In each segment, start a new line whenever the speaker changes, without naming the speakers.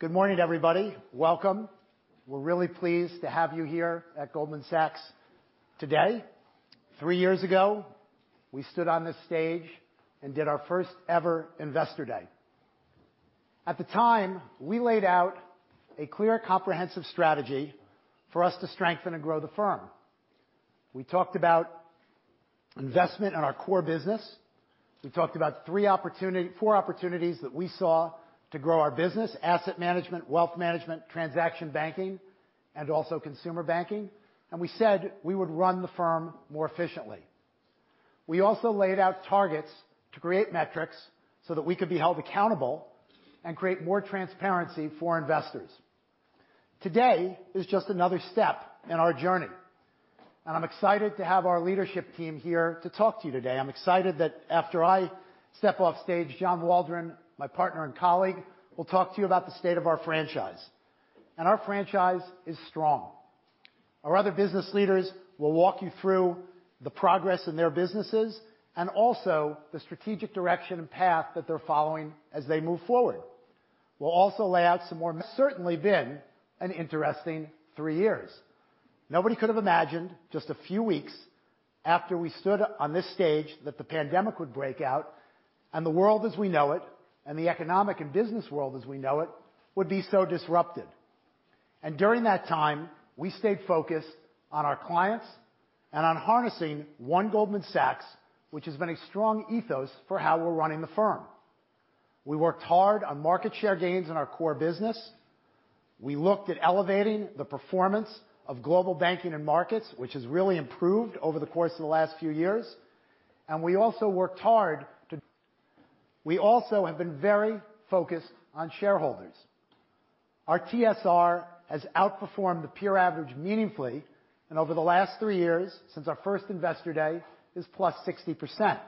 Good morning, everybody. Welcome. We're really pleased to have you here at Goldman Sachs today. Three years ago, we stood on this stage and did our first ever Investor Day. At the time, we laid out a clear, comprehensive strategy for us to strengthen and grow the firm. We talked about investment in our core business. We talked about four opportunities that we saw to grow our business: asset management, wealth management, transaction banking, and also consumer banking. We said we would run the firm more efficiently. We also laid out targets to create metrics so that we could be held accountable and create more transparency for investors. Today is just another step in our journey, and I'm excited to have our leadership team here to talk to you today. I'm excited that after I step off stage, John Waldron, my partner and colleague, will talk to you about the state of our franchise. Our franchise is strong. Our other business leaders will walk you through the progress in their businesses and also the strategic direction and path that they're following as they move forward. We'll also lay out certainly been an interesting three years. Nobody could have imagined just a few weeks after we stood up on this stage that the pandemic would break out and the world as we know it, and the economic and business world as we know it, would be so disrupted. During that time, we stayed focused on our clients and on harnessing One Goldman Sachs, which has been a strong ethos for how we're running the firm. We worked hard on market share gains in our core business. We looked at elevating the performance of Global Banking & Markets, which has really improved over the course of the last few years. We also have been very focused on shareholders. Our TSR has outperformed the peer average meaningfully, and over the last 3 years, since our first Investor Day, is +60%.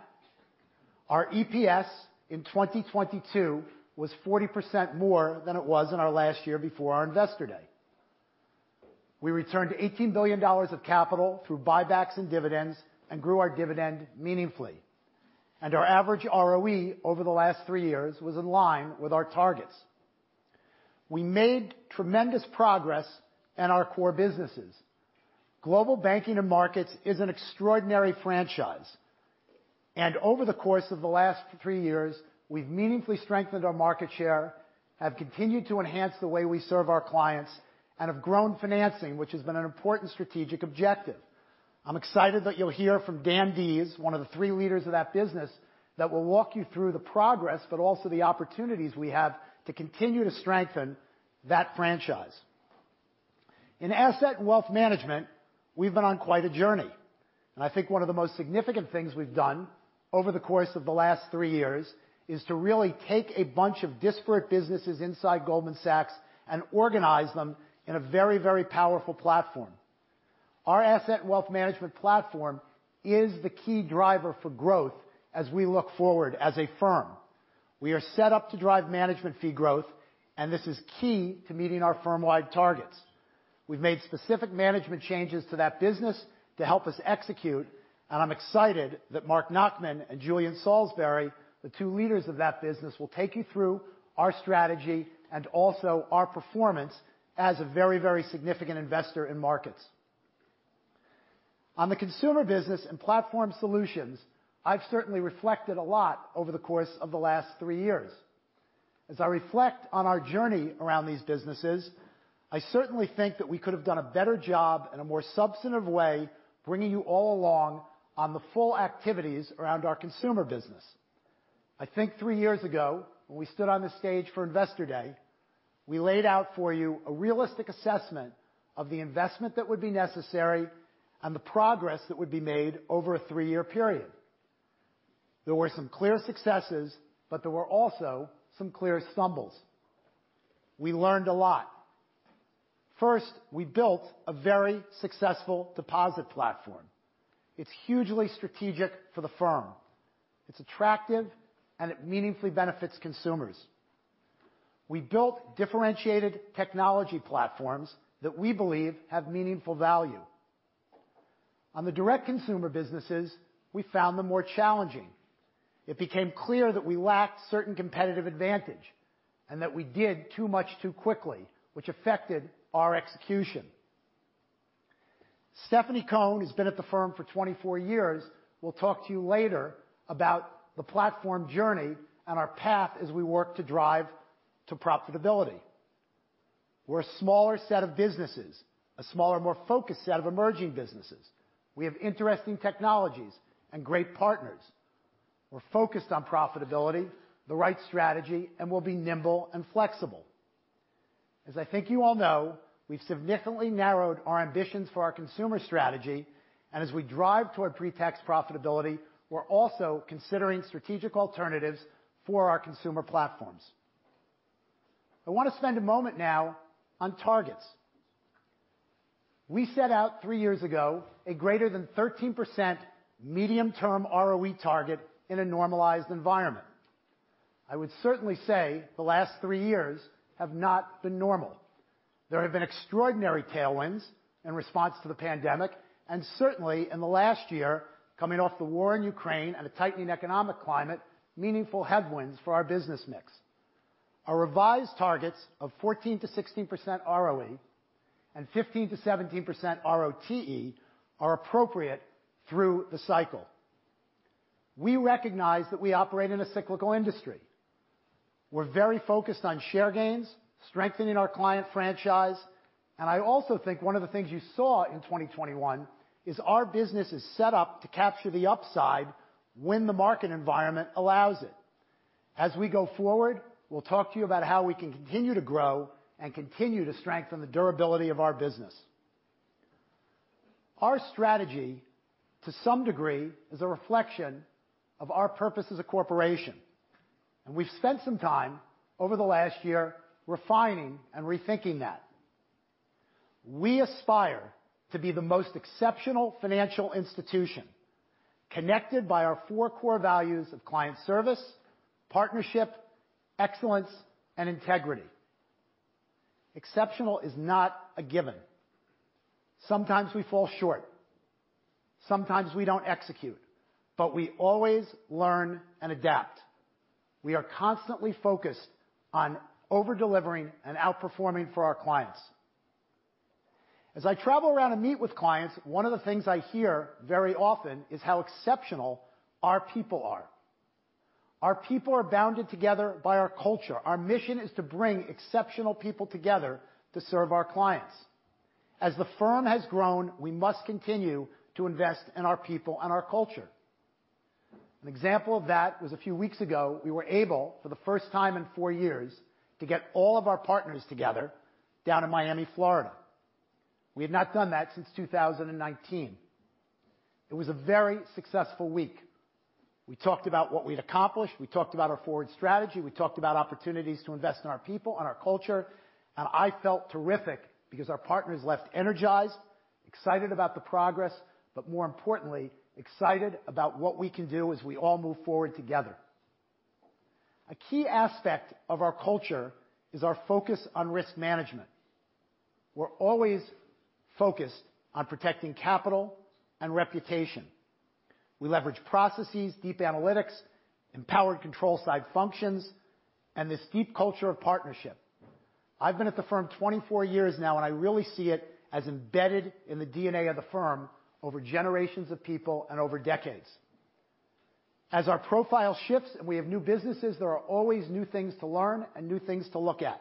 Our EPS in 2022 was 40% more than it was in our last year before our Investor Day. We returned $18 billion of capital through buybacks and dividends and grew our dividend meaningfully. Our average ROE over the last 3 years was in line with our targets. We made tremendous progress in our core businesses. Global Banking & Markets is an extraordinary franchise. Over the course of the last three years, we've meaningfully strengthened our market share, have continued to enhance the way we serve our clients, and have grown financing, which has been an important strategic objective. I'm excited that you'll hear from Dan Dees, one of the three leaders of that business, that will walk you through the progress, but also the opportunities we have to continue to strengthen that franchise. In Asset & Wealth Management, we've been on quite a journey, and I think one of the most significant things we've done over the course of the last three years is to really take a bunch of disparate businesses inside Goldman Sachs and organize them in a very, very powerful platform. Our Asset & Wealth Management platform is the key driver for growth as we look forward as a firm. We are set up to drive management fee growth, and this is key to meeting our firm-wide targets. We've made specific management changes to that business to help us execute, and I'm excited that Marc Nachmann and Julian Salisbury, the two leaders of that business, will take you through our strategy and also our performance as a very, very significant investor in markets. On the consumer business and Platform Solutions, I've certainly reflected a lot over the course of the last 3 years. As I reflect on our journey around these businesses, I certainly think that we could have done a better job in a more substantive way, bringing you all along on the full activities around our consumer business. I think 3 years ago, when we stood on the stage for Investor Day, we laid out for you a realistic assessment of the investment that would be necessary and the progress that would be made over a 3-year period. There were some clear successes, there were also some clear stumbles. We learned a lot. First, we built a very successful deposit platform. It's hugely strategic for the firm. It's attractive, and it meaningfully benefits consumers. We built differentiated technology platforms that we believe have meaningful value. On the direct consumer businesses, we found them more challenging. It became clear that we lacked certain competitive advantage and that we did too much too quickly, which affected our execution. Stephanie Cohen, who's been at the firm for 24 years, will talk to you later about the platform journey and our path as we work to drive to profitability. We're a smaller set of businesses, a smaller, more focused set of emerging businesses. We have interesting technologies and great partners. We're focused on profitability, the right strategy, and we'll be nimble and flexible. As I think you all know, we've significantly narrowed our ambitions for our consumer strategy, and as we drive toward pre-tax profitability, we're also considering strategic alternatives for our consumer platforms. I wanna spend a moment now on targets. We set out 3 years ago a greater than 13% medium-term ROE target in a normalized environment. I would certainly say the last 3 years have not been normal. There have been extraordinary tailwinds in response to the pandemic, and certainly in the last year, coming off the war in Ukraine and a tightening economic climate, meaningful headwinds for our business mix. Our revised targets of 14%-16% ROE and 15%-17% ROTE are appropriate through the cycle. We recognize that we operate in a cyclical industry. We're very focused on share gains, strengthening our client franchise, and I also think one of the things you saw in 2021 is our business is set up to capture the upside when the market environment allows it. As we go forward, we'll talk to you about how we can continue to grow and continue to strengthen the durability of our business. Our strategy, to some degree, is a reflection of our purpose as a corporation, and we've spent some time over the last year refining and rethinking that. We aspire to be the most exceptional financial institution connected by our four core values of client service, partnership, excellence, and integrity. Exceptional is not a given. Sometimes we fall short. Sometimes we don't execute, we always learn and adapt. We are constantly focused on over-delivering and outperforming for our clients. As I travel around and meet with clients, one of the things I hear very often is how exceptional our people are. Our people are bounded together by our culture. Our mission is to bring exceptional people together to serve our clients. As the firm has grown, we must continue to invest in our people and our culture. An example of that was a few weeks ago, we were able, for the first time in four years, to get all of our partners together down in Miami, Florida. We have not done that since 2019. It was a very successful week. We talked about what we'd accomplished, we talked about our forward strategy, we talked about opportunities to invest in our people and our culture. I felt terrific because our partners left energized, excited about the progress, but more importantly, excited about what we can do as we all move forward together. A key aspect of our culture is our focus on risk management. We're always focused on protecting capital and reputation. We leverage processes, deep analytics, empowered control side functions, and this deep culture of partnership. I've been at the firm 24 years now, and I really see it as embedded in the DNA of the firm over generations of people and over decades. As our profile shifts and we have new businesses, there are always new things to learn and new things to look at.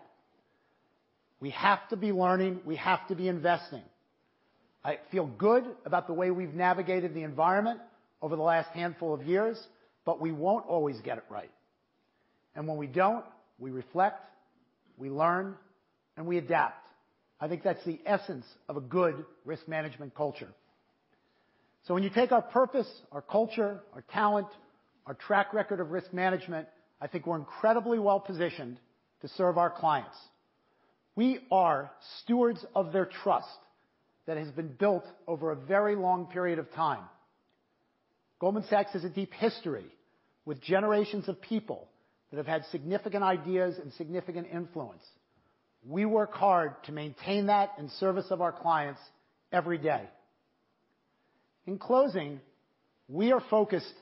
We have to be learning, we have to be investing. I feel good about the way we've navigated the environment over the last handful of years, but we won't always get it right. When we don't, we reflect, we learn, and we adapt. I think that's the essence of a good risk management culture. When you take our purpose, our culture, our talent, our track record of risk management, I think we're incredibly well-positioned to serve our clients. We are stewards of their trust that has been built over a very long period of time. Goldman Sachs has a deep history with generations of people that have had significant ideas and significant influence. We work hard to maintain that in service of our clients every day. In closing, we are focused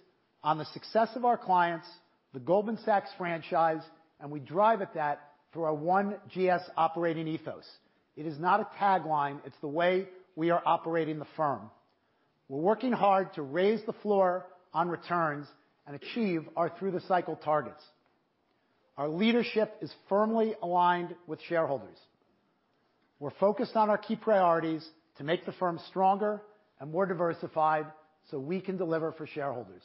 on the success of our clients, the Goldman Sachs franchise, and we drive at that through our One GS operating ethos. It is not a tagline, it's the way we are operating the firm. We're working hard to raise the floor on returns and achieve our through-the-cycle targets. Our leadership is firmly aligned with shareholders. We're focused on our key priorities to make the firm stronger and more diversified so we can deliver for shareholders.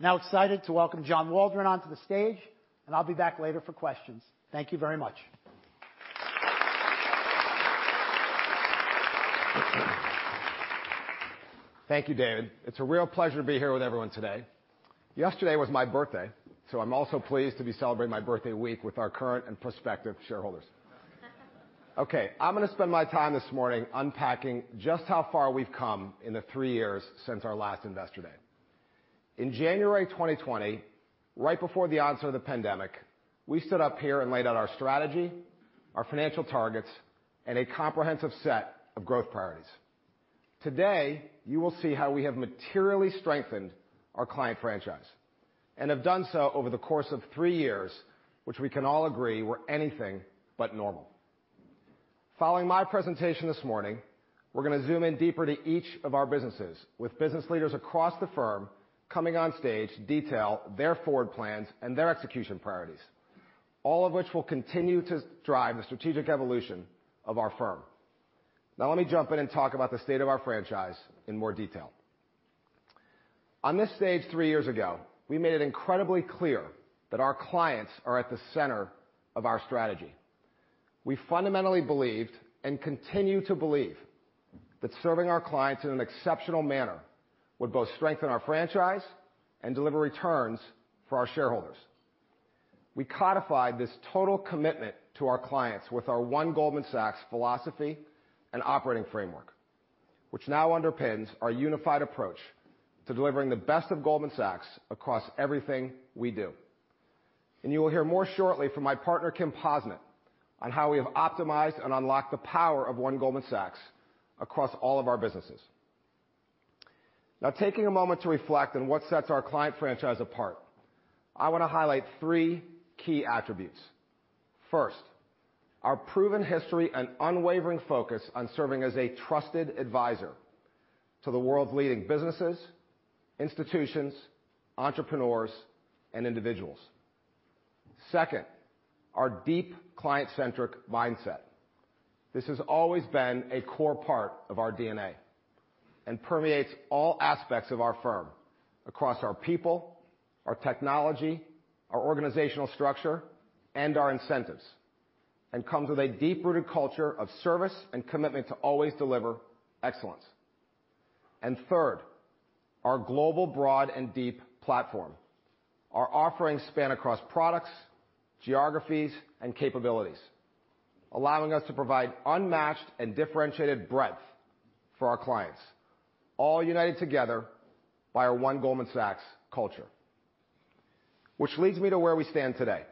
Now excited to welcome John Waldron onto the stage, and I'll be back later for questions. Thank you very much.
Thank you, David. It's a real pleasure to be here with everyone today. Yesterday was my birthday, so I'm also pleased to be celebrating my birthday week with our current and prospective shareholders. Okay, I'm gonna spend my time this morning unpacking just how far we've come in the 3 years since our last investor day. In January 2020, right before the onset of the pandemic, we stood up here and laid out our strategy, our financial targets, and a comprehensive set of growth priorities. Today, you will see how we have materially strengthened our client franchise, and have done so over the course of three years, which we can all agree were anything but normal. Following my presentation this morning, we're gonna zoom in deeper to each of our businesses, with business leaders across the firm coming on stage to detail their forward plans and their execution priorities, all of which will continue to drive the strategic evolution of our firm. Now let me jump in and talk about the state of our franchise in more detail. On this stage three years ago, we made it incredibly clear that our clients are at the center of our strategy. We fundamentally believed, and continue to believe, that serving our clients in an exceptional manner would both strengthen our franchise and deliver returns for our shareholders. We codified this total commitment to our clients with our One Goldman Sachs philosophy and operating framework. Which now underpins our unified approach to delivering the best of Goldman Sachs across everything we do. You will hear more shortly from my partner, Kim Posnett, on how we have optimized and unlocked the power of One Goldman Sachs across all of our businesses. Now taking a moment to reflect on what sets our client franchise apart, I wanna highlight three key attributes. First, our proven history and unwavering focus on serving as a trusted advisor to the world's leading businesses, institutions, entrepreneurs, and individuals. Second, our deep client-centric mindset. This has always been a core part of our DNA and permeates all aspects of our firm across our people, our technology, our organizational structure, and our incentives, and comes with a deep-rooted culture of service and commitment to always deliver excellence. Third, our global broad and deep platform. Our offerings span across products, geographies, and capabilities, allowing us to provide unmatched and differentiated breadth for our clients, all united together by our One Goldman Sachs culture. Which leads me to where we stand today.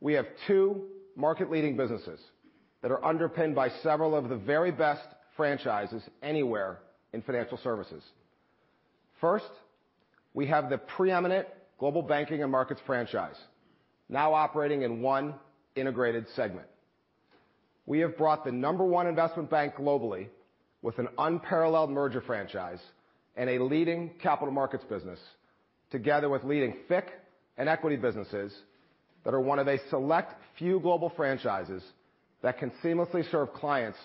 We have two market-leading businesses that are underpinned by several of the very best franchises anywhere in financial services. First, we have the preeminent Global Banking & Markets franchise now operating in one integrated segment. We have brought the number one Investment Bank globally with an unparalleled merger franchise and a leading capital markets business together with leading FICC and equity businesses that are one of a select few global franchises that can seamlessly serve clients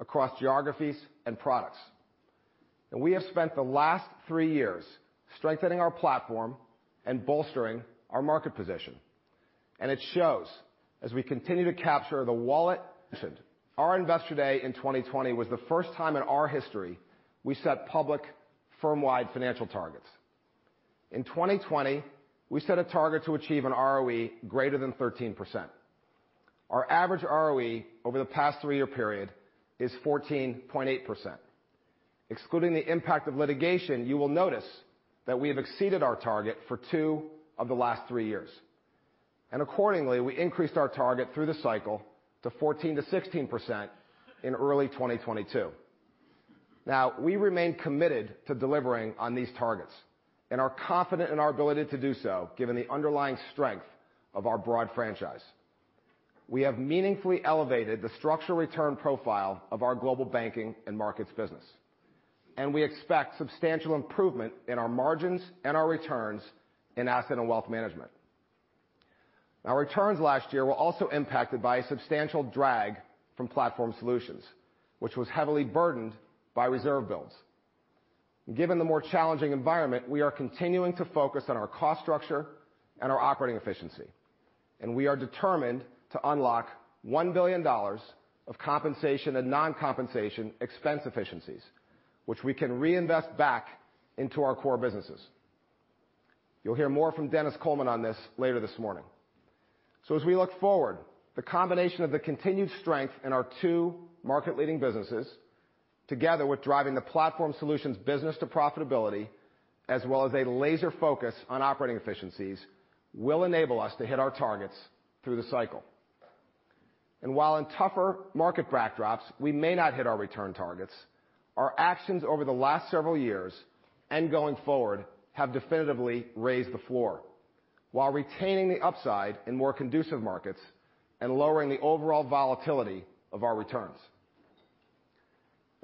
across geographies and products. We have spent the last three years strengthening our platform and bolstering our market position, and it shows as we continue to capture the wallet mentioned. Our Investor Day in 2020 was the first time in our history we set public firm-wide financial targets. In 2020, we set a target to achieve an ROE greater than 13%. Our average ROE over the past three-year period is 14.8%. Excluding the impact of litigation, you will notice that we have exceeded our target for two of the last three years. Accordingly, we increased our target through the cycle to 14%-16% in early 2022. We remain committed to delivering on these targets and are confident in our ability to do so, given the underlying strength of our broad franchise. We have meaningfully elevated the structural return profile of our Global Banking & Markets business, and we expect substantial improvement in our margins and our returns in Asset & Wealth Management. Our returns last year were also impacted by a substantial drag from Platform Solutions, which was heavily burdened by reserve builds. Given the more challenging environment, we are continuing to focus on our cost structure and our operating efficiency, and we are determined to unlock $1 billion of compensation and non-compensation expense efficiencies, which we can reinvest back into our core businesses. You'll hear more from Denis Coleman on this later this morning. As we look forward, the combination of the continued strength in our two market-leading businesses, together with driving the Platform Solutions business to profitability, as well as a laser focus on operating efficiencies, will enable us to hit our targets through the cycle. While in tougher market backdrops, we may not hit our return targets, our actions over the last several years and going forward have definitively raised the floor while retaining the upside in more conducive markets and lowering the overall volatility of our returns.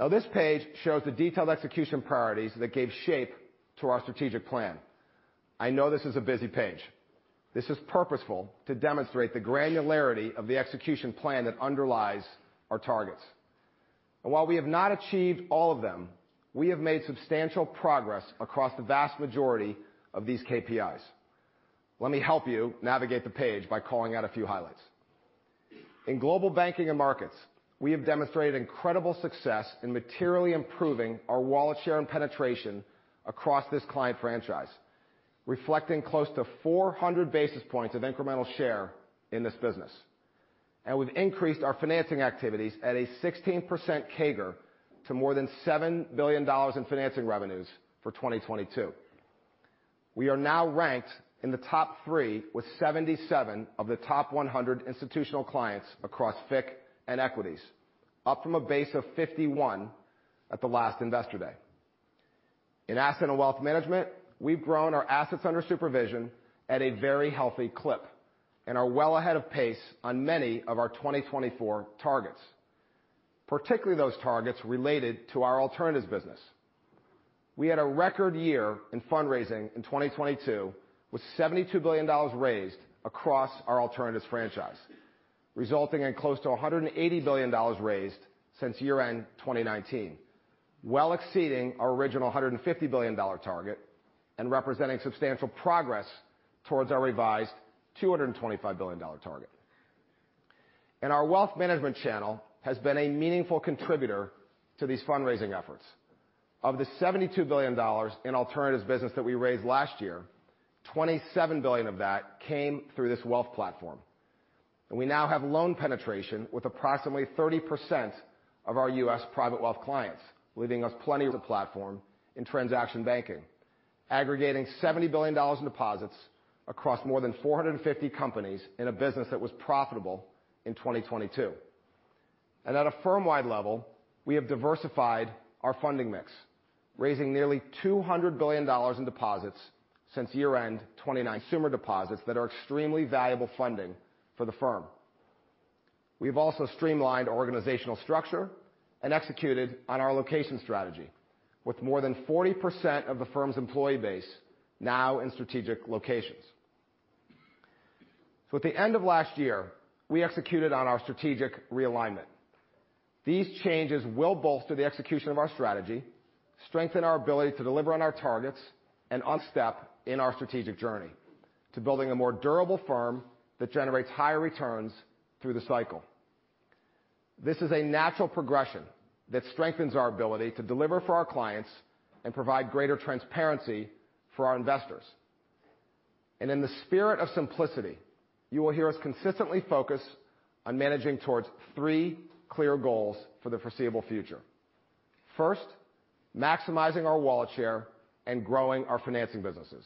This page shows the detailed execution priorities that gave shape to our strategic plan. I know this is a busy page. This is purposeful to demonstrate the granularity of the execution plan that underlies our targets. While we have not achieved all of them, we have made substantial progress across the vast majority of these KPIs. Let me help you navigate the page by calling out a few highlights. In Global Banking & Markets, we have demonstrated incredible success in materially improving our wallet share and penetration across this client franchise, reflecting close to 400 basis points of incremental share in this business. We've increased our financing activities at a 16% CAGR to more than $7 billion in financing revenues for 2022. We are now ranked in the top three with 77 of the top 100 institutional clients across FIC and equities, up from a base of 51 at the last Investor Day. In Asset & Wealth Management, we've grown our assets under supervision at a very healthy clip and are well ahead of pace on many of our 2024 targets, particularly those targets related to our alternatives business. We had a record year in fundraising in 2022, with $72 billion raised across our alternatives franchise, resulting in close to $180 billion raised since year-end 2019, well exceeding our original $150 billion target and representing substantial progress towards our revised $225 billion target. Our wealth management channel has been a meaningful contributor to these fundraising efforts. Of the $72 billion in alternatives business that we raised last year, $27 billion of that came through this wealth platform. We now have loan penetration with approximately 30% of our U.S. private wealth clients, leaving us plenty of the platform in transaction banking, aggregating $70 billion in deposits across more than 450 companies in a business that was profitable in 2022. At a firm-wide level, we have diversified our funding mix, raising nearly $200 billion in deposits since year-end 2019. Consumer deposits that are extremely valuable funding for the firm. We've also streamlined organizational structure and executed on our location strategy, with more than 40% of the firm's employee base now in strategic locations. At the end of last year, we executed on our strategic realignment. These changes will bolster the execution of our strategy, strengthen our ability to deliver on our targets, and on step in our strategic journey to building a more durable firm that generates higher returns through the cycle. This is a natural progression that strengthens our ability to deliver for our clients and provide greater transparency for our investors. In the spirit of simplicity, you will hear us consistently focus on managing towards three clear goals for the foreseeable future. First, maximizing our wallet share and growing our financing businesses.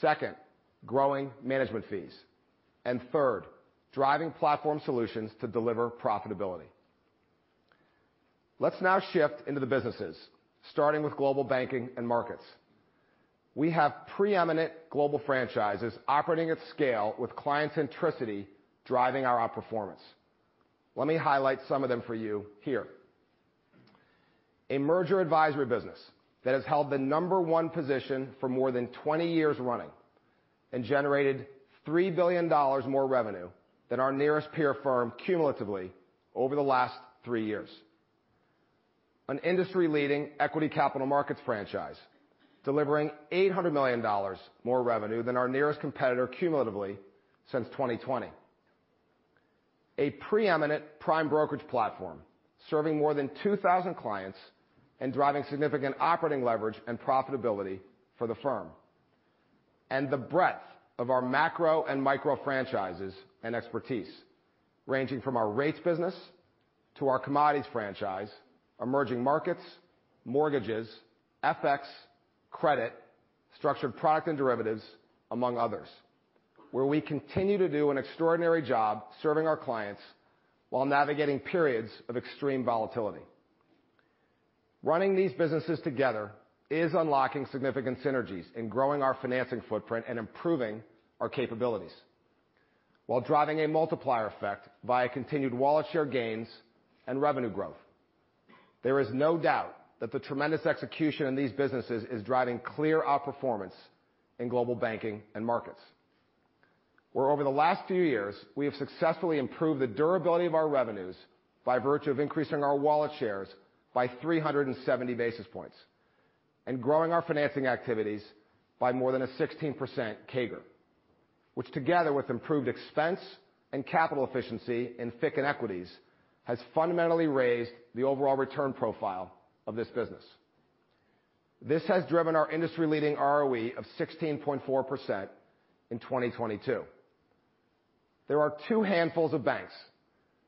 Second, growing management fees. Third, driving Platform Solutions to deliver profitability. Let's now shift into the businesses, starting with Global Banking & Markets. We have preeminent global franchises operating at scale with client centricity driving our outperformance. Let me highlight some of them for you here. A merger advisory business that has held the number one position for more than 20 years running and generated $3 billion more revenue than our nearest peer firm cumulatively over the last 3 years. An industry-leading equity capital markets franchise delivering $800 million more revenue than our nearest competitor cumulatively since 2020. A preeminent prime brokerage platform serving more than 2,000 clients and driving significant operating leverage and profitability for the firm. The breadth of our macro and micro franchises and expertise, ranging from our rates business to our commodities franchise, emerging markets, mortgages, FX, credit, structured product and derivatives, among others, where we continue to do an extraordinary job serving our clients while navigating periods of extreme volatility. Running these businesses together is unlocking significant synergies in growing our financing footprint and improving our capabilities while driving a multiplier effect via continued wallet share gains and revenue growth. There is no doubt that the tremendous execution in these businesses is driving clear outperformance in Global Banking & Markets. Where over the last few years, we have successfully improved the durability of our revenues by virtue of increasing our wallet shares by 370 basis points and growing our financing activities by more than a 16% CAGR, which together with improved expense and capital efficiency in FICC and equities, has fundamentally raised the overall return profile of this business. This has driven our industry-leading ROE of 16.4% in 2022. There are two handfuls of banks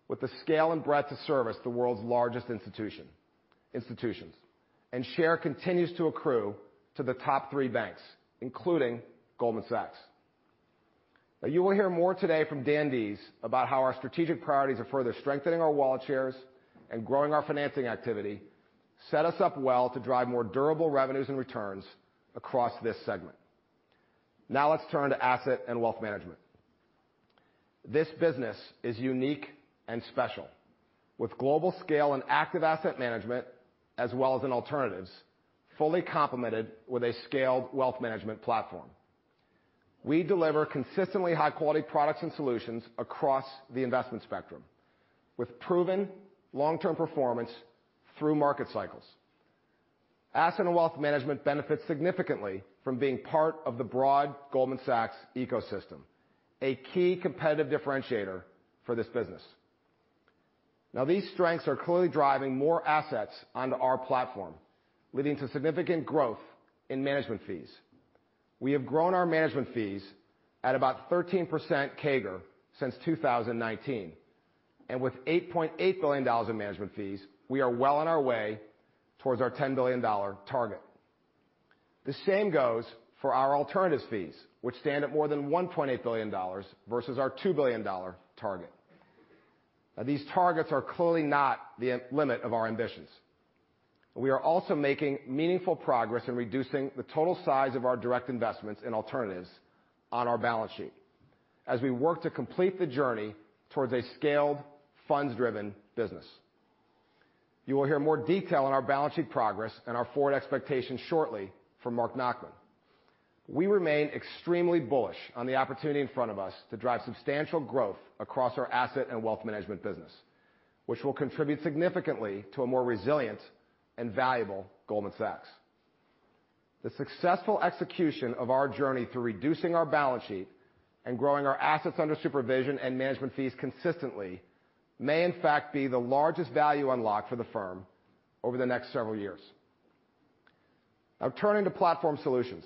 with the scale and breadth to service the world's largest institutions, and share continues to accrue to the top three banks, including Goldman Sachs. Now, you will hear more today from Dan Dees about how our strategic priorities are further strengthening our wallet shares and growing our financing activity set us up well to drive more durable revenues and returns across this segment. Now let's turn to Asset & Wealth Management. This business is unique and special, with global scale and active asset management, as well as in alternatives, fully complemented with a scaled wealth management platform. We deliver consistently high-quality products and solutions across the investment spectrum, with proven long-term performance through market cycles. Asset & Wealth Management benefits significantly from being part of the broad Goldman Sachs ecosystem, a key competitive differentiator for this business. Now these strengths are clearly driving more assets onto our platform, leading to significant growth in management fees. We have grown our management fees at about 13% CAGR since 2019, and with $8.8 billion in management fees, we are well on our way towards our $10 billion target. The same goes for our alternatives fees, which stand at more than $1.8 billion versus our $2 billion target. Now these targets are clearly not the limit of our ambitions. We are also making meaningful progress in reducing the total size of our direct investments in alternatives on our balance sheet as we work to complete the journey towards a scaled, funds-driven business. You will hear more detail on our balance sheet progress and our forward expectations shortly from Marc Nachmann. We remain extremely bullish on the opportunity in front of us to drive substantial growth across our Asset & Wealth Management business, which will contribute significantly to a more resilient and valuable Goldman Sachs. The successful execution of our journey through reducing our balance sheet and growing our assets under supervision and management fees consistently may in fact be the largest value unlocked for the firm over the next several years. Turning to Platform Solutions.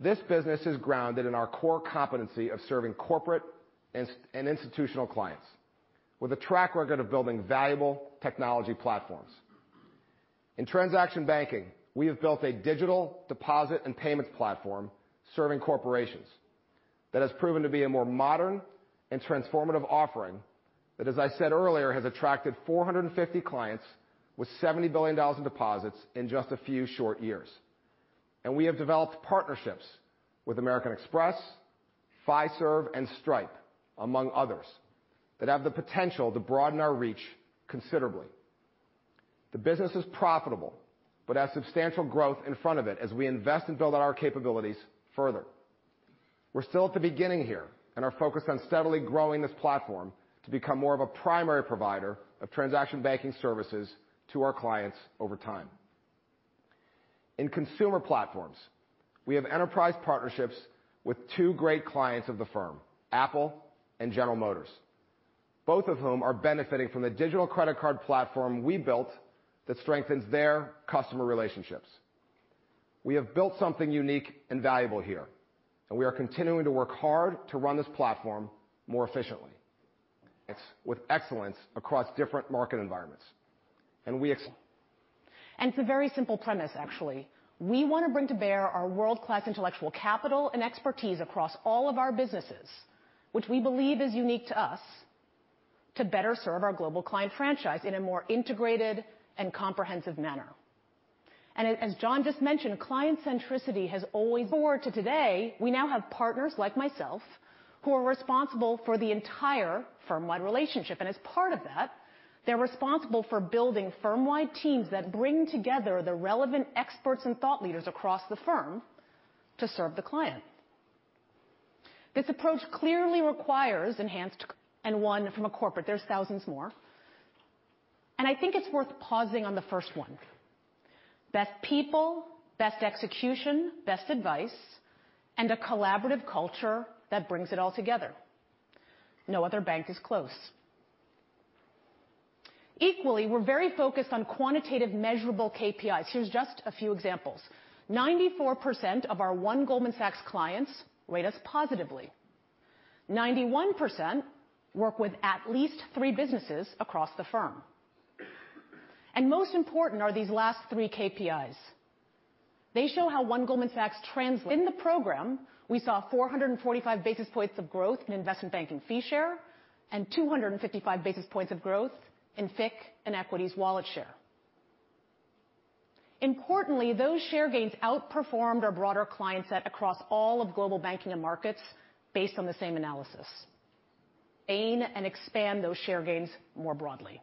This business is grounded in our core competency of serving corporate and institutional clients with a track record of building valuable technology platforms. In Transaction Banking, we have built a digital deposit and payments platform serving corporations that has proven to be a more modern and transformative offering that, as I said earlier, has attracted 450 clients with $70 billion in deposits in just a few short years. We have developed partnerships with American Express, Fiserv and Stripe, among others, that have the potential to broaden our reach considerably. The business is profitable, but has substantial growth in front of it as we invest and build out our capabilities further. We're still at the beginning here and are focused on steadily growing this platform to become more of a primary provider of transaction banking services to our clients over time. In consumer platforms, we have enterprise partnerships with two great clients of the firm, Apple and General Motors, both of whom are benefiting from the digital credit card platform we built that strengthens their customer relationships. We have built something unique and valuable here, and we are continuing to work hard to run this platform more efficiently. With excellence across different market environments.
It's a very simple premise, actually. We wanna bring to bear our world-class intellectual capital and expertise across all of our businesses, which we believe is unique to us, to better serve our global client franchise in a more integrated and comprehensive manner. As John just mentioned, client centricity has always. Forward to today, we now have partners like myself, who are responsible for the entire firm-wide relationship, and as part of that, they're responsible for building firm-wide teams that bring together the relevant experts and thought leaders across the firm to serve the client. This approach clearly requires enhanced. One from a corporate. There's thousands more. I think it's worth pausing on the first one. Best people, best execution, best advice, and a collaborative culture that brings it all together. No other bank is close. Equally, we're very focused on quantitative measurable KPIs. Here's just a few examples. 94% of our One Goldman Sachs clients rate us positively. 91% work with at least three businesses across the firm. Most important are these last three KPIs. In the program, we saw 445 basis points of growth in Investment Banking fee share and 255 basis points of growth in FIC and equities wallet share. Those share gains outperformed our broader client set across all of Global Banking & Markets based on the same analysis. Gain and expand those share gains more broadly.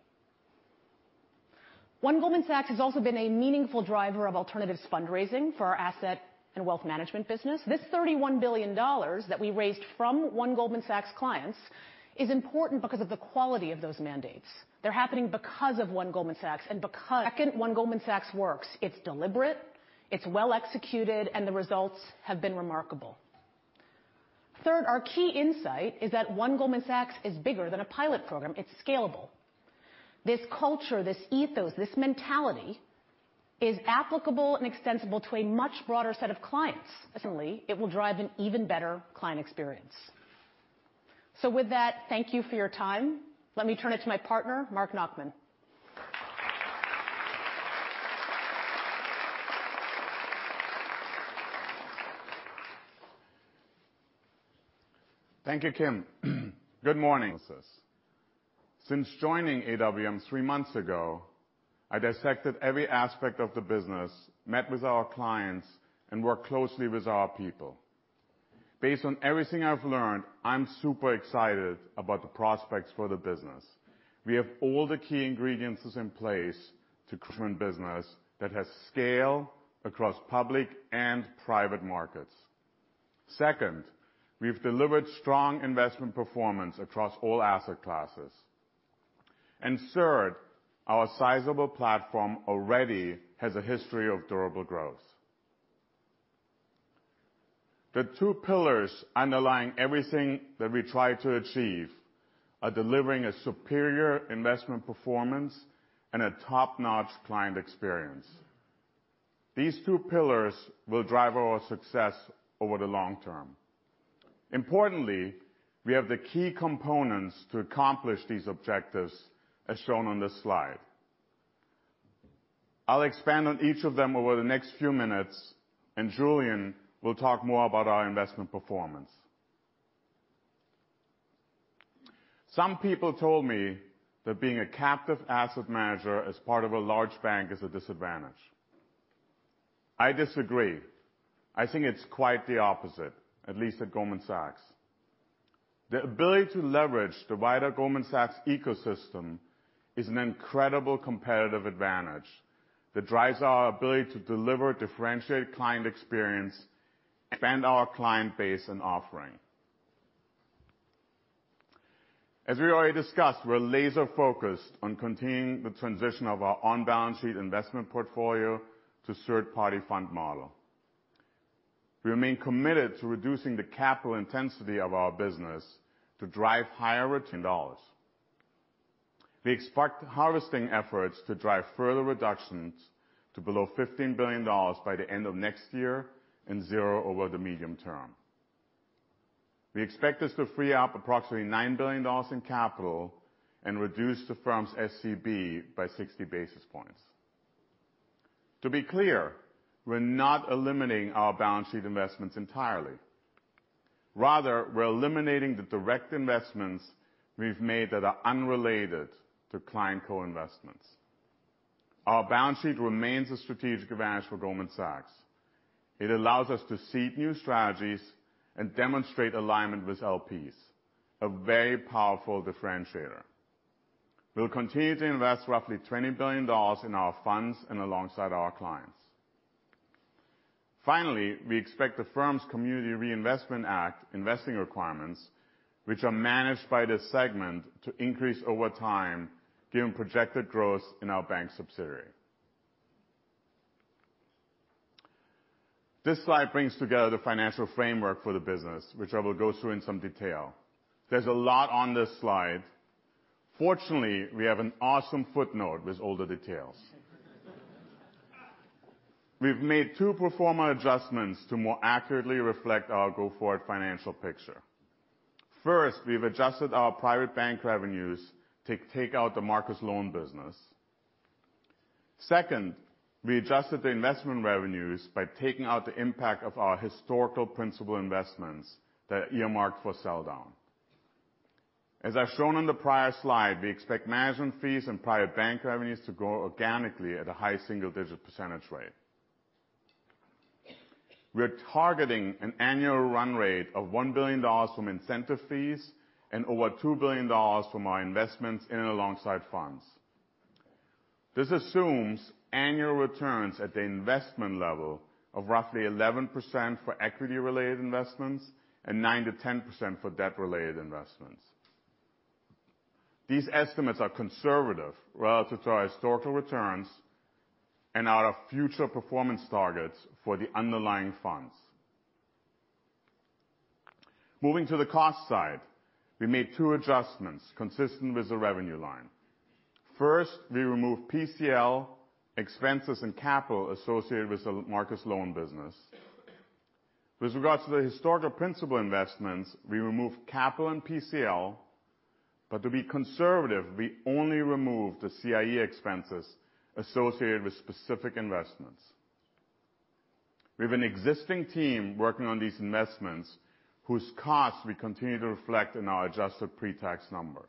One Goldman Sachs has also been a meaningful driver of alternatives fundraising for our Asset & Wealth Management business. This $31 billion that we raised from One Goldman Sachs clients is important because of the quality of those mandates. They're happening because of One Goldman Sachs. Second, One Goldman Sachs works. It's deliberate, it's well executed, the results have been remarkable. Third, our key insight is that One Goldman Sachs is bigger than a pilot program. It's scalable. This culture, this ethos, this mentality is applicable and extensible to a much broader set of clients. Certainly, it will drive an even better client experience. With that, thank you for your time. Let me turn it to my partner, Marc Nachmann.
Thank you, Kim. Good morning. Since joining AWM three months ago, I dissected every aspect of the business, met with our clients, and worked closely with our people. Based on everything I've learned, I'm super excited about the prospects for the business. We have all the key ingredients that's in place to current business that has scale across public and private markets. Second, we've delivered strong investment performance across all asset classes. Third, our sizable platform already has a history of durable growth. The two pillars underlying everything that we try to achieve are delivering a superior investment performance and a top-notch client experience. These two pillars will drive our success over the long term. Importantly, we have the key components to accomplish these objectives, as shown on this slide. I'll expand on each of them over the next few minutes, and Julian will talk more about our investment performance. Some people told me that being a captive asset manager as part of a large bank is a disadvantage. I disagree. I think it's quite the opposite, at least at Goldman Sachs. The ability to leverage the wider Goldman Sachs ecosystem is an incredible competitive advantage that drives our ability to deliver differentiated client experience and expand our client base and offering. As we already discussed, we're laser-focused on continuing the transition of our on-balance sheet investment portfolio to third-party fund model. We remain committed to reducing the capital intensity of our business to drive higher return dollars. We expect harvesting efforts to drive further reductions to below $15 billion by the end of next year, and 0 over the medium term. We expect this to free up approximately $9 billion in capital and reduce the firm's SCB by 60 basis points. To be clear, we're not eliminating our balance sheet investments entirely. Rather, we're eliminating the direct investments we've made that are unrelated to client co-investments. Our balance sheet remains a strategic advantage for Goldman Sachs. It allows us to seek new strategies and demonstrate alignment with LPs, a very powerful differentiator. We'll continue to invest roughly $20 billion in our funds and alongside our clients. Finally, we expect the firm's Community Reinvestment Act investing requirements, which are managed by this segment, to increase over time given projected growth in our bank subsidiary. This slide brings together the financial framework for the business, which I will go through in some detail. There's a lot on this slide. Fortunately, we have an awesome footnote with all the details. We've made two pro forma adjustments to more accurately reflect our go-forward financial picture. First, we've adjusted our private bank revenues to take out the Marcus loan business. Second, we adjusted the investment revenues by taking out the impact of our historical principal investments that are earmarked for sell down. As I've shown on the prior slide, we expect management fees and private bank revenues to grow organically at a high single-digit % rate. We're targeting an annual run rate of $1 billion from incentive fees and over $2 billion from our investments in and alongside funds. This assumes annual returns at the investment level of roughly 11% for equity-related investments and 9%-10% for debt-related investments. These estimates are conservative relative to our historical returns and are our future performance targets for the underlying funds. Moving to the cost side, we made two adjustments consistent with the revenue line. First, we removed PCL expenses and capital associated with the Marcus loan business. With regards to the historical principal investments, we removed capital and PCL, but to be conservative, we only removed the CIE expenses associated with specific investments. We have an existing team working on these investments whose costs we continue to reflect in our adjusted pre-tax number.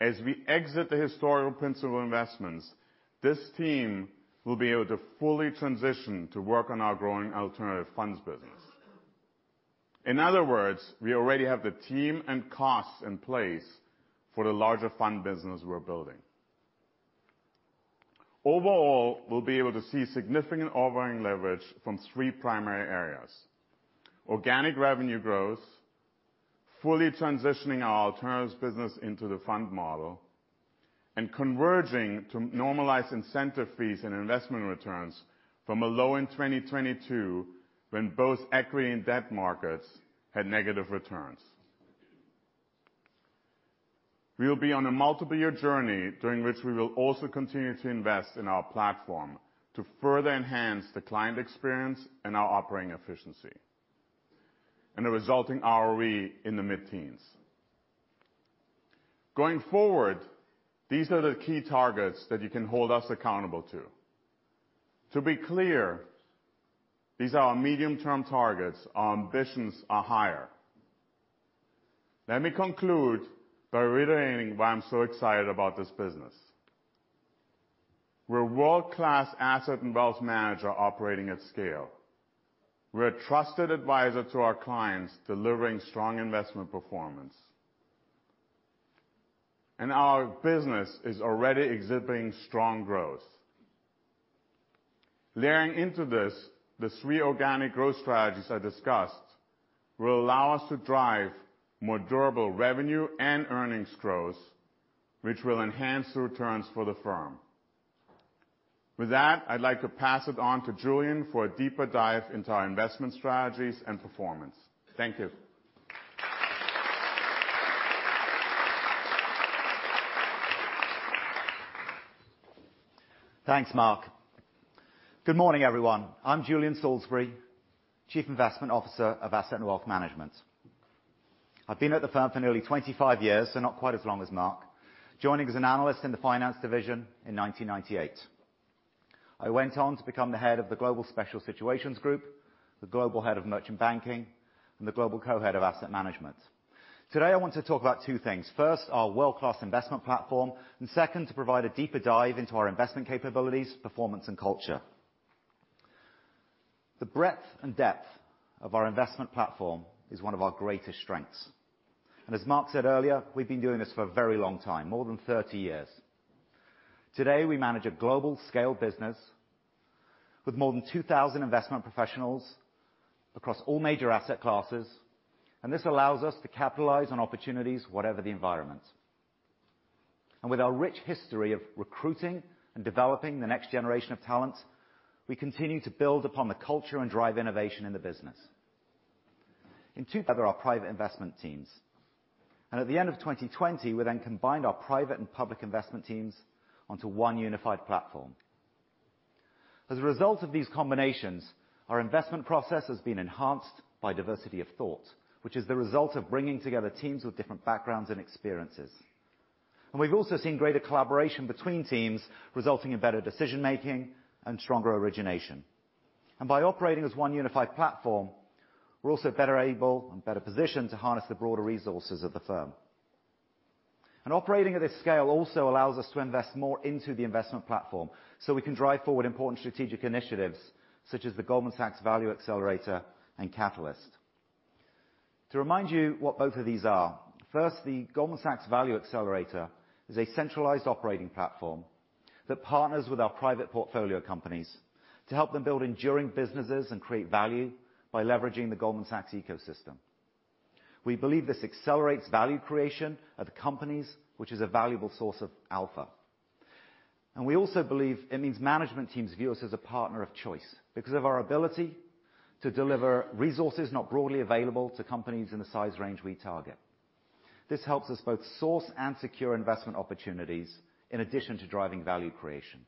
As we exit the historical principal investments, this team will be able to fully transition to work on our growing alternative funds business. In other words, we already have the team and costs in place for the larger fund business we're building. Overall, we'll be able to see significant ongoing leverage from three primary areas: organic revenue growth, fully transitioning our alternatives business into the fund model, and converging to normalized incentive fees and investment returns from a low in 2022 when both equity and debt markets had negative returns. We'll be on a multiple year journey during which we will also continue to invest in our platform to further enhance the client experience and our operating efficiency, and a resulting ROE in the mid-teens. Going forward, these are the key targets that you can hold us accountable to. To be clear, these are our medium-term targets. Our ambitions are higher. Let me conclude by reiterating why I'm so excited about this business. We're a world-class asset and wealth manager operating at scale. We're a trusted advisor to our clients, delivering strong investment performance. Our business is already exhibiting strong growth. Layering into this, the three organic growth strategies I discussed will allow us to drive more durable revenue and earnings growth, which will enhance the returns for the firm. With that, I'd like to pass it on to Julian for a deeper dive into our investment strategies and performance. Thank you.
Thanks, Marc. Good morning, everyone. I'm Julian Salisbury, Chief Investment Officer of Asset & Wealth Management. I've been at the firm for nearly 25 years, not quite as long as Marc, joining as an analyst in the finance division in 1998. I went on to become the head of the global special situations group, the global head of merchant banking, and the global co-head of asset management. Today, I want to talk about two things. First, our world-class investment platform, second, to provide a deeper dive into our investment capabilities, performance, and culture. The breadth and depth of our investment platform is one of our greatest strengths. As Marc said earlier, we've been doing this for a very long time, more than 30 years. Today, we manage a global scale business with more than 2,000 investment professionals across all major asset classes, this allows us to capitalize on opportunities, whatever the environment. With our rich history of recruiting and developing the next generation of talent, we continue to build upon the culture and drive innovation in the business. In two other are private investment teams. At the end of 2020, we then combined our private and public investment teams onto one unified platform. As a result of these combinations, our investment process has been enhanced by diversity of thought, which is the result of bringing together teams with different backgrounds and experiences. We've also seen greater collaboration between teams, resulting in better decision-making and stronger origination. By operating as one unified platform, we're also better able and better positioned to harness the broader resources of the firm. Operating at this scale also allows us to invest more into the investment platform, so we can drive forward important strategic initiatives such as the Goldman Sachs Value Accelerator and Catalyst. To remind you what both of these are. First, the Goldman Sachs Value Accelerator is a centralized operating platform that partners with our private portfolio companies to help them build enduring businesses and create value by leveraging the Goldman Sachs ecosystem. We believe this accelerates value creation at companies, which is a valuable source of alpha. We also believe it means management teams view us as a partner of choice because of our ability to deliver resources not broadly available to companies in the size range we target. This helps us both source and secure investment opportunities in addition to driving value creation.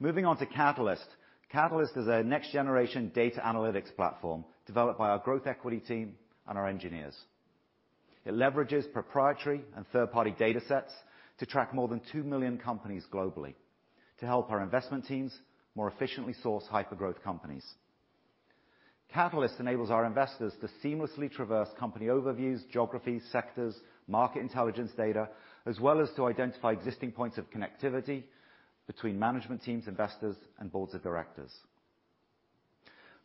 Moving on to Catalyst. Catalyst is a next-generation data analytics platform developed by our growth equity team and our engineers. It leverages proprietary and third-party datasets to track more than two million companies globally to help our investment teams more efficiently source hypergrowth companies. Catalyst enables our investors to seamlessly traverse company overviews, geographies, sectors, market intelligence data, as well as to identify existing points of connectivity between management teams, investors, and boards of directors.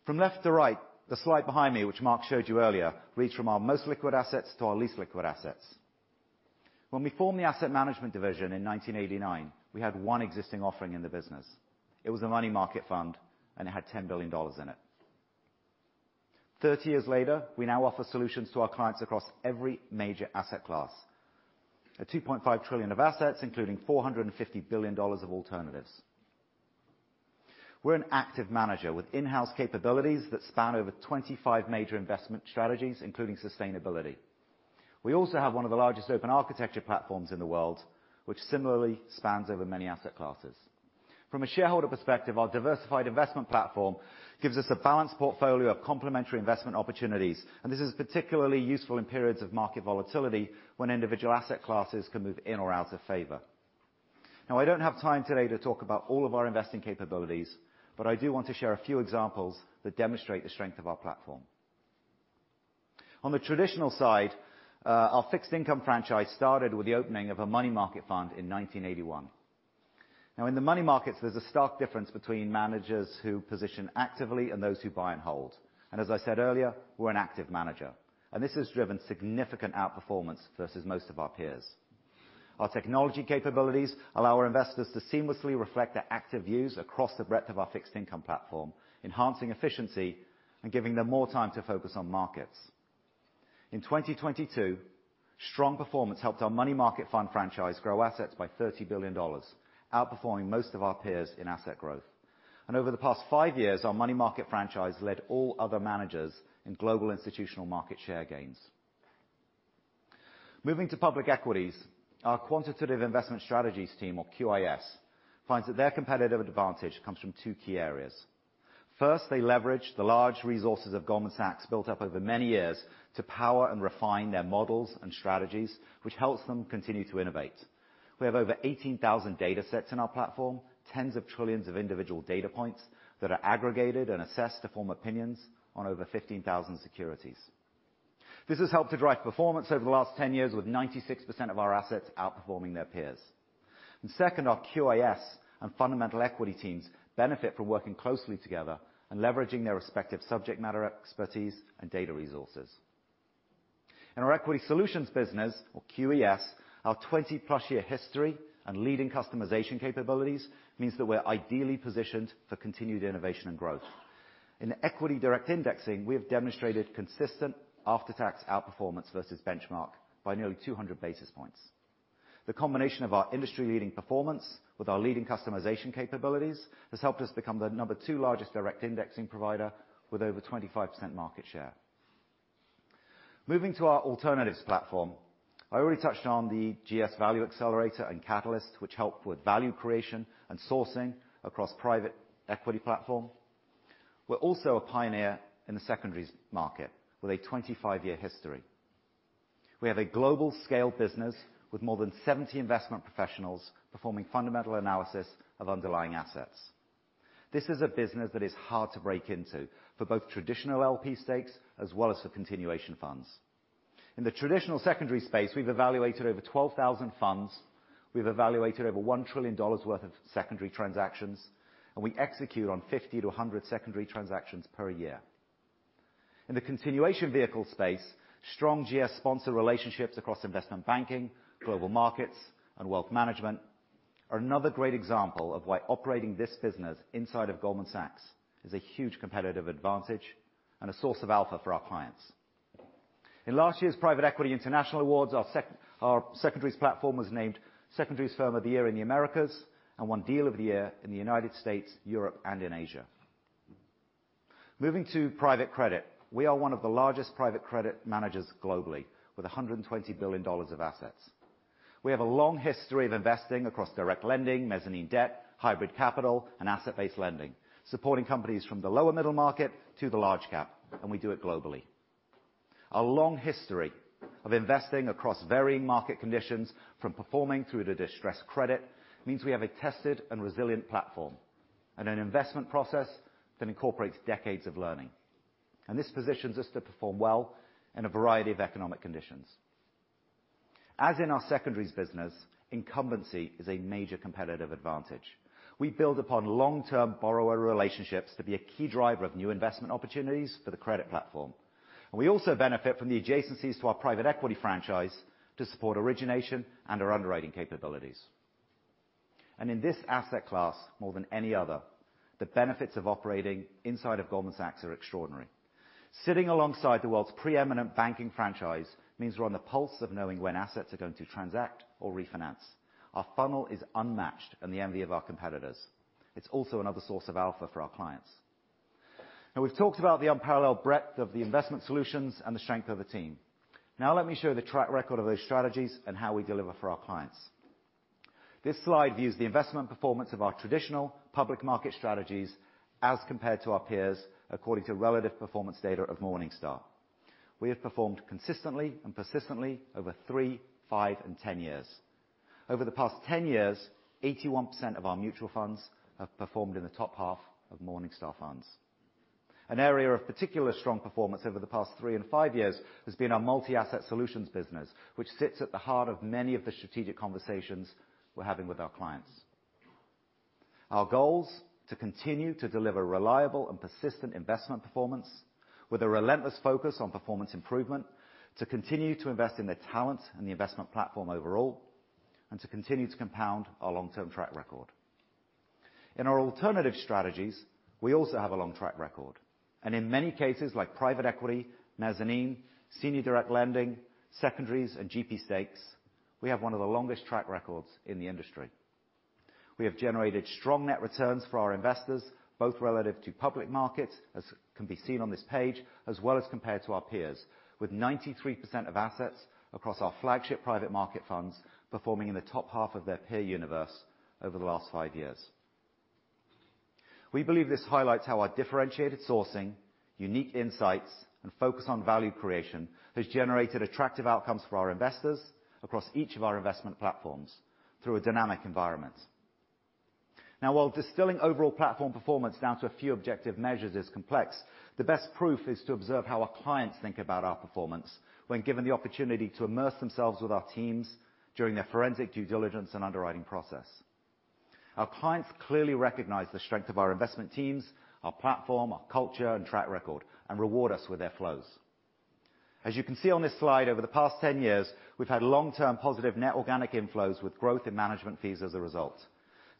From left to right, the slide behind me, which Marc showed you earlier, reads from our most liquid assets to our least liquid assets. When we formed the asset management division in 1989, we had one existing offering in the business. It was a money market fund. It had $10 billion in it. 30 years later, we now offer solutions to our clients across every major asset class at $2.5 trillion of assets, including $450 billion of alternatives. We're an active manager with in-house capabilities that span over 25 major investment strategies, including sustainability. We also have one of the largest open architecture platforms in the world, which similarly spans over many asset classes. From a shareholder perspective, our diversified investment platform gives us a balanced portfolio of complementary investment opportunities, and this is particularly useful in periods of market volatility when individual asset classes can move in or out of favor. Now, I don't have time today to talk about all of our investing capabilities, but I do want to share a few examples that demonstrate the strength of our platform. On the traditional side, our fixed income franchise started with the opening of a money market fund in 1981. Now, in the money markets, there's a stark difference between managers who position actively and those who buy and hold. As I said earlier, we're an active manager. This has driven significant outperformance versus most of our peers. Our technology capabilities allow our investors to seamlessly reflect their active views across the breadth of our fixed income platform, enhancing efficiency and giving them more time to focus on markets. In 2022, strong performance helped our money market fund franchise grow assets by $30 billion, outperforming most of our peers in asset growth. Over the past 5 years, our money market franchise led all other managers in global institutional market share gains. Moving to public equities, our Quantitative Investment Strategies team, or QIS, finds that their competitive advantage comes from two key areas. First, they leverage the large resources of Goldman Sachs built up over many years to power and refine their models and strategies, which helps them continue to innovate. We have over 18,000 datasets in our platform, tens of trillions of individual data points that are aggregated and assessed to form opinions on over 15,000 securities. This has helped to drive performance over the last 10 years, with 96% of our assets outperforming their peers. Second, our QIS and fundamental equity teams benefit from working closely together and leveraging their respective subject matter expertise and data resources. In our Equity Solutions business or QES, our 20-plus year history and leading customization capabilities means that we're ideally positioned for continued innovation and growth. In equity direct indexing, we have demonstrated consistent after-tax outperformance versus benchmark by nearly 200 basis points. The combination of our industry-leading performance with our leading customization capabilities has helped us become the number two largest direct indexing provider with over 25% market share. Moving to our alternatives platform, I already touched on the GS Value Accelerator and Catalyst, which help with value creation and sourcing across private equity platform. We're also a pioneer in the secondaries market with a 25-year history. We have a global scale business with more than 70 investment professionals performing fundamental analysis of underlying assets. This is a business that is hard to break into for both traditional LP stakes as well as for continuation funds. In the traditional secondary space, we've evaluated over 12,000 funds, we've evaluated over $1 trillion worth of secondary transactions, and we execute on 50-100 secondary transactions per year. In the continuation vehicle space, strong GS sponsor relationships across investment banking, global markets, and wealth management are another great example of why operating this business inside of Goldman Sachs is a huge competitive advantage and a source of alpha for our clients. In last year's Private Equity International Awards, our secondaries platform was named Secondaries Firm of the Year in the Americas and won Deal of the Year in the United States, Europe, and in Asia. Moving to private credit, we are one of the largest private credit managers globally with $120 billion of assets. We have a long history of investing across direct lending, mezzanine debt, hybrid capital, and asset-based lending, supporting companies from the lower middle market to the large cap. We do it globally. Our long history of investing across varying market conditions from performing through to distressed credit means we have a tested and resilient platform and an investment process that incorporates decades of learning. This positions us to perform well in a variety of economic conditions. As in our secondaries business, incumbency is a major competitive advantage. We build upon long-term borrower relationships to be a key driver of new investment opportunities for the credit platform. We also benefit from the adjacencies to our private equity franchise to support origination and our underwriting capabilities. In this asset class, more than any other, the benefits of operating inside of Goldman Sachs are extraordinary. Sitting alongside the world's pre-eminent banking franchise means we're on the pulse of knowing when assets are going to transact or refinance. Our funnel is unmatched and the envy of our competitors. It's also another source of alpha for our clients. We've talked about the unparalleled breadth of the investment solutions and the strength of the team. Let me show the track record of those strategies and how we deliver for our clients. This slide views the investment performance of our traditional public market strategies as compared to our peers, according to relative performance data of Morningstar. We have performed consistently and persistently over 3, 5, and 10 years. Over the past 10 years, 81% of our mutual funds have performed in the top half of Morningstar Funds. An area of particular strong performance over the past 3 and 5 years has been our multi-asset solutions business, which sits at the heart of many of the strategic conversations we're having with our clients. Our goal is to continue to deliver reliable and persistent investment performance with a relentless focus on performance improvement, to continue to invest in the talent and the investment platform overall, and to continue to compound our long-term track record. In our alternative strategies, we also have a long track record. In many cases, like private equity, mezzanine, senior direct lending, secondaries, and GP stakes, we have one of the longest track records in the industry. We have generated strong net returns for our investors, both relative to public markets, as can be seen on this page, as well as compared to our peers, with 93% of assets across our flagship private market funds performing in the top half of their peer universe over the last 5 years. We believe this highlights how our differentiated sourcing, unique insights, and focus on value creation has generated attractive outcomes for our investors across each of our investment platforms through a dynamic environment. Now while distilling overall platform performance down to a few objective measures is complex, the best proof is to observe how our clients think about our performance when given the opportunity to immerse themselves with our teams during their forensic due diligence and underwriting process. Our clients clearly recognize the strength of our investment teams, our platform, our culture and track record, and reward us with their flows. As you can see on this slide, over the past 10 years, we've had long-term positive net organic inflows with growth in management fees as a result.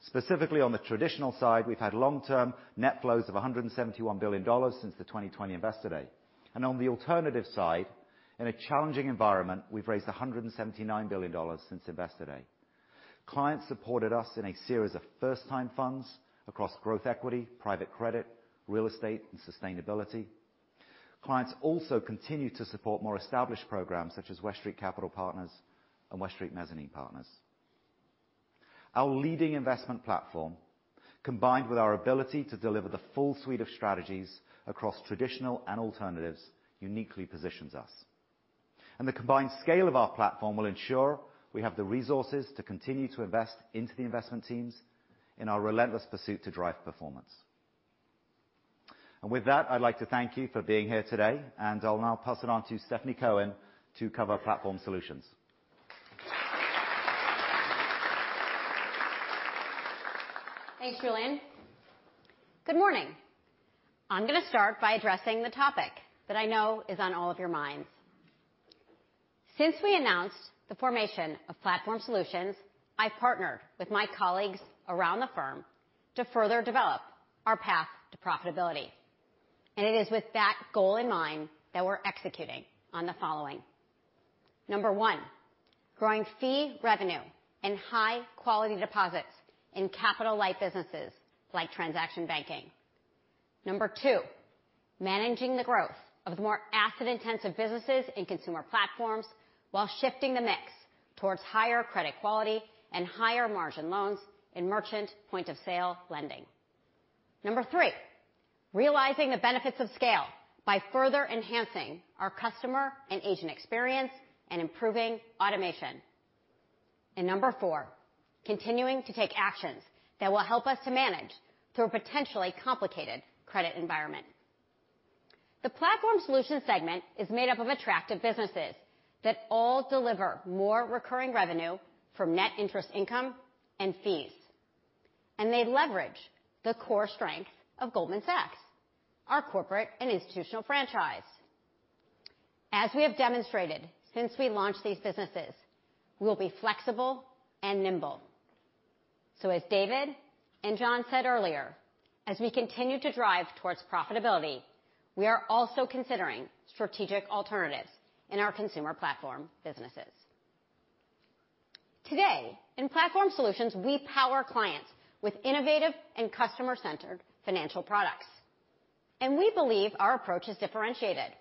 Specifically on the traditional side, we've had long-term net flows of $171 billion since the 2020 Investor Day. On the alternative side, in a challenging environment, we've raised $179 billion since Investor Day. Clients supported us in a series of first-time funds across growth equity, private credit, real estate, and sustainability. Clients also continue to support more established programs such as West Street Capital Partners and West Street Mezzanine Partners. Our leading investment platform, combined with our ability to deliver the full suite of strategies across traditional and alternatives, uniquely positions us. The combined scale of our platform will ensure we have the resources to continue to invest into the investment teams in our relentless pursuit to drive performance. With that, I'd like to thank you for being here today, and I'll now pass it on to Stephanie Cohen to cover Platform Solutions.
Thanks, Julian. Good morning. I'm gonna start by addressing the topic that I know is on all of your minds. Since we announced the formation of Platform Solutions, I partnered with my colleagues around the firm to further develop our path to profitability. It is with that goal in mind that we're executing on the following. Number one, growing fee revenue and high-quality deposits in capital-light businesses like Transaction Banking. Number two, managing the growth of the more asset-intensive businesses and consumer platforms while shifting the mix towards higher credit quality and higher margin loans in merchant point-of-sale lending. Number three, realizing the benefits of scale by further enhancing our customer and agent experience and improving automation. Number four, continuing to take actions that will help us to manage through a potentially complicated credit environment. The Platform Solutions segment is made up of attractive businesses that all deliver more recurring revenue from net interest income and fees, and they leverage the core strength of Goldman Sachs, our corporate and institutional franchise. As we have demonstrated since we launched these businesses, we'll be flexible and nimble. As David and John said earlier, as we continue to drive towards profitability, we are also considering strategic alternatives in our consumer platform businesses. Today, in Platform Solutions, we power clients with innovative and customer-centered financial products. We believe our approach is differentiated.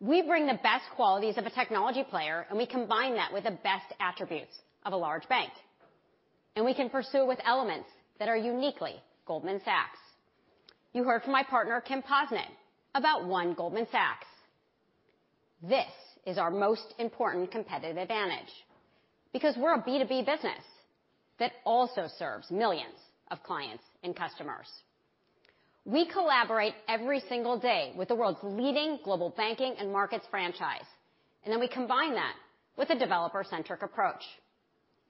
We bring the best qualities of a technology player, and we combine that with the best attributes of a large bank, and we can pursue with elements that are uniquely Goldman Sachs. You heard from my partner, Kim Posnett, about One Goldman Sachs. This is our most important competitive advantage because we're a B2B business that also serves millions of clients and customers. We collaborate every single day with the world's leading Global Banking & Markets franchise, and then we combine that with a developer-centric approach.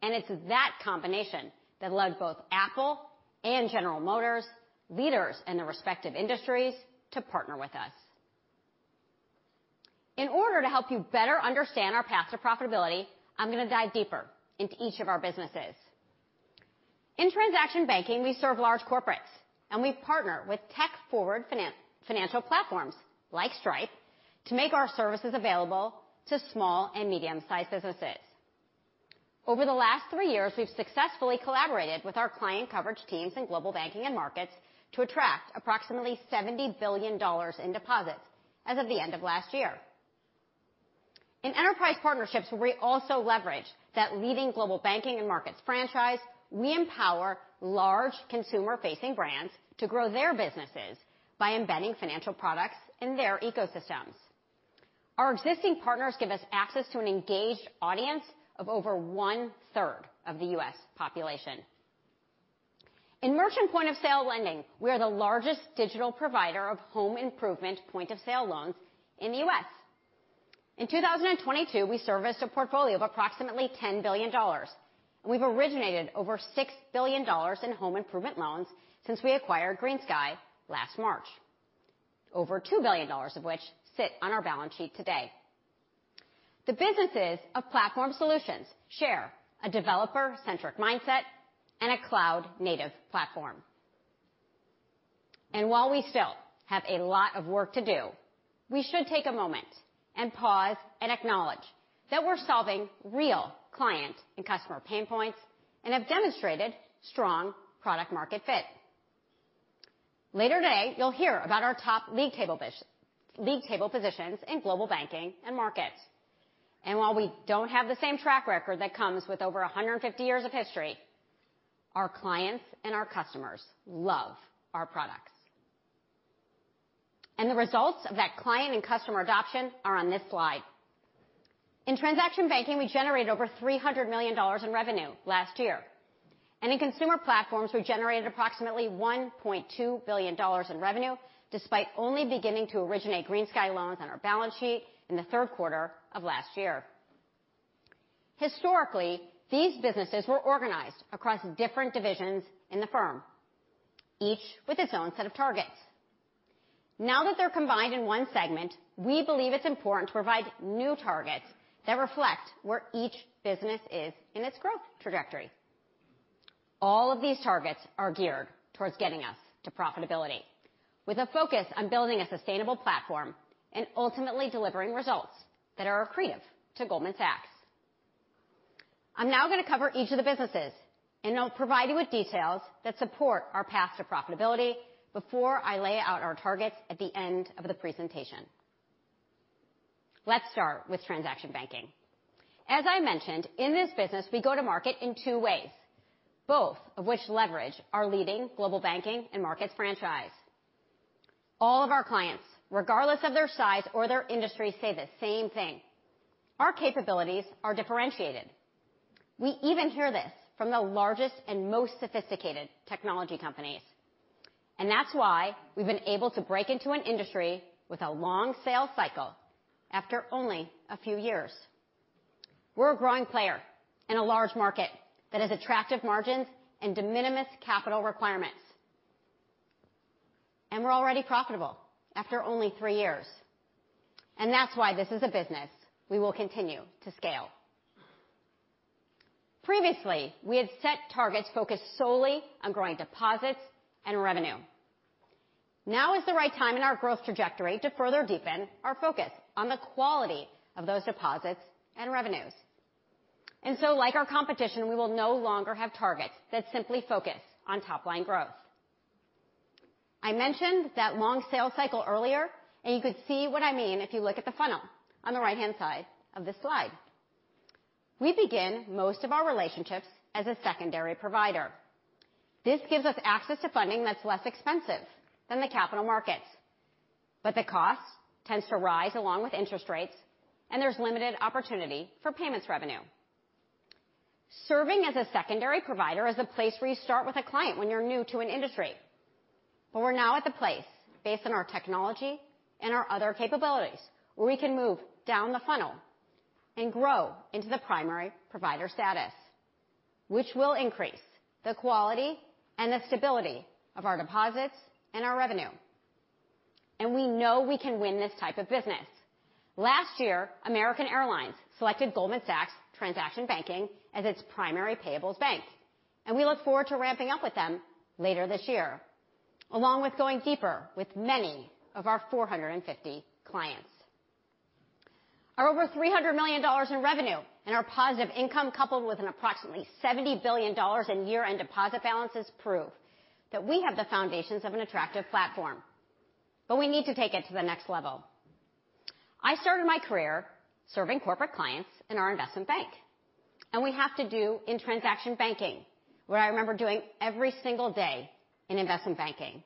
It's that combination that led both Apple and General Motors, leaders in their respective industries, to partner with us. In order to help you better understand our path to profitability, I'm gonna dive deeper into each of our businesses. In transaction banking, we serve large corporates, and we partner with tech forward financial platforms like Stripe to make our services available to small and medium-sized businesses. Over the last 3 years, we've successfully collaborated with our client coverage teams in Global Banking & Markets to attract approximately $70 billion in deposits as of the end of last year. In enterprise partnerships, we also leverage that leading Global Banking & Markets franchise, we empower large consumer-facing brands to grow their businesses by embedding financial products in their ecosystems. Our existing partners give us access to an engaged audience of over one-third of the U.S. population. In merchant point of sale lending, we are the largest digital provider of home improvement point of sale loans in the U.S. In 2022, we serviced a portfolio of approximately $10 billion, and we've originated over $6 billion in home improvement loans since we acquired GreenSky last March. Over $2 billion of which sit on our balance sheet today. The businesses of Platform Solutions share a developer-centric mindset and a cloud-native platform. While we still have a lot of work to do, we should take a moment and pause and acknowledge that we're solving real client and customer pain points and have demonstrated strong product market fit. Later today, you'll hear about our top league table positions in Global Banking & Markets. While we don't have the same track record that comes with over 150 years of history, our clients and our customers love our products. The results of that client and customer adoption are on this slide. In Transaction Banking, we generated over $300 million in revenue last year, and in consumer platforms, we generated approximately $1.2 billion in revenue, despite only beginning to originate GreenSky loans on our balance sheet in the third quarter of last year. Historically, these businesses were organized across different divisions in the firm, each with its own set of targets. Now that they're combined in one segment, we believe it's important to provide new targets that reflect where each business is in its growth trajectory. All of these targets are geared towards getting us to profitability with a focus on building a sustainable platform and ultimately delivering results that are accretive to Goldman Sachs. I'm now gonna cover each of the businesses, and I'll provide you with details that support our path to profitability before I lay out our targets at the end of the presentation. Let's start with Transaction Banking. As I mentioned, in this business, we go to market in two ways, both of which leverage our leading Global Banking & Markets franchise. All of our clients, regardless of their size or their industry, say the same thing, "Our capabilities are differentiated." We even hear this from the largest and most sophisticated technology companies, and that's why we've been able to break into an industry with a long sales cycle after only a few years. We're a growing player in a large market that has attractive margins and de minimis capital requirements. We're already profitable after only three years, and that's why this is a business we will continue to scale. Previously, we had set targets focused solely on growing deposits and revenue. Now is the right time in our growth trajectory to further deepen our focus on the quality of those deposits and revenues. Like our competition, we will no longer have targets that simply focus on top-line growth. I mentioned that long sales cycle earlier, and you could see what I mean if you look at the funnel on the right-hand side of this slide. We begin most of our relationships as a secondary provider. This gives us access to funding that's less expensive than the capital markets, but the cost tends to rise along with interest rates, and there's limited opportunity for payments revenue. Serving as a secondary provider is a place where you start with a client when you're new to an industry. We're now at the place based on our technology and our other capabilities where we can move down the funnel and grow into the primary provider status, which will increase the quality and the stability of our deposits and our revenue. We know we can win this type of business. Last year, American Airlines selected Goldman Sachs Transaction Banking as its primary payables bank. We look forward to ramping up with them later this year, along with going deeper with many of our 450 clients. Our over $300 million in revenue and our positive income, coupled with an approximately $70 billion in year-end deposit balances, prove that we have the foundations of an attractive platform. We need to take it to the next level. I started my career serving corporate clients in our investment bank. We have to do in transaction banking what I remember doing every single day in investment banking,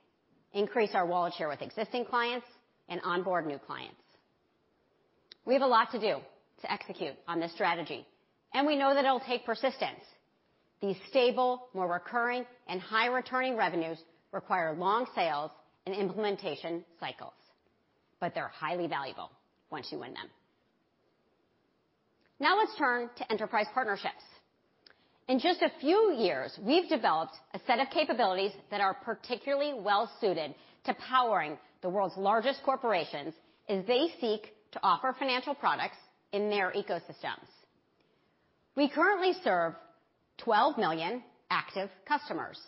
increase our wallet share with existing clients and onboard new clients. We have a lot to do to execute on this strategy. We know that it'll take persistence. These stable, more recurring and high returning revenues require long sales and implementation cycles, but they're highly valuable once you win them. Now let's turn to enterprise partnerships. In just a few years, we've developed a set of capabilities that are particularly well-suited to powering the world's largest corporations as they seek to offer financial products in their ecosystems. We currently serve 12 million active customers,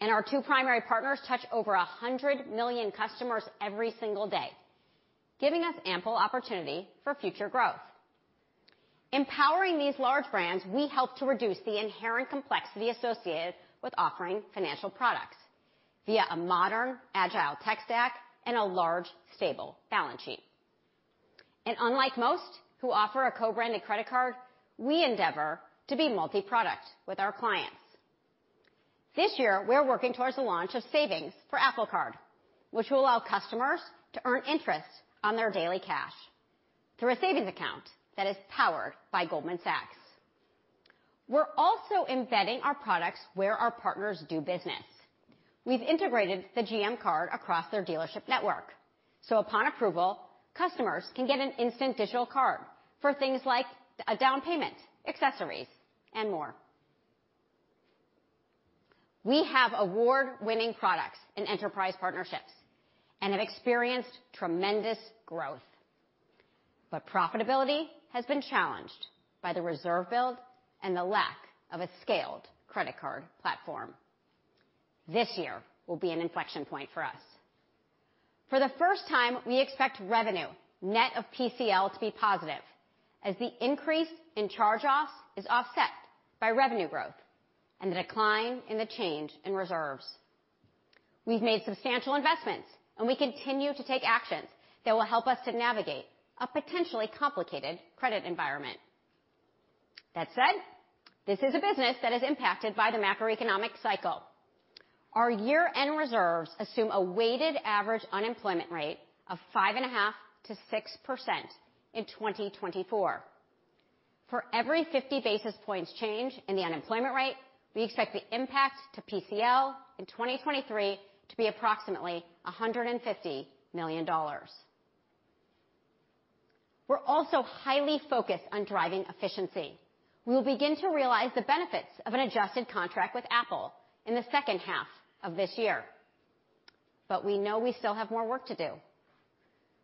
and our two primary partners touch over 100 million customers every single day, giving us ample opportunity for future growth. Empowering these large brands, we help to reduce the inherent complexity associated with offering financial products via a modern, agile tech stack and a large, stable balance sheet. Unlike most who offer a co-branded credit card, we endeavor to be multi-product with our clients. This year, we're working towards the launch of Apple Card Savings, which will allow customers to earn interest on their daily cash through a savings account that is powered by Goldman Sachs. We're also embedding our products where our partners do business. We've integrated the GM card across their dealership network, so upon approval, customers can get an instant digital card for things like a down payment, accessories, and more. We have award-winning products in enterprise partnerships and have experienced tremendous growth. Profitability has been challenged by the reserve build and the lack of a scaled credit card platform. This year will be an inflection point for us. For the first time, we expect revenue net of PCL to be positive as the increase in charge-offs is offset by revenue growth and the decline in the change in reserves. We've made substantial investments, and we continue to take actions that will help us to navigate a potentially complicated credit environment. That said, this is a business that is impacted by the macroeconomic cycle. Our year-end reserves assume a weighted average unemployment rate of 5.5%-6% in 2024. For every 50 basis points change in the unemployment rate, we expect the impact to PCL in 2023 to be approximately $150 million. We're also highly focused on driving efficiency. We'll begin to realize the benefits of an adjusted contract with Apple in the second half of this year. We know we still have more work to do.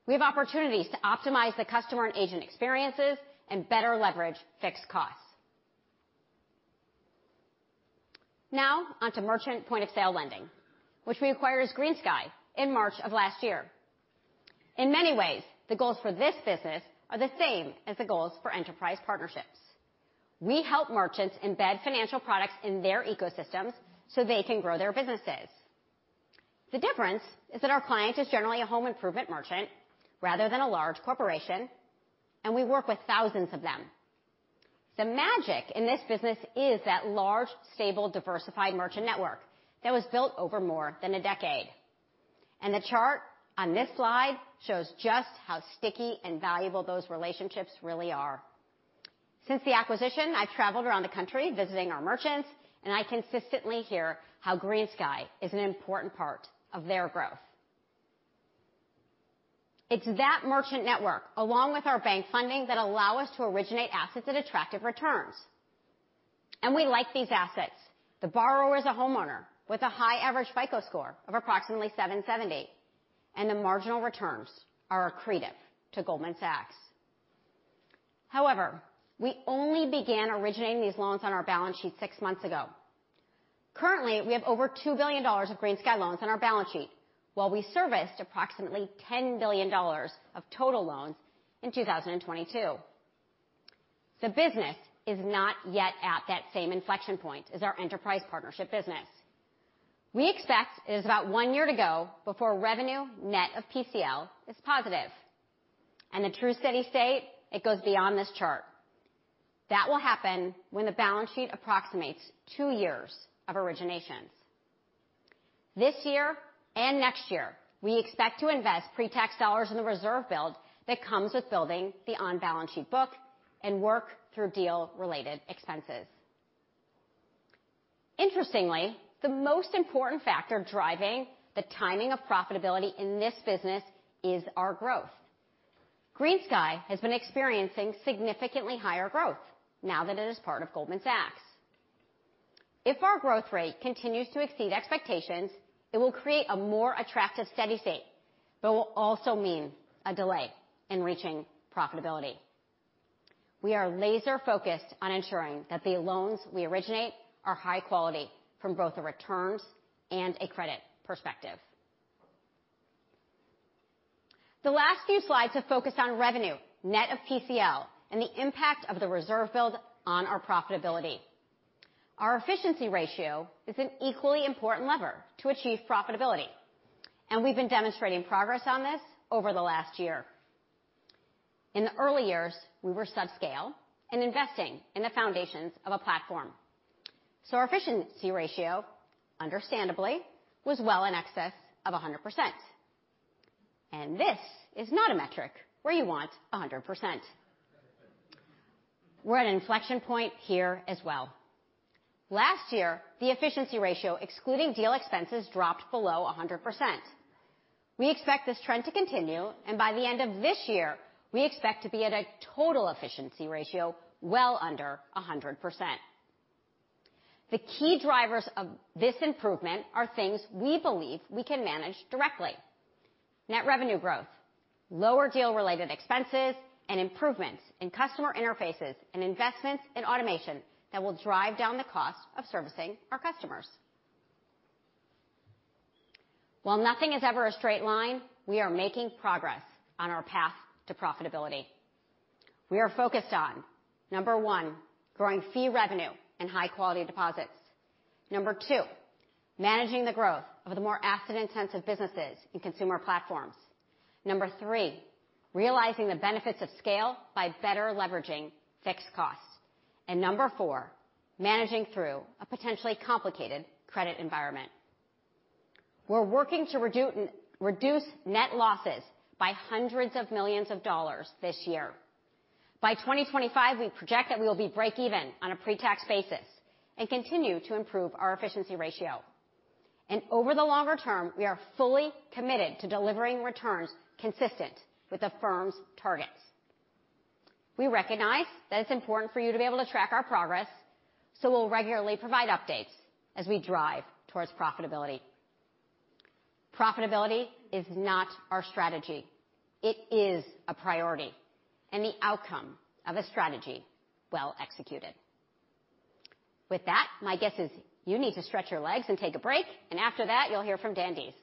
We have opportunities to optimize the customer and agent experiences and better leverage fixed costs. On to merchant point-of-sale lending, which we acquired as GreenSky in March of last year. In many ways, the goals for this business are the same as the goals for enterprise partnerships. We help merchants embed financial products in their ecosystems so they can grow their businesses. The difference is that our client is generally a home improvement merchant rather than a large corporation, and we work with thousands of them. The magic in this business is that large, stable, diversified merchant network that was built over more than a decade. The chart on this slide shows just how sticky and valuable those relationships really are. Since the acquisition, I've traveled around the country visiting our merchants, and I consistently hear how GreenSky is an important part of their growth. It's that merchant network, along with our bank funding, that allow us to originate assets at attractive returns. We like these assets. The borrower is a homeowner with a high average FICO score of approximately 778, and the marginal returns are accretive to Goldman Sachs. However, we only began originating these loans on our balance sheet 6 months ago. Currently, we have over $2 billion of GreenSky loans on our balance sheet while we serviced approximately $10 billion of total loans in 2022. The business is not yet at that same inflection point as our enterprise partnership business. We expect it is about 1 year to go before revenue net of PCL is positive. The true steady state, it goes beyond this chart. That will happen when the balance sheet approximates 2 years of originations. This year and next year, we expect to invest pre-tax dollars in the reserve build that comes with building the on-balance sheet book and work through deal-related expenses. Interestingly, the most important factor driving the timing of profitability in this business is our growth. GreenSky has been experiencing significantly higher growth now that it is part of Goldman Sachs. If our growth rate continues to exceed expectations, it will create a more attractive steady state, but will also mean a delay in reaching profitability. We are laser-focused on ensuring that the loans we originate are high quality from both the returns and a credit perspective. The last few slides have focused on revenue net of PCL and the impact of the reserve build on our profitability. Our efficiency ratio is an equally important lever to achieve profitability, and we've been demonstrating progress on this over the last year. In the early years, we were subscale and investing in the foundations of a platform. Our efficiency ratio, understandably, was well in excess of 100%. This is not a metric where you want 100%. We're at an inflection point here as well. Last year, the efficiency ratio, excluding deal expenses, dropped below 100%. We expect this trend to continue, and by the end of this year, we expect to be at a total efficiency ratio well under 100%. The key drivers of this improvement are things we believe we can manage directly. Net revenue growth, lower deal-related expenses, and improvements in customer interfaces and investments in automation that will drive down the cost of servicing our customers. While nothing is ever a straight line, we are making progress on our path to profitability. We are focused on, number one, growing fee revenue and high-quality deposits. Number two, managing the growth of the more asset-intensive businesses in Platform Solutions. Number three, realizing the benefits of scale by better leveraging fixed costs. Number four, managing through a potentially complicated credit environment. We're working to reduce net losses by hundreds of millions of dollars this year. By 2025, we project that we will be break even on a pre-tax basis and continue to improve our efficiency ratio. Over the longer term, we are fully committed to delivering returns consistent with the firm's targets. We recognize that it's important for you to be able to track our progress, so we'll regularly provide updates as we drive towards profitability. Profitability is not our strategy. It is a priority, and the outcome of a strategy well executed. With that, my guess is you need to stretch your legs and take a break, and after that, you'll hear from Dan Dees.
All right.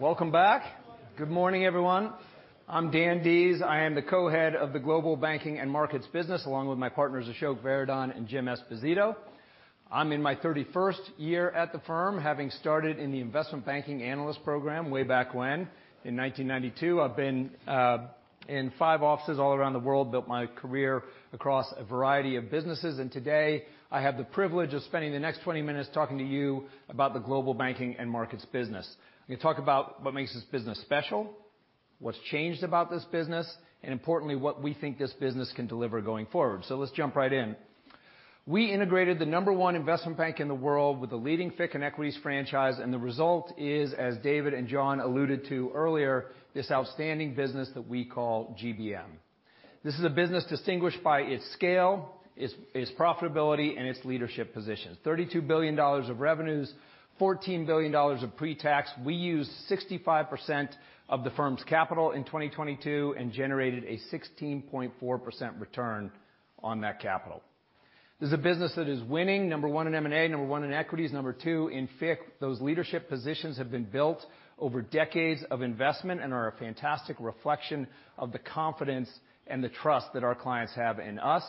Welcome back. Good morning, everyone. I'm Dan Dees. I am the Co-Head of the Global Banking and Markets Business, along with my partners, Ashok Varadhan and Jim Esposito. I'm in my 31st year at the firm, having started in the investment banking analyst program way back when in 1992. I've been in five offices all around the world. Built my career across a variety of businesses, and today I have the privilege of spending the next 20 minutes talking to you about the Global Banking and Markets Business. I'm gonna talk about what makes this business special, what's changed about this business, and importantly, what we think this business can deliver going forward. Let's jump right in. We integrated the number one investment bank in the world with a leading FIC and equities franchise. The result is, as David and John alluded to earlier, this outstanding business that we call GBM. This is a business distinguished by its scale, its profitability, and its leadership positions. $32 billion of revenues, $14 billion of pre-tax. We use 65% of the firm's capital in 2022 and generated a 16.4% return on that capital. This is a business that is winning number one in M&A, number one in equities, number two in FIC. Those leadership positions have been built over decades of investment and are a fantastic reflection of the confidence and the trust that our clients have in us.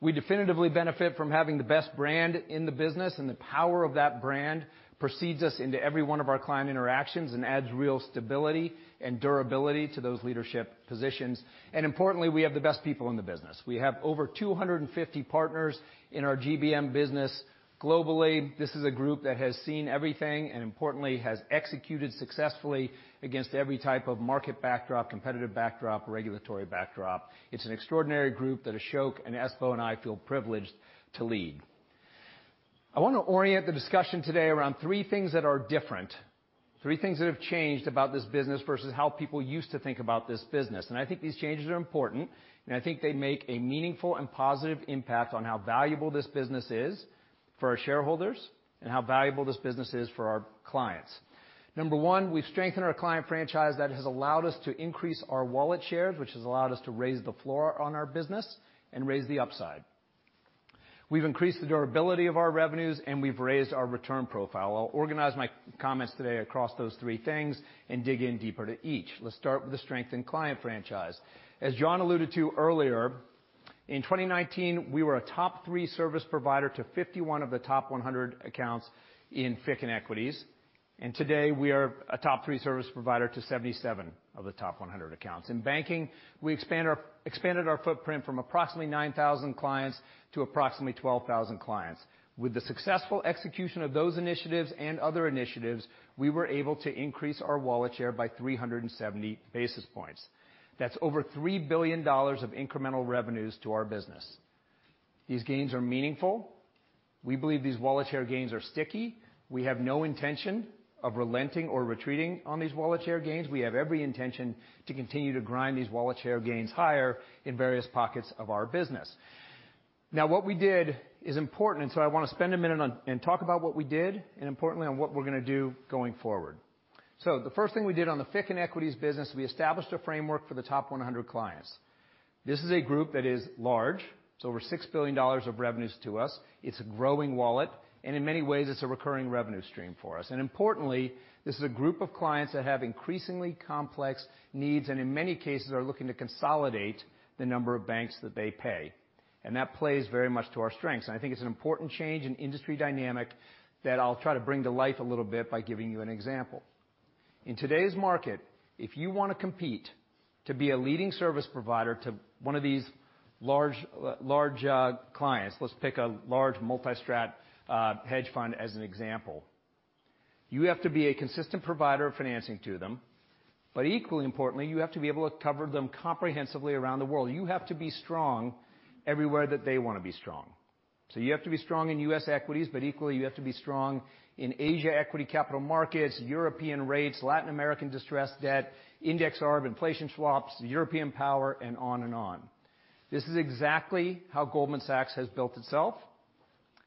We definitively benefit from having the best brand in the business. The power of that brand precedes us into every one of our client interactions and adds real stability and durability to those leadership positions. Importantly, we have the best people in the business. We have over 250 partners in our GBM business globally. This is a group that has seen everything, and importantly, has executed successfully against every type of market backdrop, competitive backdrop, regulatory backdrop. It's an extraordinary group that Ashok and Espo and I feel privileged to lead. I want to orient the discussion today around three things that are different, three things that have changed about this business versus how people used to think about this business. I think these changes are important, and I think they make a meaningful and positive impact on how valuable this business is for our shareholders and how valuable this business is for our clients. Number one, we've strengthened our client franchise that has allowed us to increase our wallet share, which has allowed us to raise the floor on our business and raise the upside. We've increased the durability of our revenues, and we've raised our return profile. I'll organize my comments today across those three things and dig in deeper to each. Let's start with the strengthened client franchise. As John alluded to earlier, in 2019, we were a top three service provider to 51 of the top 100 accounts in FICC and equities, and today we are a top three service provider to 77 of the top 100 accounts. In banking, we expanded our footprint from approximately 9,000 clients to approximately 12,000 clients. With the successful execution of those initiatives and other initiatives, we were able to increase our wallet share by 370 basis points. That's over $3 billion of incremental revenues to our business. These gains are meaningful. We believe these wallet share gains are sticky. We have no intention of relenting or retreating on these wallet share gains. We have every intention to continue to grind these wallet share gains higher in various pockets of our business. What we did is important, and so I wanna spend a minute on and talk about what we did and importantly, on what we're gonna do going forward. The first thing we did on the FICC and equities business, we established a framework for the top 100 clients. This is a group that is large. It's over $6 billion of revenues to us. It's a growing wallet, and in many ways, it's a recurring revenue stream for us. Importantly, this is a group of clients that have increasingly complex needs, and in many cases, are looking to consolidate the number of banks that they pay. That plays very much to our strengths. I think it's an important change in industry dynamic that I'll try to bring to life a little bit by giving you an example. In today's market, if you wanna compete to be a leading service provider to one of these large clients, let's pick a large multi-strat hedge fund as an example. You have to be a consistent provider of financing to them, but equally importantly, you have to be able to cover them comprehensively around the world. You have to be strong everywhere that they wanna be strong. You have to be strong in U.S. equities, but equally you have to be strong in Asia equity capital markets, European rates, Latin American distressed debt, index arb, inflation swaps, European power and on and on. This is exactly how Goldman Sachs has built itself.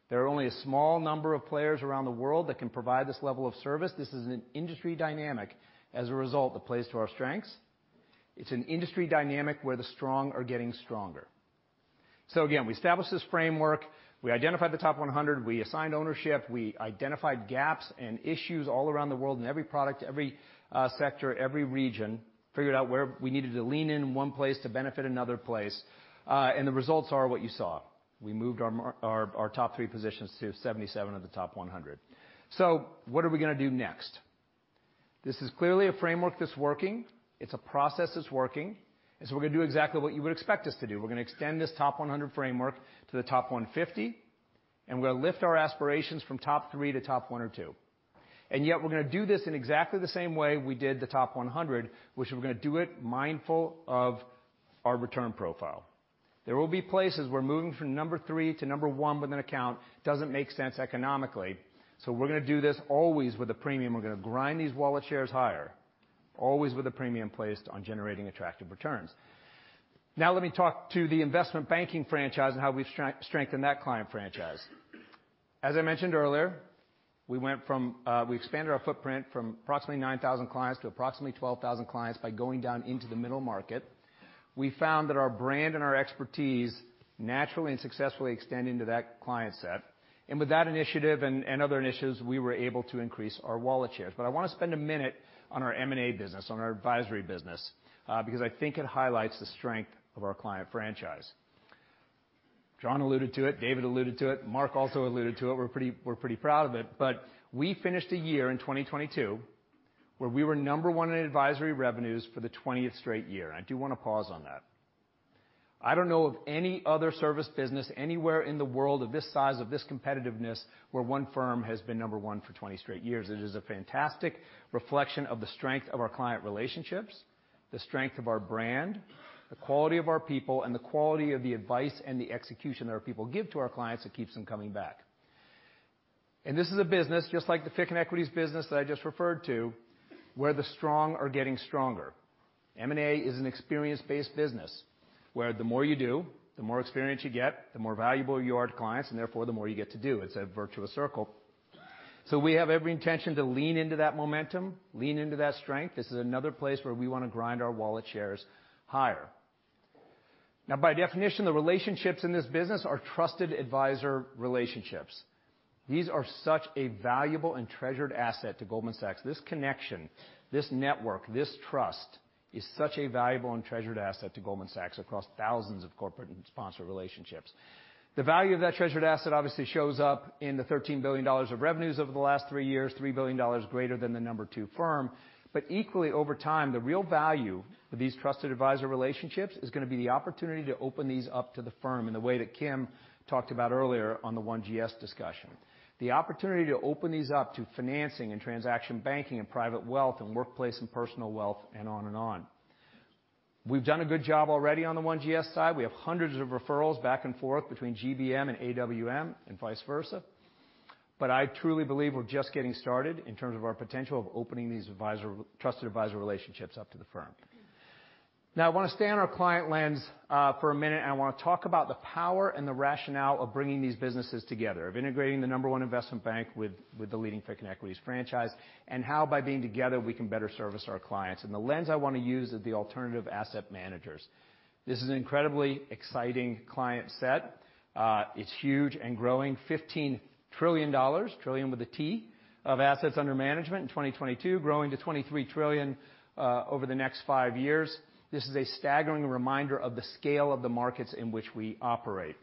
There are only a small number of players around the world that can provide this level of service. This is an industry dynamic as a result that plays to our strengths. It's an industry dynamic where the strong are getting stronger. Again, we established this framework. We identified the top 100. We assigned ownership. We identified gaps and issues all around the world in every product, every sector, every region, figured out where we needed to lean in one place to benefit another place, the results are what you saw. We moved our top three positions to 77 of the top 100. What are we gonna do next? This is clearly a framework that's working. It's a process that's working, we're gonna do exactly what you would expect us to do. We're gonna extend this top 100 framework to the top 150, we're gonna lift our aspirations from top three to top one or two. We're gonna do this in exactly the same way we did the top 100, which we're gonna do it mindful of our return profile. There will be places where moving from number three to number one with an account doesn't make sense economically, we're gonna do this always with a premium. We're gonna grind these wallet shares higher, always with a premium placed on generating attractive returns. Let me talk to the investment banking franchise and how we've strengthened that client franchise. As I mentioned earlier, we went from, we expanded our footprint from approximately 9,000 clients to approximately 12,000 clients by going down into the middle market. We found that our brand and our expertise naturally and successfully extend into that client set. With that initiative and other initiatives, we were able to increase our wallet shares. I wanna spend a minute on our M&A business, on our advisory business, because I think it highlights the strength of our client franchise. John alluded to it, David alluded to it, Marc also alluded to it. We're pretty proud of it, but we finished a year in 2022 where we were number one in advisory revenues for the 20th straight year. I do wanna pause on that. I don't know of any other service business anywhere in the world of this size, of this competitiveness where one firm has been number one for 20 straight years. It is a fantastic reflection of the strength of our client relationships, the strength of our brand, the quality of our people, and the quality of the advice and the execution that our people give to our clients that keeps them coming back. This is a business, just like the FICC and equities business that I just referred to, where the strong are getting stronger. M&A is an experience-based business, where the more you do, the more experience you get, the more valuable you are to clients, therefore, the more you get to do. It's a virtuous circle. We have every intention to lean into that momentum, lean into that strength. This is another place where we wanna grind our wallet shares higher. Now by definition, the relationships in this business are trusted advisor relationships. These are such a valuable and treasured asset to Goldman Sachs. This connection, this network, this trust is such a valuable and treasured asset to Goldman Sachs across thousands of corporate and sponsored relationships. The value of that treasured asset obviously shows up in the $13 billion of revenues over the last 3 years, $3 billion greater than the number two firm. Equally, over time, the real value of these trusted advisor relationships is gonna be the opportunity to open these up to the firm in the way that Kim talked about earlier on the One GS discussion. The opportunity to open these up to financing and transaction banking and private wealth and workplace and personal wealth and on and on. We've done a good job already on the One GS side. We have hundreds of referrals back and forth between GBM and AWM and vice versa. I truly believe we're just getting started in terms of our potential of opening these trusted advisor relationships up to the firm. I wanna stay on our client lens for a minute, and I wanna talk about the power and the rationale of bringing these businesses together, of integrating the number one investment bank with the leading FICC and equities franchise, and how by being together, we can better service our clients. The lens I wanna use is the alternative asset managers. This is an incredibly exciting client set. It's huge and growing $15 trillion with a T, of assets under management in 2022, growing to $23 trillion over the next five years. This is a staggering reminder of the scale of the markets in which we operate.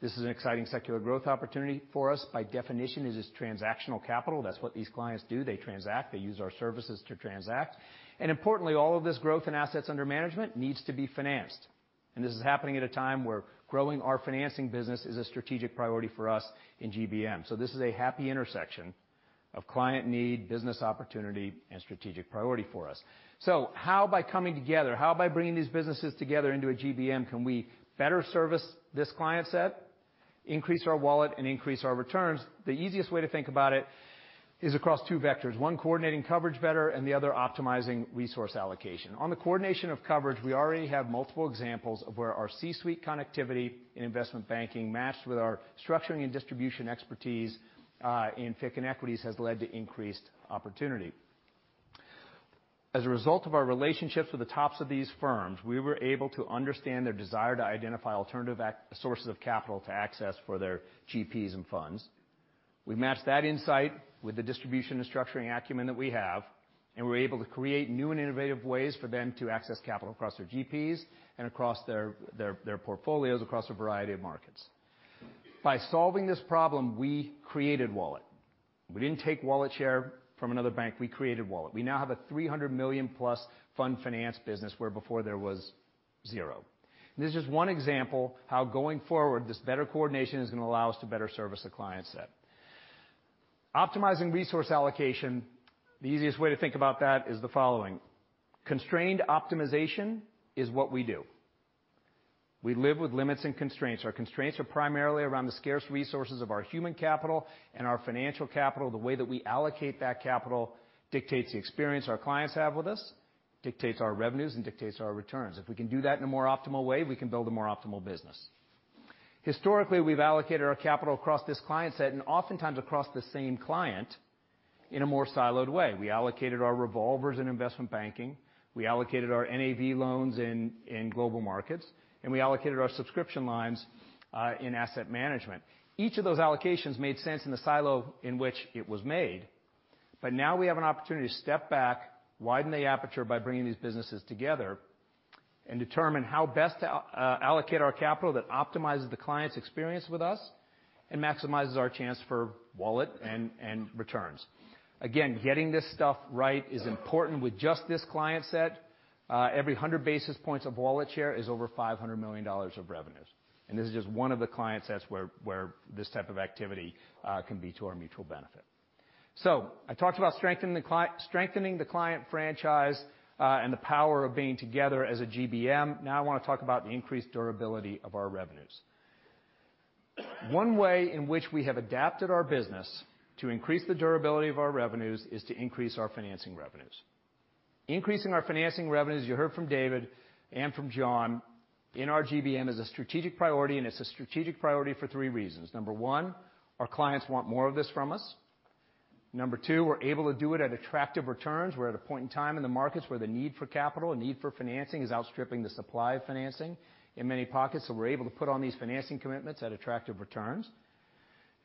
This is an exciting secular growth opportunity for us. By definition, it is transactional capital. That's what these clients do. They transact. They use our services to transact. All of this growth and assets under management needs to be financed. This is happening at a time where growing our financing business is a strategic priority for us in GBM. This is a happy intersection of client need, business opportunity, and strategic priority for us. How by coming together, how by bringing these businesses together into a GBM, can we better service this client set, increase our wallet, and increase our returns? The easiest way to think about it is across two vectors, one, coordinating coverage better, and the other, optimizing resource allocation. On the coordination of coverage, we already have multiple examples of where our C-suite connectivity in investment banking matched with our structuring and distribution expertise in FICC and equities has led to increased opportunity. As a result of our relationships with the tops of these firms, we were able to understand their desire to identify alternative sources of capital to access for their GPs and funds. We matched that insight with the distribution and structuring acumen that we have, and we're able to create new and innovative ways for them to access capital across their GPs and across their portfolios across a variety of markets. By solving this problem, we created wallet. We didn't take wallet share from another bank, we created wallet. We now have a $300 million-plus fund finance business where before there was 0. This is just one example how going forward, this better coordination is gonna allow us to better service the client set. Optimizing resource allocation, the easiest way to think about that is the following: constrained optimization is what we do. We live with limits and constraints. Our constraints are primarily around the scarce resources of our human capital and our financial capital. The way that we allocate that capital dictates the experience our clients have with us, dictates our revenues, and dictates our returns. If we can do that in a more optimal way, we can build a more optimal business. Historically, we've allocated our capital across this client set and oftentimes across the same client in a more siloed way. We allocated our revolvers in Investment Banking, we allocated our NAV loans in Global Markets, and we allocated our subscription lines in Asset Management. Each of those allocations made sense in the silo in which it was made. Now we have an opportunity to step back, widen the aperture by bringing these businesses together, and determine how best to allocate our capital that optimizes the client's experience with us and maximizes our chance for wallet and returns. Getting this stuff right is important. With just this client set, every 100 basis points of wallet share is over $500 million of revenues. This is just one of the client sets where this type of activity can be to our mutual benefit. I talked about strengthening the client franchise and the power of being together as a GBM. Now I wanna talk about the increased durability of our revenues. One way in which we have adapted our business to increase the durability of our revenues is to increase our financing revenues. Increasing our financing revenues, you heard from David and from John, in our GBM is a strategic priority. It's a strategic priority for three reasons. Number one, our clients want more of this from us. Number two, we're able to do it at attractive returns. We're at a point in time in the markets where the need for capital and need for financing is outstripping the supply of financing in many pockets, so we're able to put on these financing commitments at attractive returns.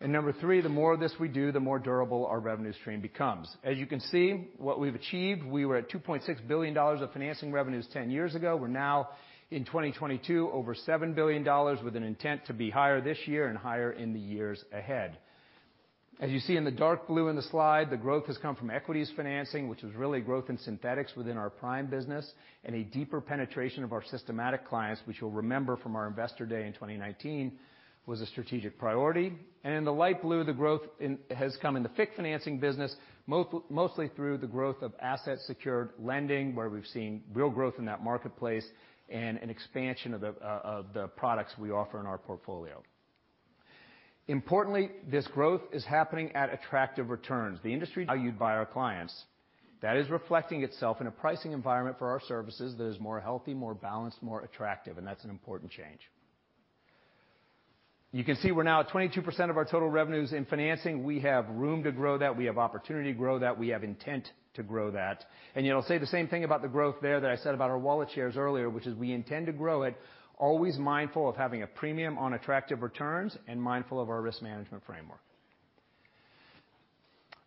And number three, the more of this we do, the more durable our revenue stream becomes. As you can see, what we've achieved, we were at $2.6 billion of financing revenues 10 years ago. We're now in 2022 over $7 billion with an intent to be higher this year and higher in the years ahead. As you see in the dark blue in the slide, the growth has come from equities financing, which is really growth in synthetics within our prime business and a deeper penetration of our systematic clients, which you'll remember from our investor day in 2019 was a strategic priority. In the light blue, the growth has come in the FICC financing business, mostly through the growth of asset-secured lending, where we've seen real growth in that marketplace and an expansion of the products we offer in our portfolio. Importantly, this growth is happening at attractive returns. The industry valued by our clients. That is reflecting itself in a pricing environment for our services that is more healthy, more balanced, more attractive, and that's an important change. You can see we're now at 22% of our total revenues in financing. We have room to grow that. We have opportunity to grow that. We have intent to grow that. You know, I'll say the same thing about the growth there that I said about our wallet shares earlier, which is we intend to grow it, always mindful of having a premium on attractive returns and mindful of our risk management framework.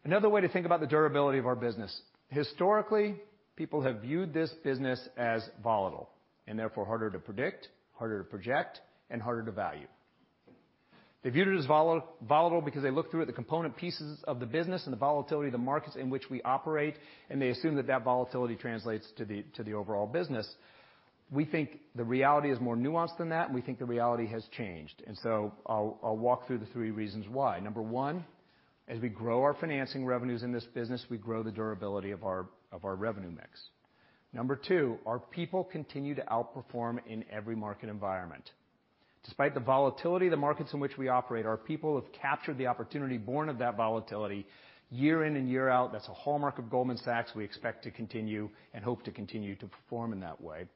Another way to think about the durability of our business. Historically, people have viewed this business as volatile and therefore harder to predict, harder to project, and harder to value. They viewed it as volatile because they looked through the component pieces of the business and the volatility of the markets in which we operate, and they assume that that volatility translates to the overall business. We think the reality is more nuanced than that, and we think the reality has changed. I'll walk through the three reasons why. Number one, as we grow our financing revenues in this business, we grow the durability of our revenue mix. Number two, our people continue to outperform in every market environment. Despite the volatility of the markets in which we operate, our people have captured the opportunity born of that volatility year in and year out. That's a hallmark of Goldman Sachs. We expect to continue and hope to continue to perform in that way.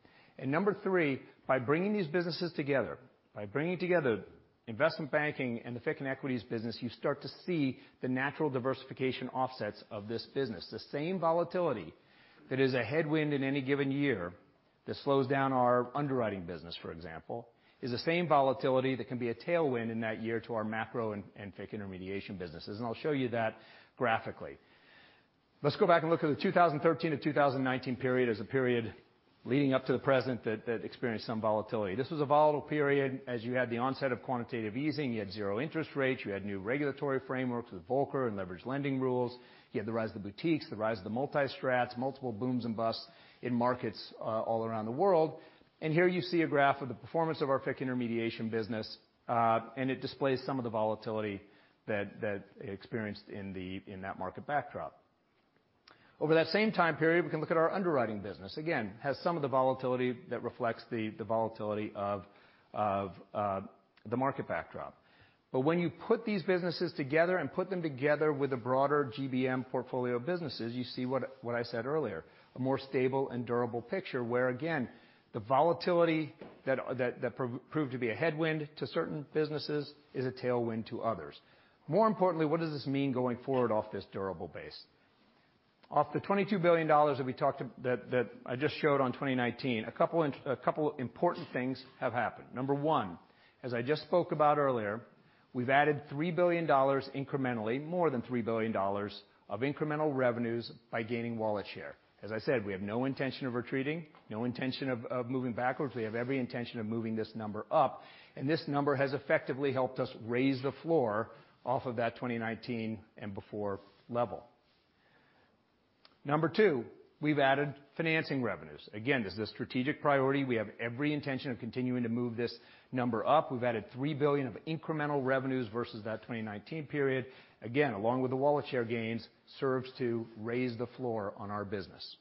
Number three, by bringing these businesses together, by bringing together investment banking and the FICC and equities business, you start to see the natural diversification offsets of this business. The same volatility that is a headwind in any given year that slows down our underwriting business, for example, is the same volatility that can be a tailwind in that year to our macro and FICC intermediation businesses. I'll show you that graphically. Let's go back and look at the 2013 to 2019 period as a period leading up to the present that experienced some volatility. This was a volatile period as you had the onset of quantitative easing. You had 0 interest rates. You had new regulatory frameworks with Volcker and leveraged lending rules. You had the rise of the boutiques, the rise of the multi-strats, multiple booms and busts in markets all around the world. Here you see a graph of the performance of our FICC intermediation business, and it displays some of the volatility that it experienced in that market backdrop. Over that same time period, we can look at our underwriting business. Again, has some of the volatility that reflects the volatility of the market backdrop. When you put these businesses together and put them together with the broader GBM portfolio of businesses, you see what I said earlier, a more stable and durable picture where, again, the volatility that proved to be a headwind to certain businesses is a tailwind to others. More importantly, what does this mean going forward off this durable base? Off the $22 billion that I just showed on 2019, a couple important things have happened. Number one, as I just spoke about earlier, we've added $3 billion incrementally, more than $3 billion of incremental revenues by gaining wallet share. As I said, we have no intention of retreating, no intention of moving backwards. We have every intention of moving this number up, and this number has effectively helped us raise the floor off of that 2019 and before level. Number two, we've added financing revenues. This is a strategic priority. We have every intention of continuing to move this number up. We've added $3 billion of incremental revenues versus that 2019 period. Along with the wallet share gains, serves to raise the floor on our business.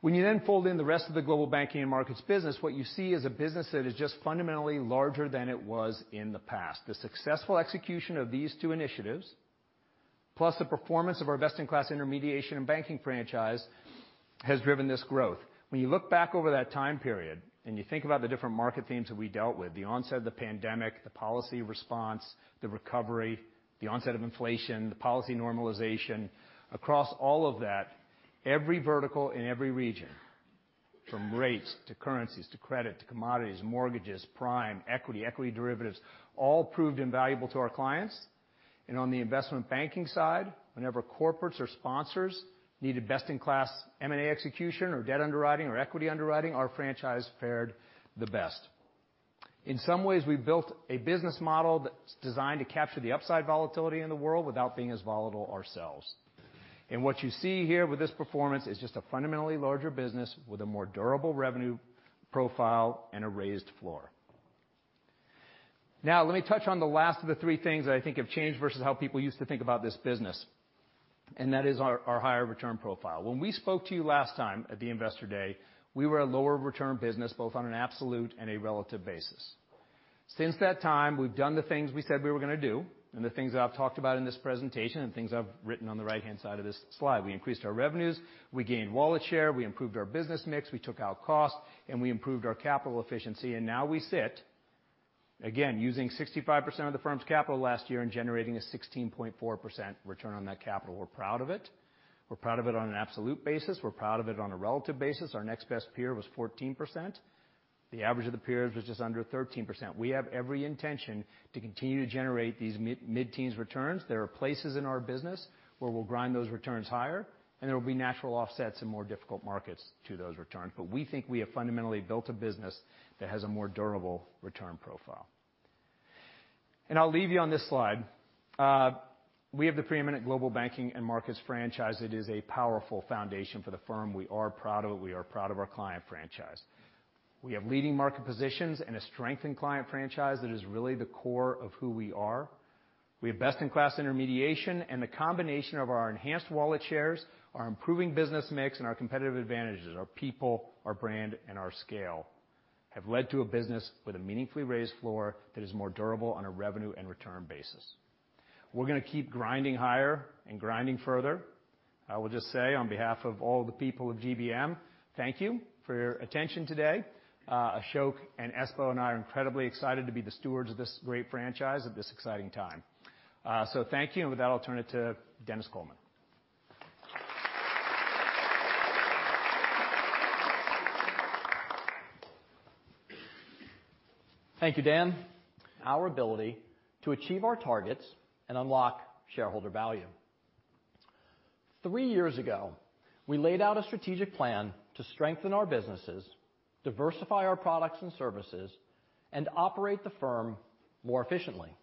When you fold in the rest of the Global Banking & Markets business, what you see is a business that is just fundamentally larger than it was in the past. The successful execution of these two initiatives, plus the performance of our best-in-class intermediation and banking franchise, has driven this growth. When you look back over that time period and you think about the different market themes that we dealt with, the onset of the pandemic, the policy response, the recovery, the onset of inflation, the policy normalization. Across all of that, every vertical in every region, from rates to currencies to credit to commodities, mortgages, prime, equity derivatives, all proved invaluable to our clients. On the investment banking side, whenever corporates or sponsors needed best-in-class M&A execution or debt underwriting or equity underwriting, our franchise fared the best. In some ways, we built a business model that's designed to capture the upside volatility in the world without being as volatile ourselves. What you see here with this performance is just a fundamentally larger business with a more durable revenue profile and a raised floor. Now let me touch on the last of the three things that I think have changed versus how people used to think about this business, and that is our higher return profile. When we spoke to you last time at the Investor Day, we were a lower return business, both on an absolute and a relative basis. Since that time, we've done the things we said we were gonna do and the things that I've talked about in this presentation and things I've written on the right-hand side of this slide. We increased our revenues, we gained wallet share, we improved our business mix, we took out cost, and we improved our capital efficiency. Now we sit, again, using 65% of the firm's capital last year and generating a 16.4% return on that capital. We're proud of it. We're proud of it on an absolute basis. We're proud of it on a relative basis. Our next best peer was 14%. The average of the peers was just under 13%. We have every intention to continue to generate these mid-teens returns. There are places in our business where we'll grind those returns higher, and there will be natural offsets in more difficult markets to those returns. We think we have fundamentally built a business that has a more durable return profile. I'll leave you on this slide. We have the preeminent Global Banking & Markets franchise that is a powerful foundation for the firm. We are proud of it. We are proud of our client franchise. We have leading market positions and a strengthened client franchise that is really the core of who we are. We have best-in-class intermediation and the combination of our enhanced wallet shares, our improving business mix, and our competitive advantages, our people, our brand, and our scale have led to a business with a meaningfully raised floor that is more durable on a revenue and return basis. We're gonna keep grinding higher and grinding further. I will just say on behalf of all the people of GBM, thank you for your attention today. Ashok and Espo and I are incredibly excited to be the stewards of this great franchise at this exciting time. Thank you, and with that, I'll turn it to Denis Coleman.
Thank you, Dan. Our ability to achieve our targets and unlock shareholder value. Three years ago, we laid out a strategic plan to strengthen our businesses, diversify our products and services, and operate the firm more efficiently.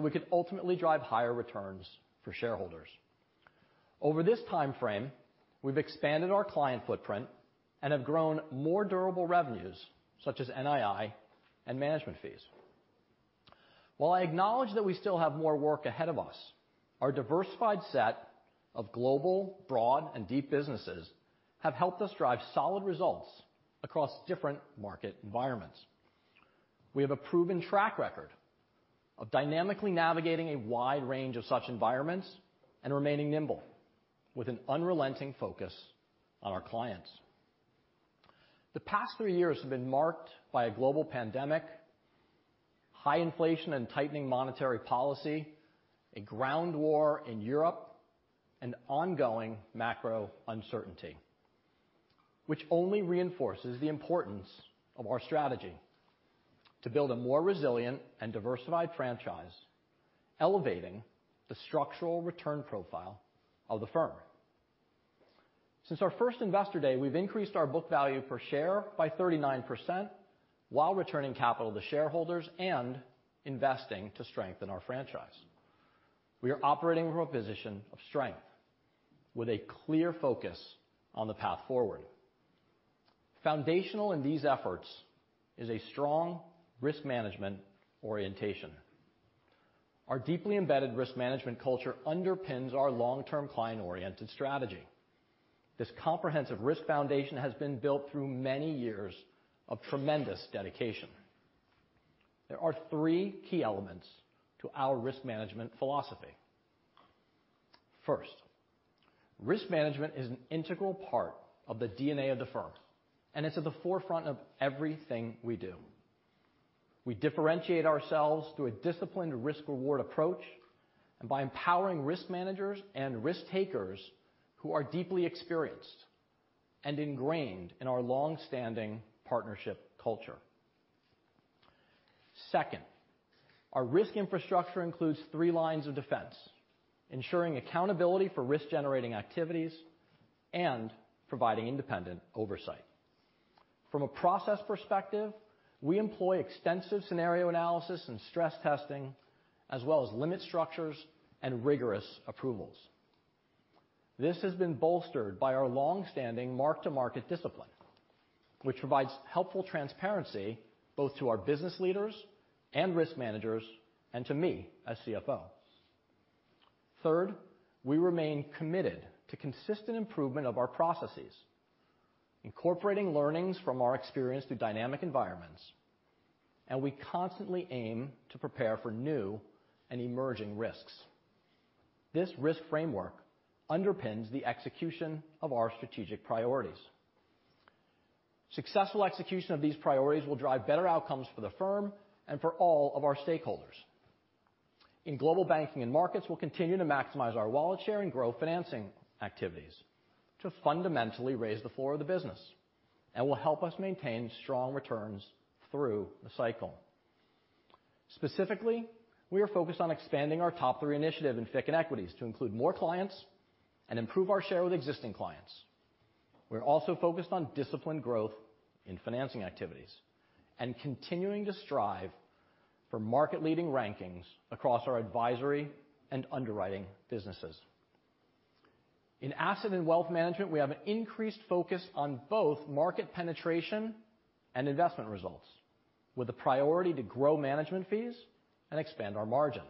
We could ultimately drive higher returns for shareholders. Over this timeframe, we've expanded our client footprint and have grown more durable revenues such as NII and management fees. While I acknowledge that we still have more work ahead of us, our diversified set of global, broad, and deep businesses have helped us drive solid results across different market environments. We have a proven track record of dynamically navigating a wide range of such environments and remaining nimble with an unrelenting focus on our clients. The past three years have been marked by a global pandemic, high inflation and tightening monetary policy, a ground war in Europe, and ongoing macro uncertainty, which only reinforces the importance of our strategy to build a more resilient and diversified franchise, elevating the structural return profile of the firm. Since our first Investor Day, we've increased our book value per share by 39% while returning capital to shareholders and investing to strengthen our franchise. We are operating from a position of strength with a clear focus on the path forward. Foundational in these efforts is a strong risk management orientation. Our deeply embedded risk management culture underpins our long-term client-oriented strategy. This comprehensive risk foundation has been built through many years of tremendous dedication. There are three key elements to our risk management philosophy. First, risk management is an integral part of the DNA of the firm, and it's at the forefront of everything we do. We differentiate ourselves through a disciplined risk-reward approach and by empowering risk managers and risk-takers who are deeply experienced and ingrained in our long-standing partnership culture. Second, our risk infrastructure includes three lines of defense, ensuring accountability for risk-generating activities and providing independent oversight. From a process perspective, we employ extensive scenario analysis and stress testing, as well as limit structures and rigorous approvals. This has been bolstered by our long-standing mark-to-market discipline, which provides helpful transparency both to our business leaders and risk managers, and to me as CFO. Third, we remain committed to consistent improvement of our processes, incorporating learnings from our experience through dynamic environments, and we constantly aim to prepare for new and emerging risks. This risk framework underpins the execution of our strategic priorities. Successful execution of these priorities will drive better outcomes for the firm and for all of our stakeholders. In Global Banking & Markets, we'll continue to maximize our wallet share and grow financing activities to fundamentally raise the floor of the business, and will help us maintain strong returns through the cycle. Specifically, we are focused on expanding our top three initiative in FICC and equities to include more clients and improve our share with existing clients. We're also focused on disciplined growth in financing activities and continuing to strive for market-leading rankings across our advisory and underwriting businesses. In Asset & Wealth Management, we have an increased focus on both market penetration and investment results, with a priority to grow management fees and expand our margin.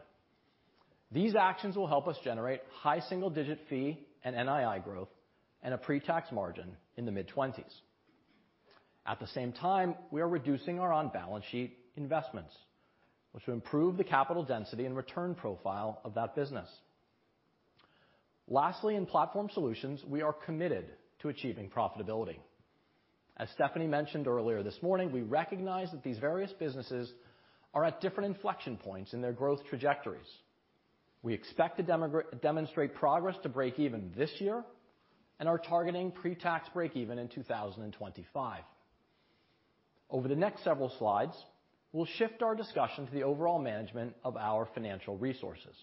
These actions will help us generate high single-digit fee and NII growth and a pre-tax margin in the mid-twenties. At the same time, we are reducing our on-balance sheet investments, which will improve the capital density and return profile of that business. Lastly, in Platform Solutions, we are committed to achieving profitability. As Stephanie mentioned earlier this morning, we recognize that these various businesses are at different inflection points in their growth trajectories. We expect to demonstrate progress to break even this year and are targeting pre-tax break even in 2025. Over the next several slides, we'll shift our discussion to the overall management of our financial resources,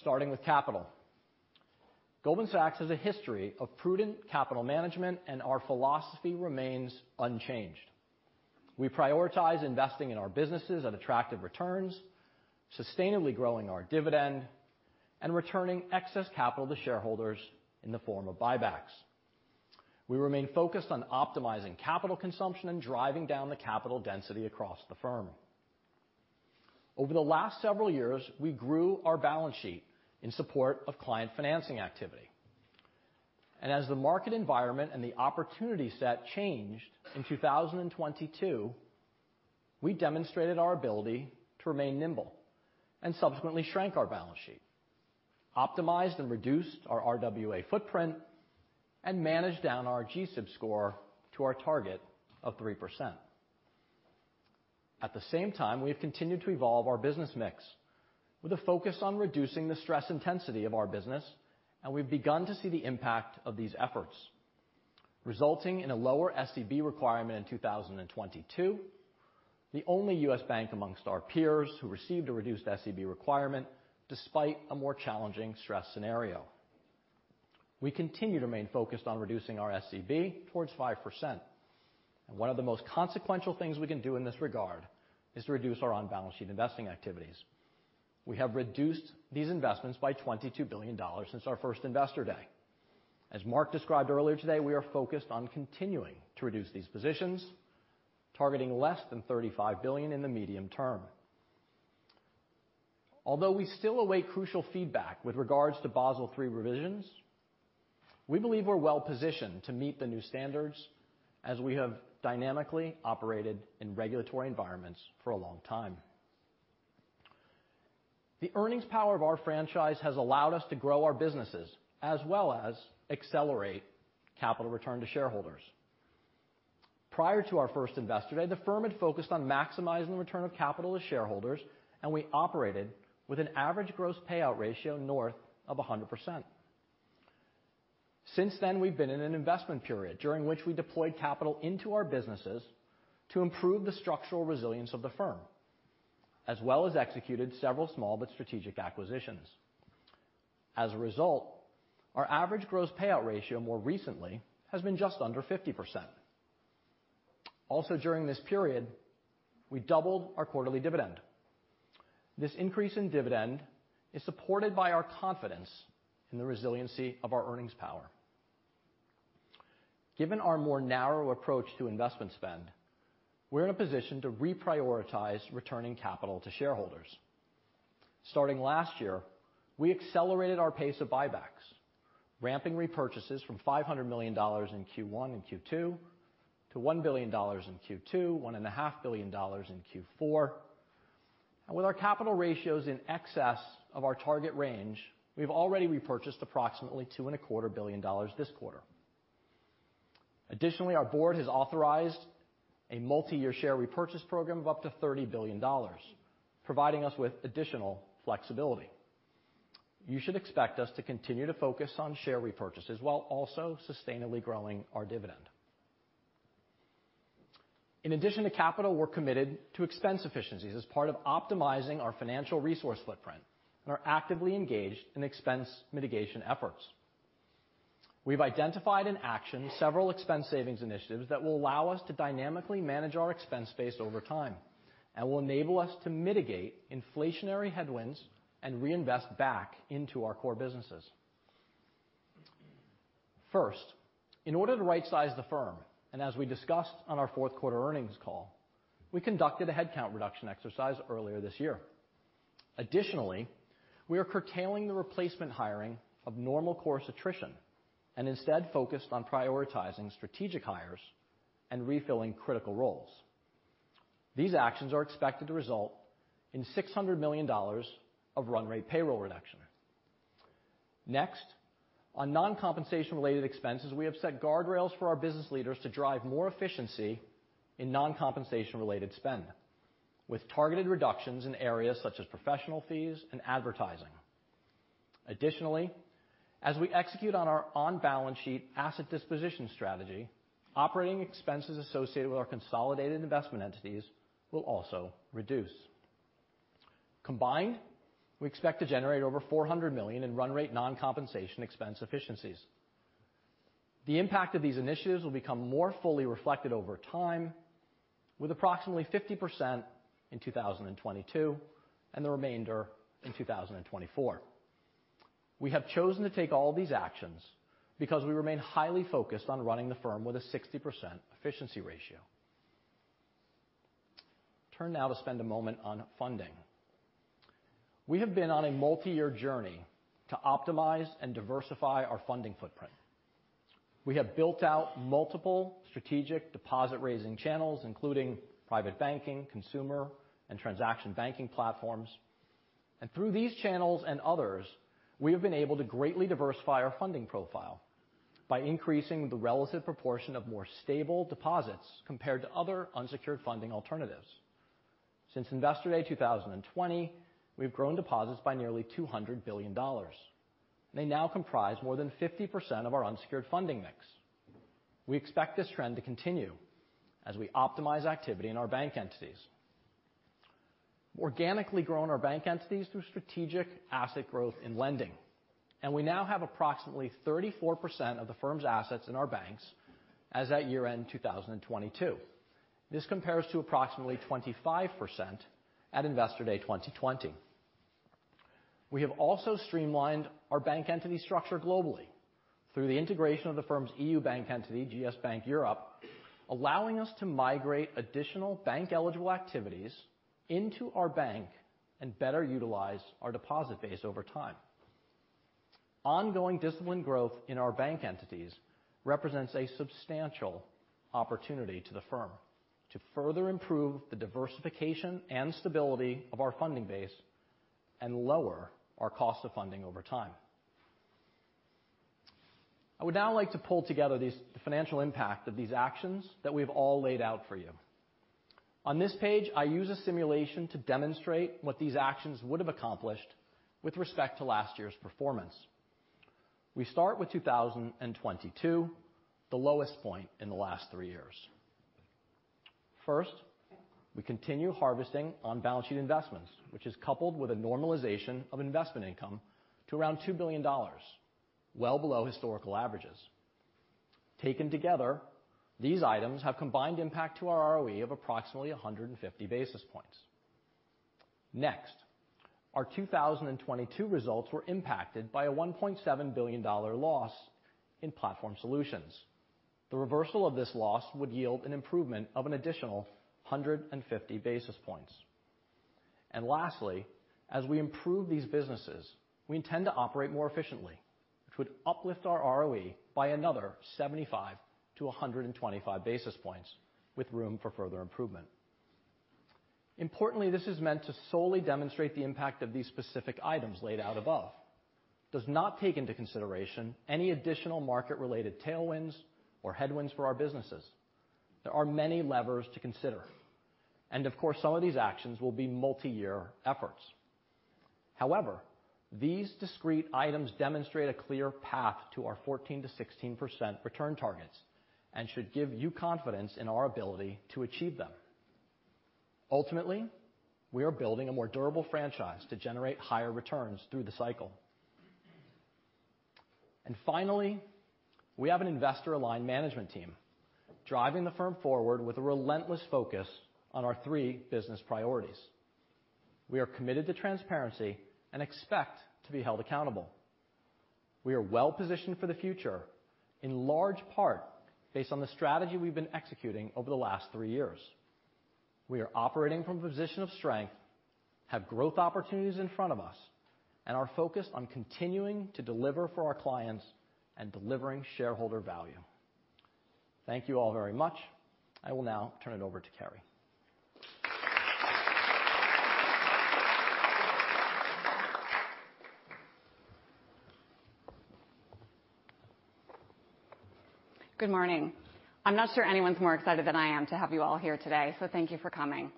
starting with capital. Goldman Sachs has a history of prudent capital management, and our philosophy remains unchanged. We prioritize investing in our businesses at attractive returns, sustainably growing our dividend, and returning excess capital to shareholders in the form of buybacks. We remain focused on optimizing capital consumption and driving down the capital density across the firm. Over the last several years, we grew our balance sheet in support of client financing activity. As the market environment and the opportunity set changed in 2022, we demonstrated our ability to remain nimble and subsequently shrank our balance sheet, optimized and reduced our RWA footprint, and managed down our GSIB score to our target of 3%. At the same time, we have continued to evolve our business mix with a focus on reducing the stress intensity of our business, and we've begun to see the impact of these efforts, resulting in a lower SCB requirement in 2022, the only U.S. bank amongst our peers who received a reduced SCB requirement despite a more challenging stress scenario. We continue to remain focused on reducing our SCB towards 5%. One of the most consequential things we can do in this regard is to reduce our on-balance sheet investing activities. We have reduced these investments by $22 billion since our first Investor Day. As Marc described earlier today, we are focused on continuing to reduce these positions, targeting less than $35 billion in the medium term. Although we still await crucial feedback with regards to Basel III revisions, we believe we're well-positioned to meet the new standards as we have dynamically operated in regulatory environments for a long time. The earnings power of our franchise has allowed us to grow our businesses as well as accelerate capital return to shareholders. Prior to our first Investor Day, the firm had focused on maximizing return of capital to shareholders, and we operated with an average gross payout ratio north of 100%. Since then, we've been in an investment period during which we deployed capital into our businesses to improve the structural resilience of the firm, as well as executed several small but strategic acquisitions. As a result, our average gross payout ratio more recently has been just under 50%. Also, during this period, we doubled our quarterly dividend. This increase in dividend is supported by our confidence in the resiliency of our earnings power. Given our more narrow approach to investment spend, we're in a position to reprioritize returning capital to shareholders. Starting last year, we accelerated our pace of buybacks, ramping repurchases from $500 million in Q1 and Q2 to $1 billion in Q2, $1.5 billion In Q4. With our capital ratios in excess of our target range, we've already repurchased approximately two and a quarter billion dollars this quarter. Our board has authorized a multi-year share repurchase program of up to $30 billion, providing us with additional flexibility. You should expect us to continue to focus on share repurchases while also sustainably growing our dividend. In addition to capital, we're committed to expense efficiencies as part of optimizing our financial resource footprint and are actively engaged in expense mitigation efforts. We've identified in action several expense savings initiatives that will allow us to dynamically manage our expense base over time and will enable us to mitigate inflationary headwinds and reinvest back into our core businesses. First, in order to rightsize the firm, and as we discussed on our fourth quarter earnings call, we conducted a headcount reduction exercise earlier this year. We are curtailing the replacement hiring of normal course attrition, and instead focused on prioritizing strategic hires and refilling critical roles. These actions are expected to result in $600 million of run rate payroll reduction. On non-compensation related expenses, we have set guardrails for our business leaders to drive more efficiency in non-compensation related spend, with targeted reductions in areas such as professional fees and advertising. As we execute on our on-balance sheet asset disposition strategy, operating expenses associated with our consolidated investment entities will also reduce. Combined, we expect to generate over $400 million in run rate non-compensation expense efficiencies. The impact of these initiatives will become more fully reflected over time with approximately 50% in 2022, and the remainder in 2024. We have chosen to take all these actions because we remain highly focused on running the firm with a 60% efficiency ratio. Turn now to spend a moment on funding. We have been on a multi-year journey to optimize and diversify our funding footprint. We have built out multiple strategic deposit-raising channels, including private banking, consumer, and transaction banking platforms. Through these channels and others, we have been able to greatly diversify our funding profile by increasing the relative proportion of more stable deposits compared to other unsecured funding alternatives. Since Investor Day 2020, we've grown deposits by nearly $200 billion. They now comprise more than 50% of our unsecured funding mix. We expect this trend to continue as we optimize activity in our bank entities. Organically growing our bank entities through strategic asset growth and lending, we now have approximately 34% of the firm's assets in our banks as at year-end 2022. This compares to approximately 25% at Investor Day 2020. We have also streamlined our bank entity structure globally through the integration of the firm's EU bank entity, Goldman Sachs Bank Europe, allowing us to migrate additional bank-eligible activities into our bank and better utilize our deposit base over time. Ongoing disciplined growth in our bank entities represents a substantial opportunity to the firm to further improve the diversification and stability of our funding base and lower our cost of funding over time. I would now like to pull together the financial impact of these actions that we've all laid out for you. On this page, I use a simulation to demonstrate what these actions would have accomplished with respect to last year's performance. We start with 2022, the lowest point in the last 3 years. First, we continue harvesting on balance sheet investments, which is coupled with a normalization of investment income to around $2 billion, well below historical averages. Taken together, these items have combined impact to our ROE of approximately 150 basis points. Next, our 2022 results were impacted by a $1.7 billion loss in Platform Solutions. The reversal of this loss would yield an improvement of an additional 150 basis points. Lastly, as we improve these businesses, we intend to operate more efficiently, which would uplift our ROE by another 75 to 125 basis points with room for further improvement. Importantly, this is meant to solely demonstrate the impact of these specific items laid out above. Does not take into consideration any additional market-related tailwinds or headwinds for our businesses. There are many levers to consider, of course, some of these actions will be multi-year efforts. However, these discrete items demonstrate a clear path to our 14%-16% return targets and should give you confidence in our ability to achieve them. Ultimately, we are building a more durable franchise to generate higher returns through the cycle. Finally, we have an investor-aligned management team driving the firm forward with a relentless focus on our three business priorities. We are committed to transparency and expect to be held accountable. We are well-positioned for the future, in large part based on the strategy we've been executing over the last three years. We are operating from a position of strength, have growth opportunities in front of us, and are focused on continuing to deliver for our clients and delivering shareholder value. Thank you all very much. I will now turn it over to Carey.
Good morning. I'm not sure anyone's more excited than I am to have you all here today. Thank you for coming.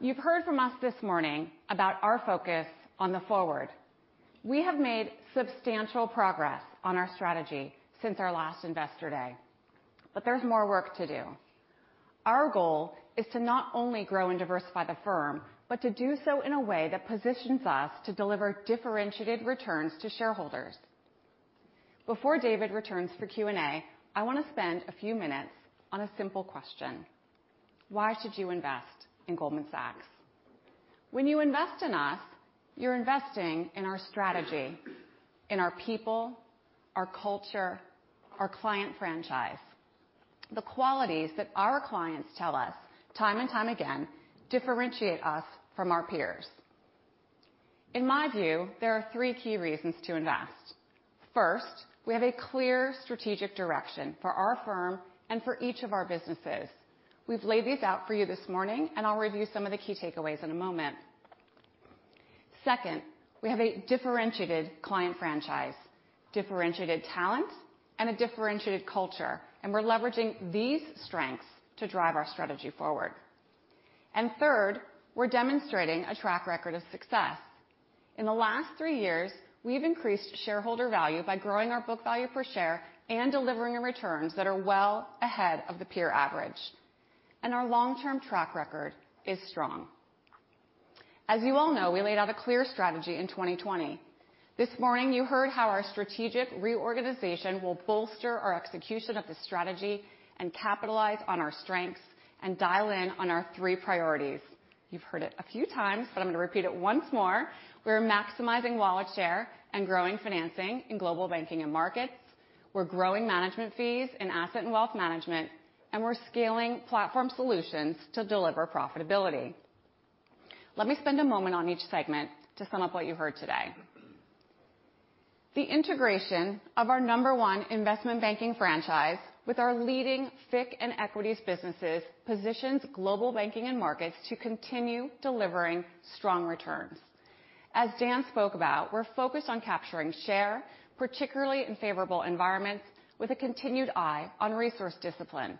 You've heard from us this morning about our focus on the forward. We have made substantial progress on our strategy since our last Investor Day. There's more work to do. Our goal is to not only grow and diversify the firm, but to do so in a way that positions us to deliver differentiated returns to shareholders. Before David returns for Q&A, I wanna spend a few minutes on a simple question: Why should you invest in Goldman Sachs? When you invest in us, you're investing in our strategy, in our people, our culture, our client franchise, the qualities that our clients tell us time and time again differentiate us from our peers. In my view, there are three key reasons to invest. First, we have a clear strategic direction for our firm and for each of our businesses. We've laid these out for you this morning, and I'll review some of the key takeaways in a moment. Second, we have a differentiated client franchise, differentiated talent, and a differentiated culture, and we're leveraging these strengths to drive our strategy forward. Third, we're demonstrating a track record of success. In the last 3 years, we've increased shareholder value by growing our book value per share and delivering returns that are well ahead of the peer average. Our long-term track record is strong. As you all know, we laid out a clear strategy in 2020. This morning, you heard how our strategic reorganization will bolster our execution of the strategy and capitalize on our strengths and dial in on our three priorities. You've heard it a few times, but I'm gonna repeat it once more. We're maximizing wallet share and growing financing in Global Banking & Markets. We're growing management fees in Asset & Wealth Management, and we're scaling Platform Solutions to deliver profitability. Let me spend a moment on each segment to sum up what you heard today. The integration of our number one investment banking franchise with our leading FICC and equities businesses positions Global Banking & Markets to continue delivering strong returns. As Dan spoke about, we're focused on capturing share, particularly in favorable environments, with a continued eye on resource discipline.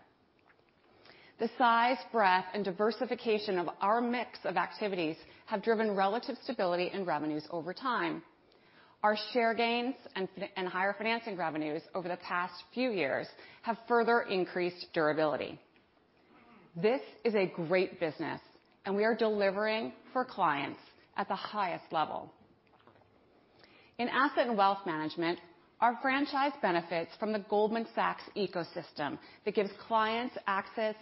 The size, breadth, and diversification of our mix of activities have driven relative stability in revenues over time. Our share gains and higher financing revenues over the past few years have further increased durability. This is a great business. We are delivering for clients at the highest level. In Asset & Wealth Management, our franchise benefits from the Goldman Sachs ecosystem that gives clients access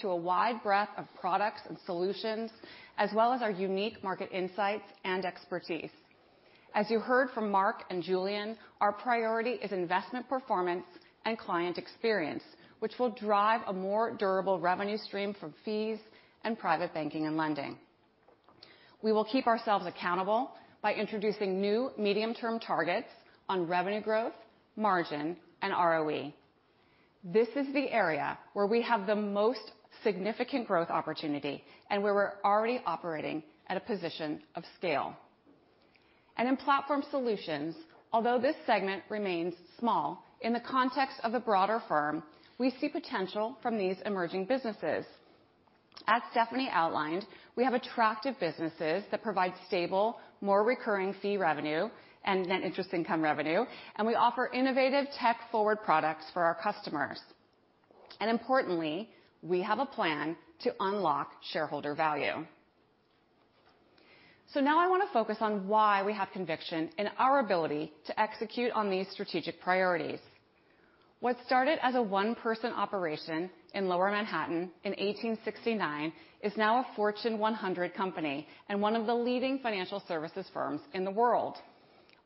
to a wide breadth of products and solutions, as well as our unique market insights and expertise. As you heard from Marc and Julian, our priority is investment performance and client experience, which will drive a more durable revenue stream from fees in private banking and lending. We will keep ourselves accountable by introducing new medium-term targets on revenue growth, margin, and ROE. This is the area where we have the most significant growth opportunity and where we're already operating at a position of scale. In Platform Solutions, although this segment remains small, in the context of the broader firm, we see potential from these emerging businesses. As Stephanie outlined, we have attractive businesses that provide stable, more recurring fee revenue and net interest income revenue, and we offer innovative tech-forward products for our customers. Importantly, we have a plan to unlock shareholder value. Now I wanna focus on why we have conviction in our ability to execute on these strategic priorities. What started as a 1-person operation in Lower Manhattan in 1869 is now a Fortune 100 company and one of the leading financial services firms in the world.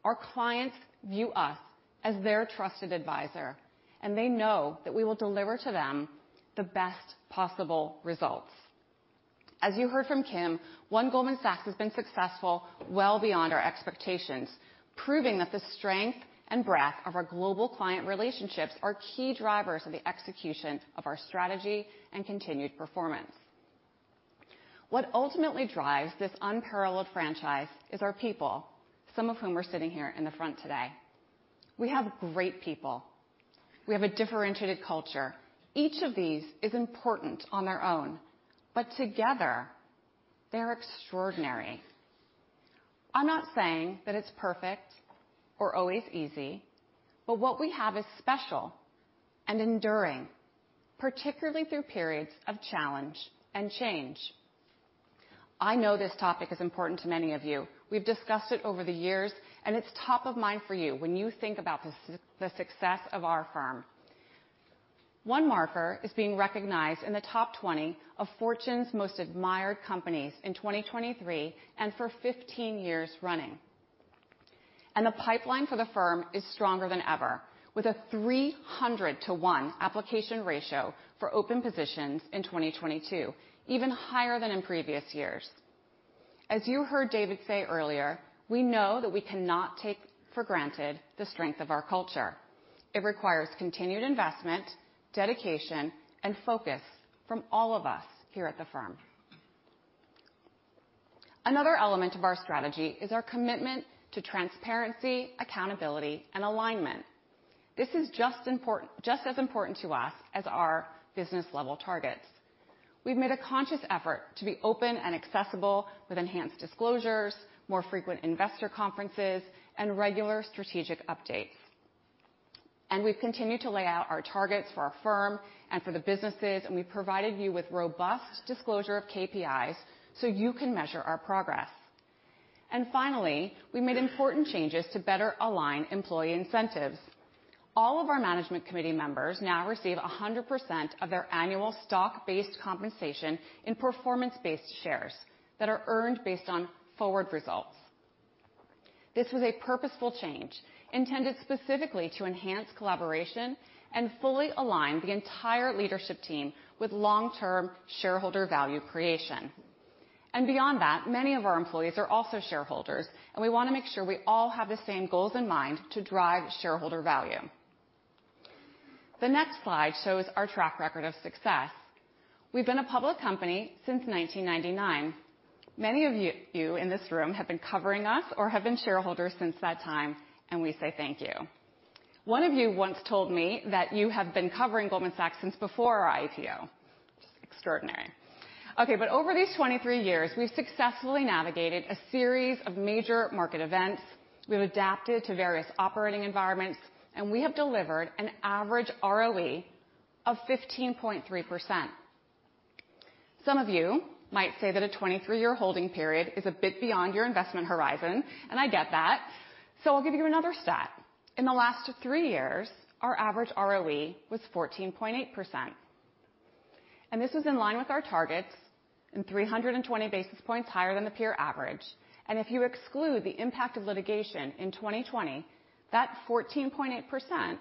Our clients view us as their trusted advisor, and they know that we will deliver to them the best possible results. As you heard from Kim, One Goldman Sachs has been successful well beyond our expectations, proving that the strength and breadth of our global client relationships are key drivers of the execution of our strategy and continued performance. What ultimately drives this unparalleled franchise is our people, some of whom are sitting here in the front today. We have great people. We have a differentiated culture. Each of these is important on their own, but together, they're extraordinary. I'm not saying that it's perfect or always easy, but what we have is special and enduring, particularly through periods of challenge and change. I know this topic is important to many of you. We've discussed it over the years, and it's top of mind for you when you think about the success of our firm. One marker is being recognized in the top 20 of Fortune's most admired companies in 2023 and for 15 years running. The pipeline for the firm is stronger than ever, with a 300 to 1 application ratio for open positions in 2022, even higher than in previous years. As you heard David say earlier, we know that we cannot take for granted the strength of our culture. It requires continued investment, dedication, and focus from all of us here at the firm. Another element of our strategy is our commitment to transparency, accountability, and alignment. This is just important, just as important to us as our business-level targets. We've made a conscious effort to be open and accessible with enhanced disclosures, more frequent investor conferences, and regular strategic updates. We've continued to lay out our targets for our firm and for the businesses, and we've provided you with robust disclosure of KPIs so you can measure our progress. Finally, we made important changes to better align employee incentives. All of our management committee members now receive 100% of their annual stock-based compensation in performance-based shares that are earned based on forward results. This was a purposeful change intended specifically to enhance collaboration and fully align the entire leadership team with long-term shareholder value creation. Beyond that, many of our employees are also shareholders, and we wanna make sure we all have the same goals in mind to drive shareholder value. The next slide shows our track record of success. We've been a public company since 1999. Many of you in this room have been covering us or have been shareholders since that time, we say thank you. One of you once told me that you have been covering Goldman Sachs since before our IPO. Extraordinary. Over these 23 years, we've successfully navigated a series of major market events, we've adapted to various operating environments, we have delivered an average ROE of 15.3%. Some of you might say that a 23-year holding period is a bit beyond your investment horizon, I get that, I'll give you another stat. In the last 3 years, our average ROE was 14.8%, this was in line with our targets and 320 basis points higher than the peer average. If you exclude the impact of litigation in 2020, that 14.8%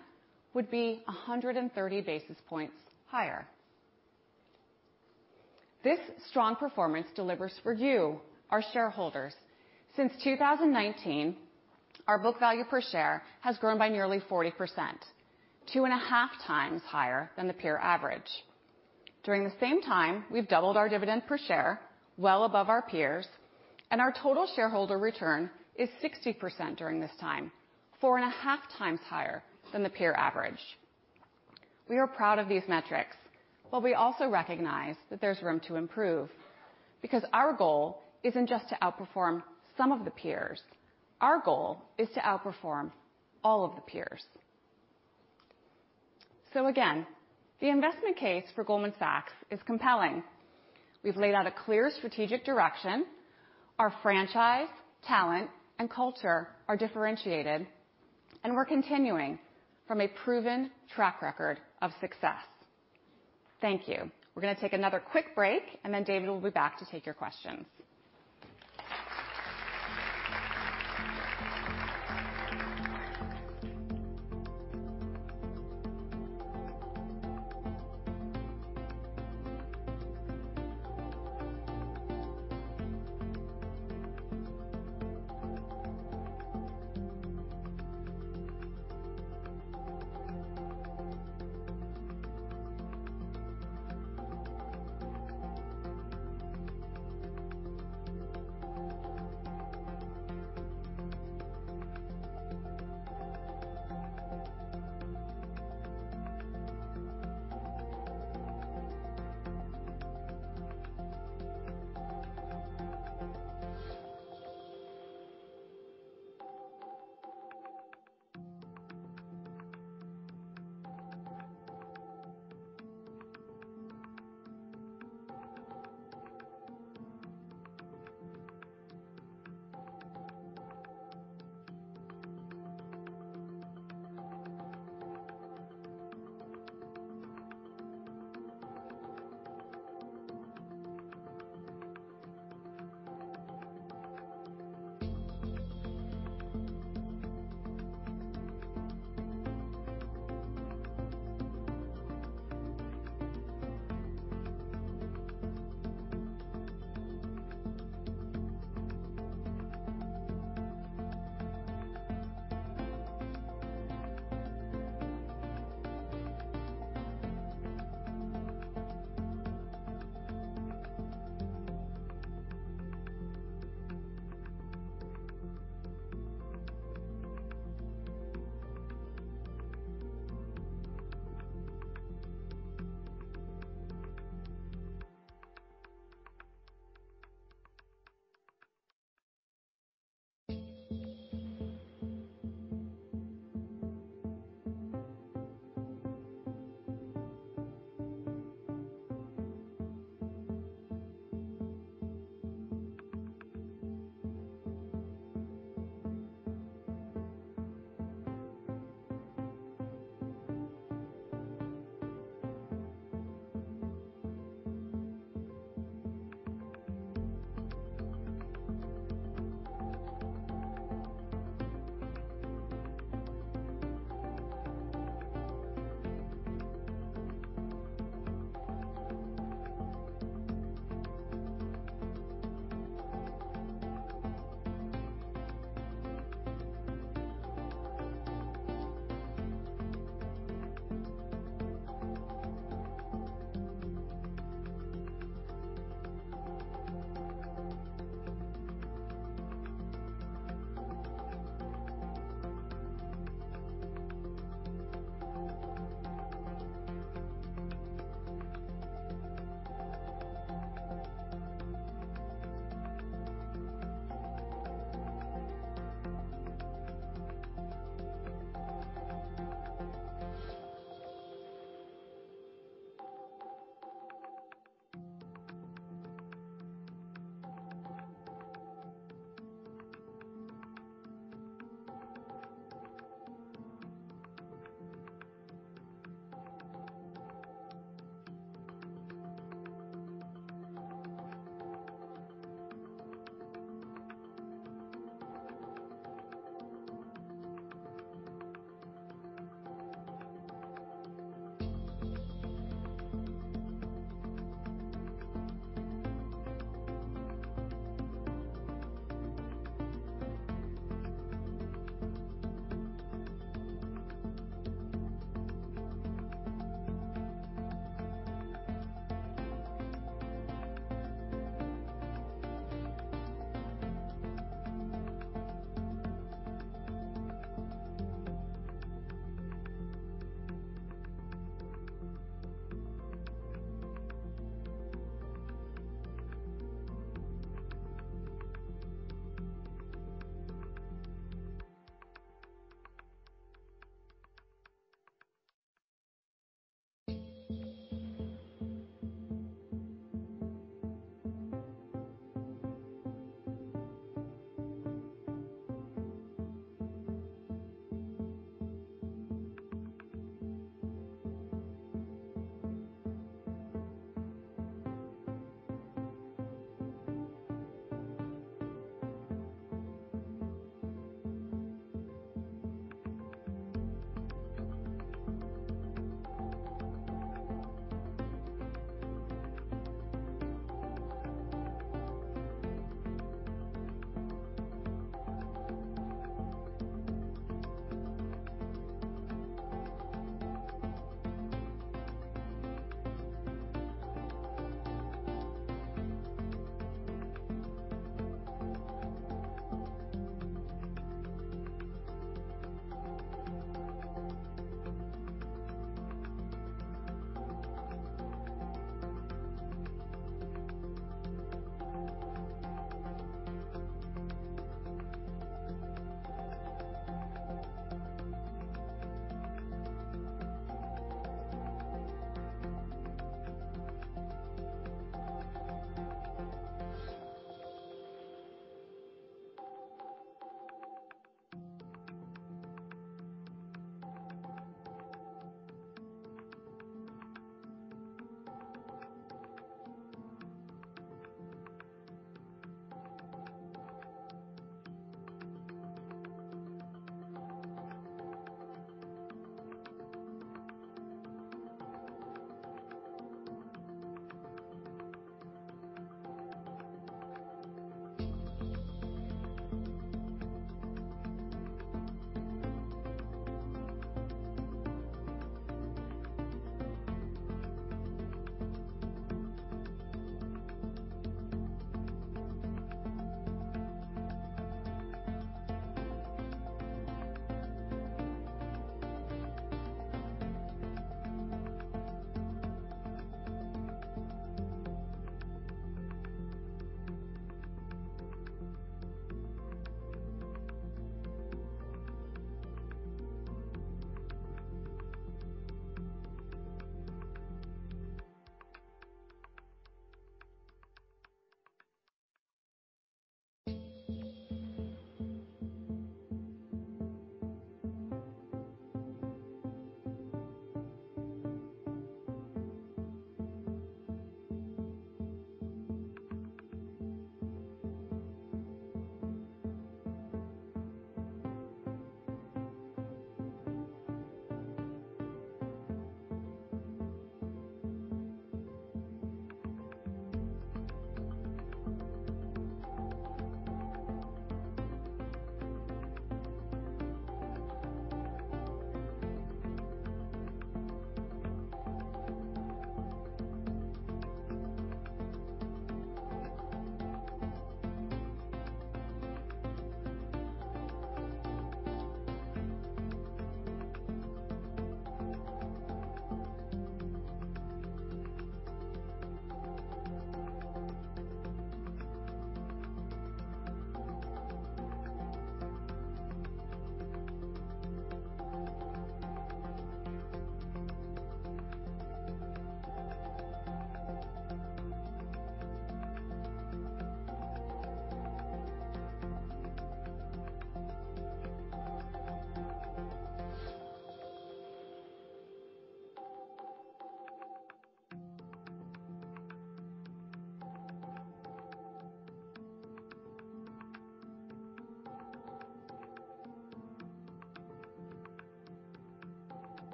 would be 130 basis points higher. This strong performance delivers for you, our shareholders. Since 2019, our book value per share has grown by nearly 40%, two and a half times higher than the peer average. During the same time, we've doubled our dividend per share, well above our peers, and our total shareholder return is 60% during this time, four and a half times higher than the peer average. We are proud of these metrics, but we also recognize that there's room to improve because our goal isn't just to outperform some of the peers. Our goal is to outperform all of the peers. Again, the investment case for Goldman Sachs is compelling. We've laid out a clear strategic direction. Our franchise, talent, and culture are differentiated, and we're continuing from a proven track record of success. Thank you. We're gonna take another quick break, and then David will be back to take your questions.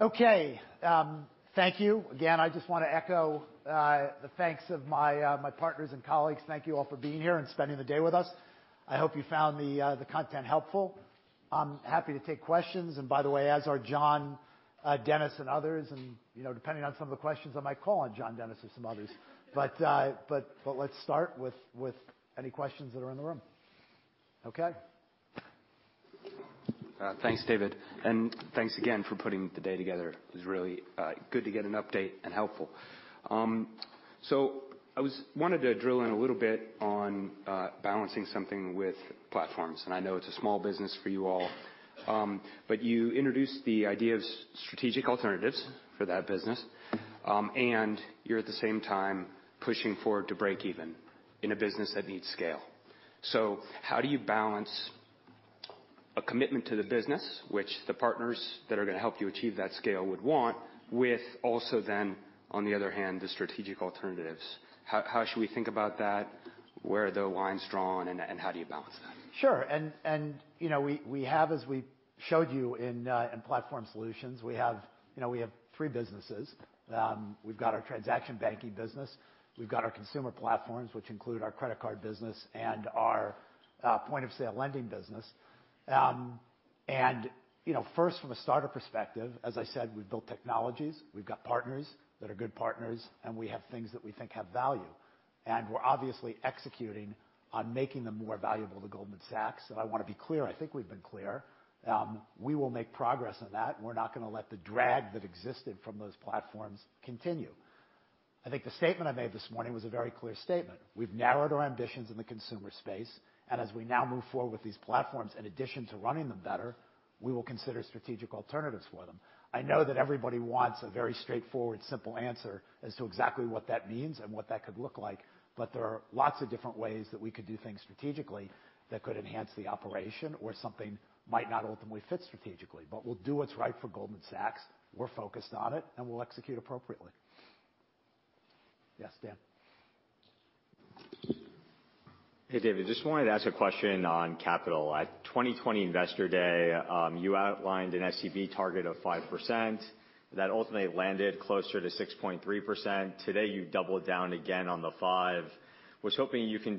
Okay. Thank you. Again, I just wanna echo the thanks of my partners and colleagues. Thank you all for being here and spending the day with us. I hope you found the content helpful. I'm happy to take questions, and by the way, as are John, Denis, and others. You know, depending on some of the questions, I might call on John, Denis, and some others. Let's start with any questions that are in the room. Okay.
Thanks, David. Thanks again for putting the day together. It was really good to get an update and helpful. I wanted to drill in a little bit on balancing something with platforms. I know it's a small business for you all. You introduced the idea of strategic alternatives for that business. You're at the same time pushing forward to breakeven in a business that needs scale. How do you balance a commitment to the business, which the partners that are gonna help you achieve that scale would want, with also then, on the other hand, the strategic alternatives? How should we think about that? Where are the lines drawn, and how do you balance that?
Sure. You know, we have, as we showed you in Platform Solutions, we have, you know, we have three businesses. We've got our transaction banking business. We've got our consumer platforms, which include our credit card business and our point of sale lending business. You know, first, from a starter perspective, as I said, we've built technologies, we've got partners that are good partners, and we have things that we think have value. We're obviously executing on making them more valuable to Goldman Sachs. I wanna be clear, I think we've been clear, we will make progress on that. We're not gonna let the drag that existed from those platforms continue. I think the statement I made this morning was a very clear statement. We've narrowed our ambitions in the consumer space, and as we now move forward with these platforms, in addition to running them better, we will consider strategic alternatives for them. I know that everybody wants a very straightforward, simple answer as to exactly what that means and what that could look like, but there are lots of different ways that we could do things strategically that could enhance the operation, or something might not ultimately fit strategically. We'll do what's right for Goldman Sachs. We're focused on it, and we'll execute appropriately. Yes, Dan.
Hey, David. Just wanted to ask a question on capital. At 2020 Investor Day, you outlined an SCB target of 5% that ultimately landed closer to 6.3%. Today, you doubled down again on the five. Was hoping you can.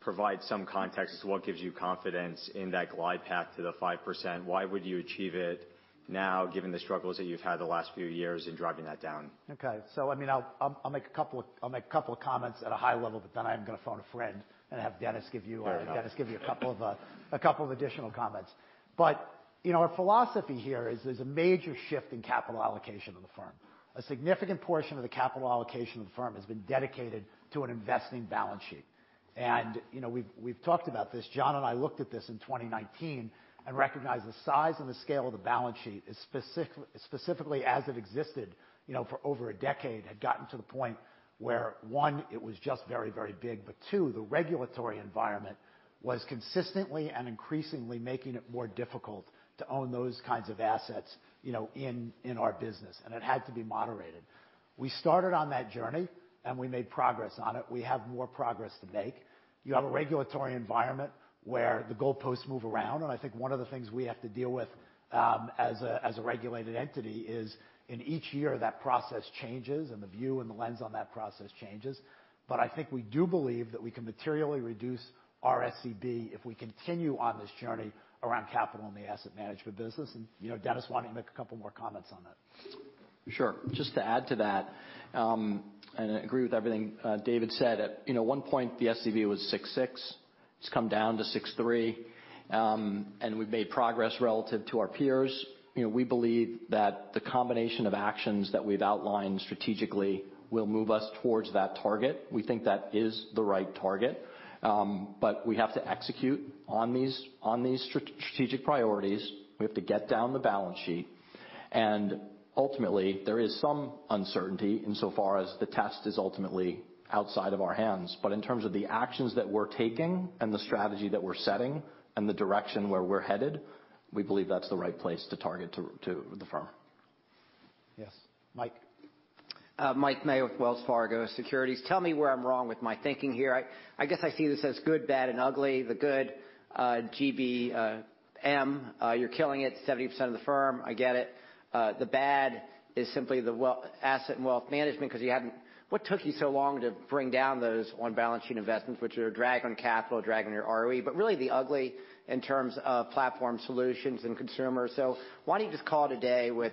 Provide some context as to what gives you confidence in that glide path to the 5%. Why would you achieve it now, given the struggles that you've had the last few years in driving that down?
Okay. I mean, I'll make a couple of comments at a high level, but then I am gonna phone a friend and have Denis give you.
Fair enough.
Denis give you a couple of additional comments. You know, our philosophy here is there's a major shift in capital allocation of the firm. A significant portion of the capital allocation of the firm has been dedicated to an investing balance sheet. You know, we've talked about this. John and I looked at this in 2019 and recognized the size and the scale of the balance sheet is specifically as it existed, you know, for over a decade, had gotten to the point where, one, it was just very, very big, but two, the regulatory environment was consistently and increasingly making it more difficult to own those kinds of assets, you know, in our business, and it had to be moderated. We started on that journey, and we made progress on it. We have more progress to make. You have a regulatory environment where the goalposts move around. I think one of the things we have to deal with, as a regulated entity is in each year that process changes and the view and the lens on that process changes. I think we do believe that we can materially reduce our SCB if we continue on this journey around capital in the asset management business. You know, Denis, why don't you make a couple more comments on that?
Sure. Just to add to that, I agree with everything David said. At, you know, one point, the SCB was 6.6%. It's come down to 6.3%. We've made progress relative to our peers. You know, we believe that the combination of actions that we've outlined strategically will move us towards that target. We think that is the right target. We have to execute on these, on these strategic priorities. We have to get down the balance sheet. Ultimately, there is some uncertainty insofar as the test is ultimately outside of our hands. In terms of the actions that we're taking and the strategy that we're setting and the direction where we're headed, we believe that's the right place to target to the firm.
Yes, Mike.
Mike Mayo with Wells Fargo Securities. Tell me where I'm wrong with my thinking here. I guess I see this as good, bad, and ugly. The good, GBM, you're killing it, 70% of the firm. I get it. The bad is simply the Asset & Wealth Management 'cause you haven't... What took you so long to bring down those on-balance sheet investments, which are a drag on capital, a drag on your ROE? Really the ugly in terms of Platform Solutions and consumers. Why don't you just call it a day with,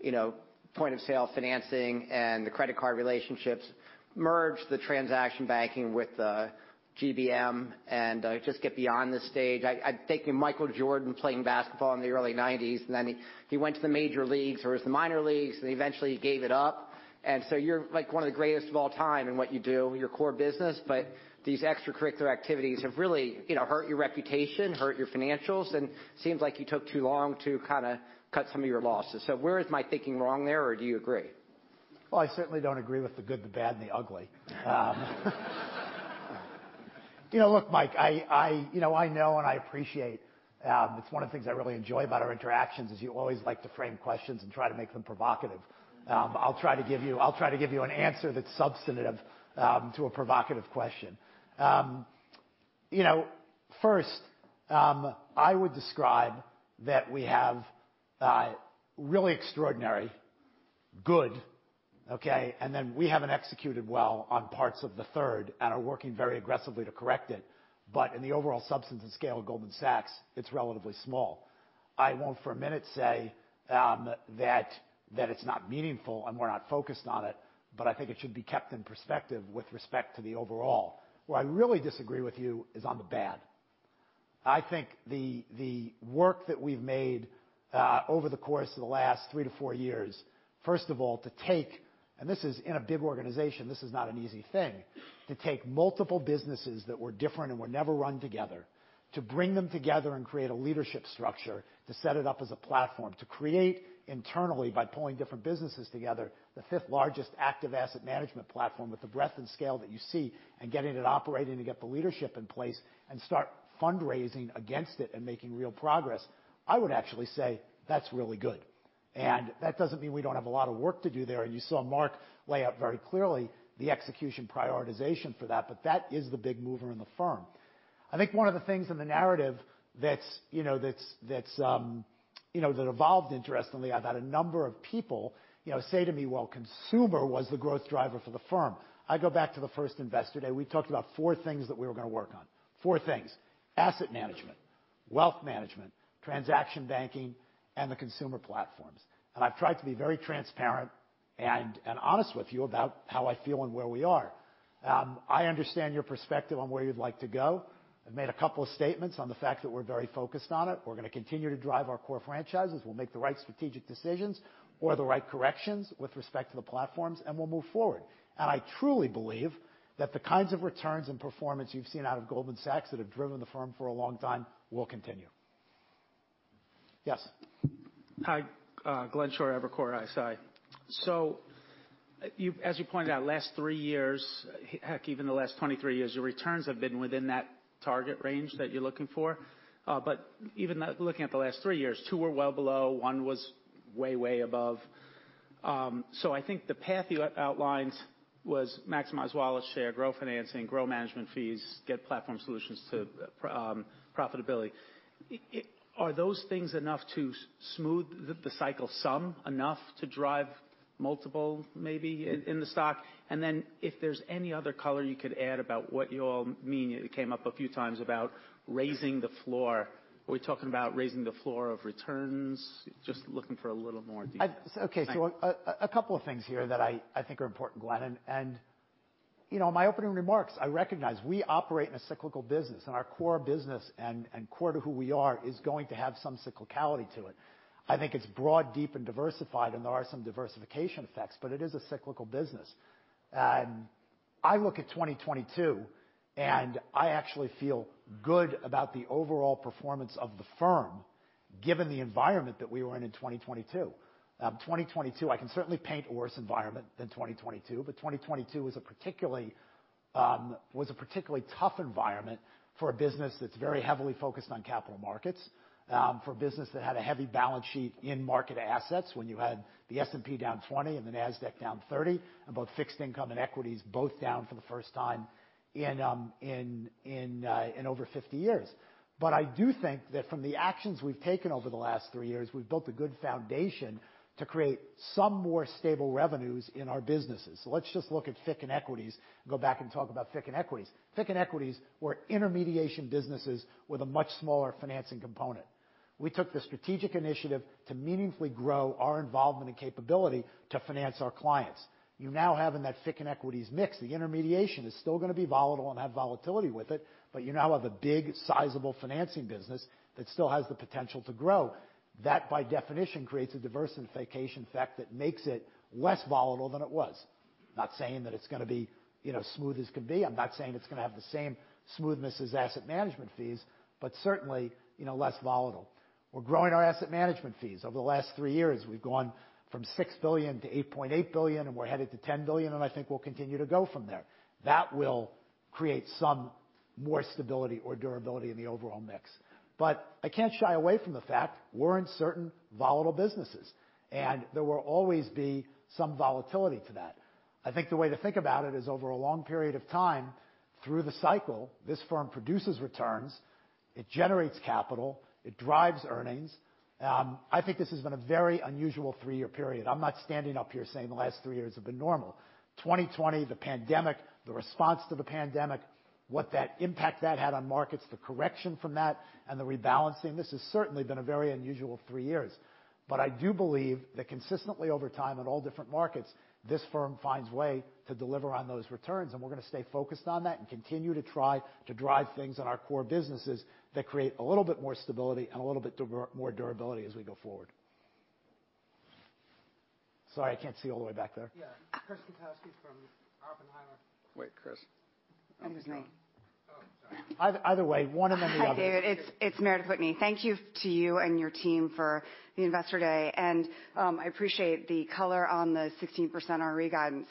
you know, point-of-sale financing and the credit card relationships, merge the Transaction Banking with GBM and just get beyond this stage. I'm thinking Michael Jordan playing basketball in the early nineties, and then he went to the major leagues or it was the minor leagues, and eventually he gave it up. You're like one of the greatest of all time in what you do, your core business. These extracurricular activities have really, you know, hurt your reputation, hurt your financials, and seems like you took too long to kinda cut some of your losses. Where is my thinking wrong there, or do you agree?
Well, I certainly don't agree with the good, the bad, and the ugly. You know, look, Mike, I know and I appreciate, it's one of the things I really enjoy about our interactions is you always like to frame questions and try to make them provocative. I'll try to give you an answer that's substantive to a provocative question. You know, first, I would describe that we have a really extraordinary good, okay, and then we haven't executed well on parts of the third and are working very aggressively to correct it. In the overall substance and scale of Goldman Sachs, it's relatively small. I won't for a minute say, that it's not meaningful and we're not focused on it, but I think it should be kept in perspective with respect to the overall. Where I really disagree with you is on the bad. I think the work that we've made, over the course of the last three to four years, first of all, to take, and this is in a big organization, this is not an easy thing, to take multiple businesses that were different and were never run together, to bring them together and create a leadership structure, to set it up as a platform, to create internally by pulling different businesses together, the fifth largest active asset management platform with the breadth and scale that you see, and getting it operating to get the leadership in place and start fundraising against it and making real progress, I would actually say that's really good. That doesn't mean we don't have a lot of work to do there. You saw Marc lay out very clearly the execution prioritization for that. That is the big mover in the firm. I think one of the things in the narrative that's, you know, that's, you know, that evolved interestingly, I've had a number of people, you know, say to me, "Well, consumer was the growth driver for the firm." I go back to the first Investor Day. We talked about four things that we were gonna work on. Four things. Asset management, wealth management, transaction banking, and the consumer platforms. And I've tried to be very transparent and honest with you about how I feel and where we are. I understand your perspective on where you'd like to go. I've made a couple of statements on the fact that we're very focused on it. We're gonna continue to drive our core franchises. We'll make the right strategic decisions or the right corrections with respect to the platforms, and we'll move forward. I truly believe that the kinds of returns and performance you've seen out of Goldman Sachs that have driven the firm for a long time will continue. Yes.
Hi, Glenn Schorr, Evercore ISI. As you pointed out, last 3 years, heck, even the last 23 years, your returns have been within that target range that you're looking for. Even that, looking at the last 3 years, 2 were well below, 1 was way above. I think the path you outlined was maximize wallet share, grow financing, grow management fees, get Platform Solutions to profitability. It... Are those things enough to smooth the cycle some, enough to drive- Multiple maybe in the stock. Then if there's any other color you could add about what you all mean. It came up a few times about raising the floor. Are we talking about raising the floor of returns? Just looking for a little more detail.
okay.
Thanks.
A couple of things here that I think are important, Glenn, and, you know, my opening remarks, I recognize we operate in a cyclical business, and our core business and core to who we are is going to have some cyclicality to it. I think it's broad, deep, and diversified, and there are some diversification effects, but it is a cyclical business. I look at 2022, and I actually feel good about the overall performance of the firm, given the environment that we were in in 2022. 2022, I can certainly paint a worse environment than 2022, but 2022 was a particularly tough environment for a business that's very heavily focused on capital markets, for a business that had a heavy balance sheet in market assets when you had the S&P down 20 and the Nasdaq down 30, and both fixed income and equities both down for the first time in over 50 years. I do think that from the actions we've taken over the last 3 years, we've built a good foundation to create some more stable revenues in our businesses. Let's just look at FICC and Equities, go back and talk about FICC and Equities. FICC and Equities were intermediation businesses with a much smaller financing component. We took the strategic initiative to meaningfully grow our involvement and capability to finance our clients. You now have in that FICC and Equities mix, the intermediation is still gonna be volatile and have volatility with it, but you now have a big, sizable financing business that still has the potential to grow. That, by definition, creates a diversification effect that makes it less volatile than it was. Not saying that it's gonna be, you know, smooth as can be. I'm not saying it's gonna have the same smoothness as asset management fees. Certainly, you know, less volatile. We're growing our asset management fees. Over the last three years, we've gone from $6 billion to $8.8 billion, and we're headed to $10 billion, and I think we'll continue to go from there. That will create some more stability or durability in the overall mix. I can't shy away from the fact we're in certain volatile businesses, and there will always be some volatility to that. I think the way to think about it is over a long period of time through the cycle, this firm produces returns, it generates capital, it drives earnings. I think this has been a very unusual three-year period. I'm not standing up here saying the last three years have been normal. 2020, the pandemic, the response to the pandemic, what that impact that had on markets, the correction from that and the rebalancing, this has certainly been a very unusual three years. I do believe that consistently over time in all different markets, this firm finds way to deliver on those returns, and we're gonna stay focused on that and continue to try to drive things in our core businesses that create a little bit more stability and a little bit more durability as we go forward. Sorry, I can't see all the way back there.
Yeah. Chris Kotowski from Oppenheimer.
Wait, Chris.
Oh, sorry.
Either way, one and then the other.
Hi, David. It's Meredith Whitney. Thank you to you and your team for the Investor Day. I appreciate the color on the 16% ROE guidance.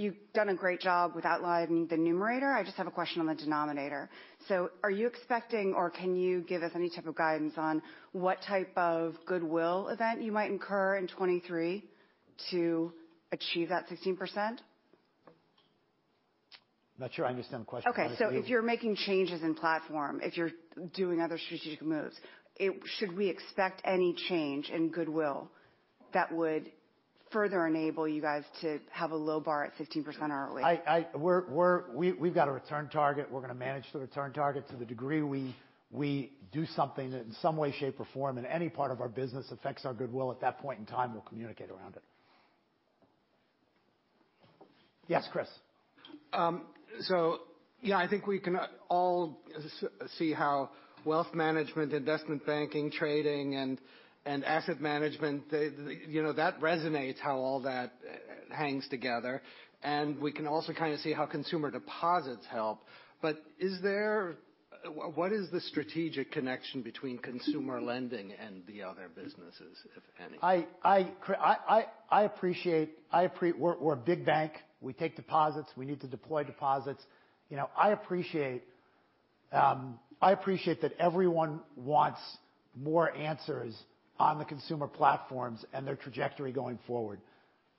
You've done a great job with outlining the numerator. I just have a question on the denominator. Are you expecting, or can you give us any type of guidance on what type of goodwill event you might incur in 23 to achieve that 16%?
Not sure I understand the question.
Okay. If you're making changes in platform, if you're doing other strategic moves, it... Should we expect any change in goodwill that would further enable you guys to have a low bar at 15% ROE?
I. We've got a return target. We're gonna manage the return target to the degree we do something in some way, shape, or form in any part of our business affects our goodwill at that point in time, we'll communicate around it. Yes, Chris.
Yeah, I think we can all see how wealth management, investment banking, trading, and asset management, they, you know, that resonates how all that hangs together. We can also kind of see how consumer deposits help. What is the strategic connection between consumer lending and the other businesses, if any?
I appreciate. We're a big bank. We take deposits. We need to deploy deposits. You know, I appreciate that everyone wants more answers on the consumer platforms and their trajectory going forward.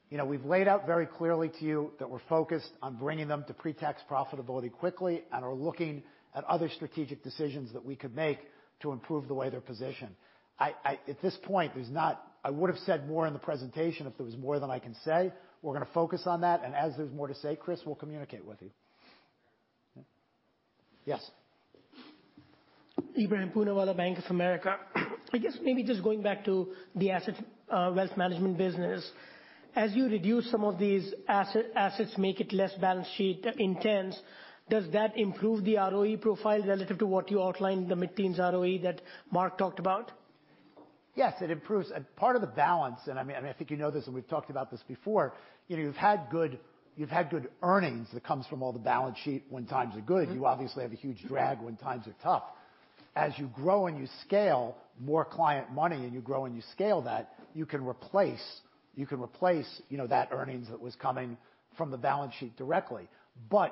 You know, we've laid out very clearly to you that we're focused on bringing them to pre-tax profitability quickly and are looking at other strategic decisions that we could make to improve the way they're positioned. I. At this point, there's not. I would have said more in the presentation if there was more than I can say. We're gonna focus on that, and as there's more to say, Chris, we'll communicate with you. Yes.
Ebrahim Poonawala, Bank of America. I guess maybe just going back to the asset wealth management business, as you reduce some of these assets, make it less balance sheet intense, does that improve the ROE profile relative to what you outlined, the mid-teens ROE that Marc talked about?
Yes, it improves. Part of the balance, and I mean, I think you know this, and we've talked about this before, you know, you've had good earnings that comes from all the balance sheet when times are good.
Mm-hmm.
You obviously have a huge drag when times are tough. As you grow and you scale more client money, and you grow and you scale that, you can replace, you know, that earnings that was coming from the balance sheet directly.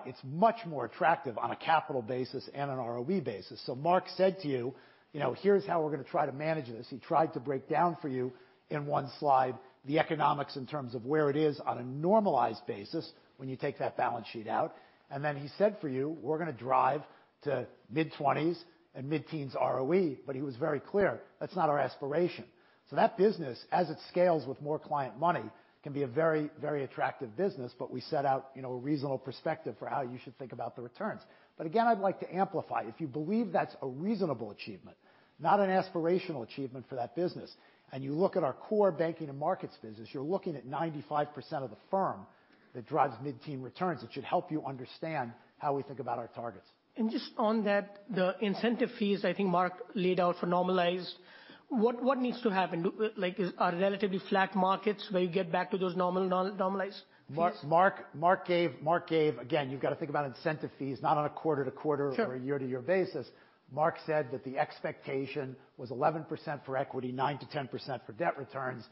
It's much more attractive on a capital basis and an ROE basis. Marc said to you know, "Here's how we're gonna try to manage this." He tried to break down for you in one slide the economics in terms of where it is on a normalized basis when you take that balance sheet out. He said for you, "We're gonna drive to mid-twenties and mid-teens ROE," but he was very clear, that's not our aspiration. That business, as it scales with more client money, can be a very, very attractive business, but we set out, you know, a reasonable perspective for how you should think about the returns. Again, I'd like to amplify. If you believe that's a reasonable achievement, not an aspirational achievement for that business. You look at our core Banking and Markets business, you're looking at 95% of the firm that drives mid-teen returns. It should help you understand how we think about our targets.
Just on that, the incentive fees, I think Marc laid out for normalized. What needs to happen? Like, are relatively flat markets where you get back to those normalized fees?
Marc gave... Again, you've got to think about incentive fees, not on a quarter to quarter-
Sure.
-or a year-to-year basis. Marc said that the expectation was 11% for equity, 9%-10% for debt returns.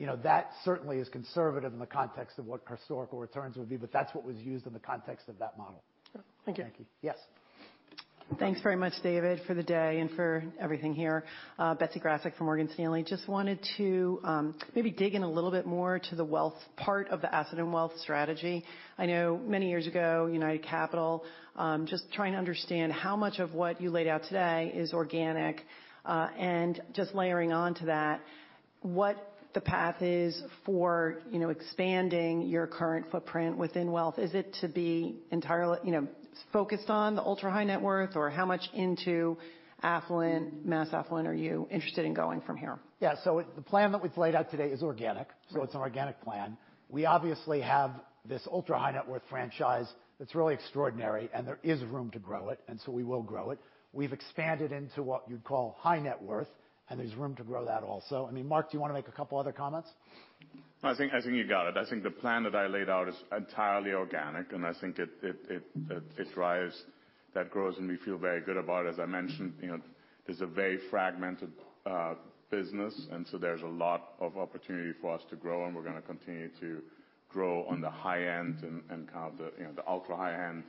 You know, that certainly is conservative in the context of what historical returns would be, but that's what was used in the context of that model.
Thank you.
Yes.
Thanks very much, David, for the day and for everything here. Betsy Graseck from Morgan Stanley. Just wanted to maybe dig in a little bit more to the wealth part of the asset and wealth strategy. I know many years ago, United Capital, just trying to understand how much of what you laid out today is organic, and just layering on to that, what the path is for, you know, expanding your current footprint within wealth. Is it to be entirely, you know, focused on the ultra-high net worth? How much into affluent, mass affluent are you interested in going from here?
Yeah. The plan that we've laid out today is organic.
Sure.
It's an organic plan. We obviously have this ultra-high net worth franchise that's really extraordinary, and there is room to grow it, and so we will grow it. We've expanded into what you'd call high net worth, and there's room to grow that also. I mean, Marc, do you want to make a couple of other comments?
I think you got it. I think the plan that I laid out is entirely organic, and I think it drives that growth, and we feel very good about it. As I mentioned, you know, it's a very fragmented business, and so there's a lot of opportunity for us to grow, and we're gonna continue to grow on the high end and kind of the, you know, the ultra high end.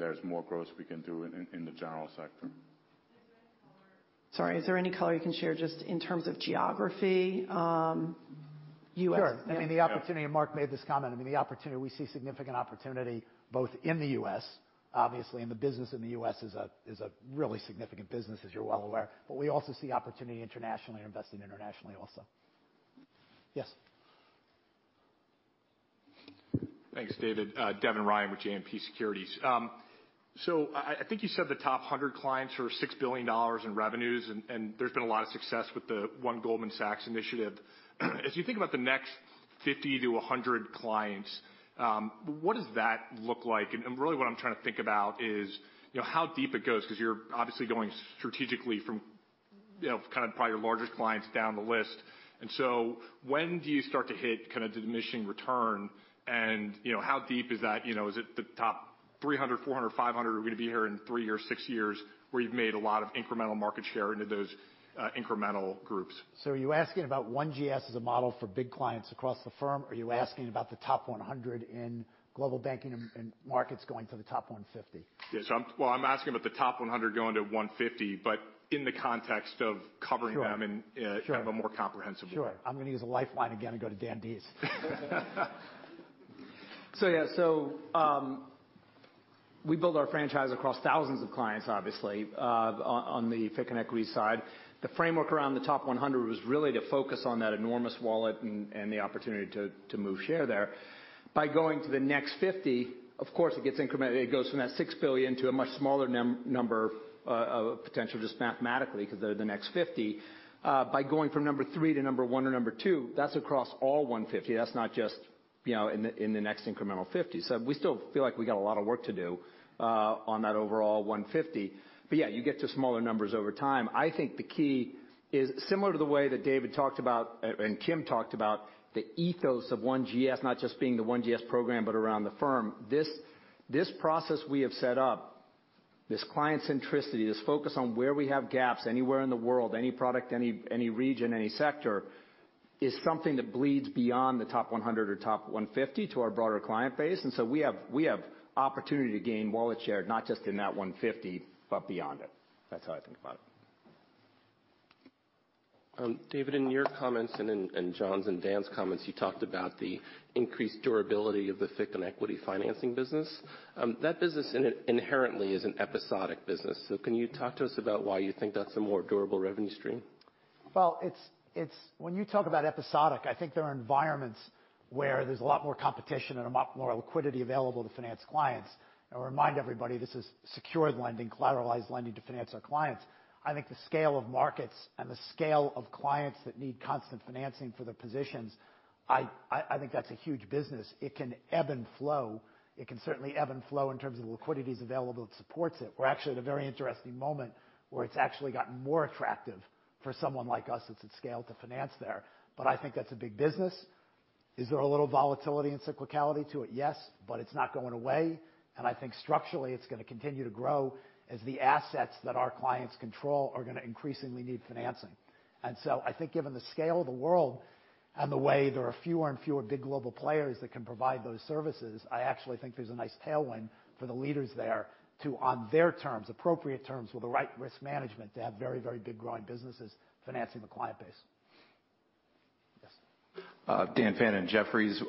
There's more growth we can do in the general sector.
Sorry, is there any color you can share just in terms of geography?
Sure. I mean, the opportunity, and Marc made this comment, we see significant opportunity both in the U.S., obviously, and the business in the U.S. is a really significant business, as you're well aware. We also see opportunity internationally, investing internationally also. Yes.
Thanks, David. Devin Ryan with JMP Securities. I think you said the top 100 clients are $6 billion in revenues, and there's been a lot of success with the One Goldman Sachs initiative. As you think about the next 50 to 100 clients, what does that look like? Really what I'm trying to think about is, you know, how deep it goes, 'cause you're obviously going strategically from, you know, kind of probably your largest clients down the list. When do you start to hit kind of the diminishing return? You know, how deep is that? You know, is it the top 300, 400, 500 are going to be here in three years, six years, where you've made a lot of incremental market share into those incremental groups?
Are you asking about One GS as a model for big clients across the firm, or are you asking about the top 100 in Global Banking & Markets going to the top 150?
Yeah. Well, I'm asking about the top 100 going to 150, but in the context of covering them.
Sure.
in kind of a more comprehensive way.
Sure. I'm gonna use a lifeline again and go to Dan Dees.
Yeah. We build our franchise across thousands of clients, obviously, on the FICC and equity side. The framework around the top 100 was really to focus on that enormous wallet and the opportunity to move share there. By going to the next 50, of course, it gets incremented. It goes from that $6 billion to a much smaller number, potentially just mathematically, because they're the next 50. By going from number three to number one or number two, that's across all 150. That's not just, you know, in the next incremental 50. We still feel like we got a lot of work to do on that overall 150. Yeah, you get to smaller numbers over time. I think the key is similar to the way that David talked about and Kim talked about the ethos of One GS, not just being the One GS program, but around the firm. This process we have set up, this client centricity, this focus on where we have gaps anywhere in the world, any product, any region, any sector, is something that bleeds beyond the top 100 or top 150 to our broader client base. We have opportunity to gain wallet share, not just in that 150, but beyond it. That's how I think about it.
David, in your comments and John's and Dan's comments, you talked about the increased durability of the FICC and equity financing business. That business inherently is an episodic business. Can you talk to us about why you think that's a more durable revenue stream?
Well, it's... When you talk about episodic, I think there are environments where there's a lot more competition and a lot more liquidity available to finance clients. I'll remind everybody, this is secured lending, collateralized lending to finance our clients. I think the scale of markets and the scale of clients that need constant financing for the positions, I think that's a huge business. It can ebb and flow. It can certainly ebb and flow in terms of the liquidities available that supports it. We're actually at a very interesting moment where it's actually gotten more attractive for someone like us that's at scale to finance there. I think that's a big business. Is there a little volatility and cyclicality to it? Yes, but it's not going away. I think structurally, it's going to continue to grow as the assets that our clients control are going to increasingly need financing. I think given the scale of the world and the way there are fewer and fewer big global players that can provide those services, I actually think there's a nice tailwind for the leaders there to, on their terms, appropriate terms, with the right risk management, to have very, very big growing businesses financing the client base.
Daniel Fannon in Jefferies.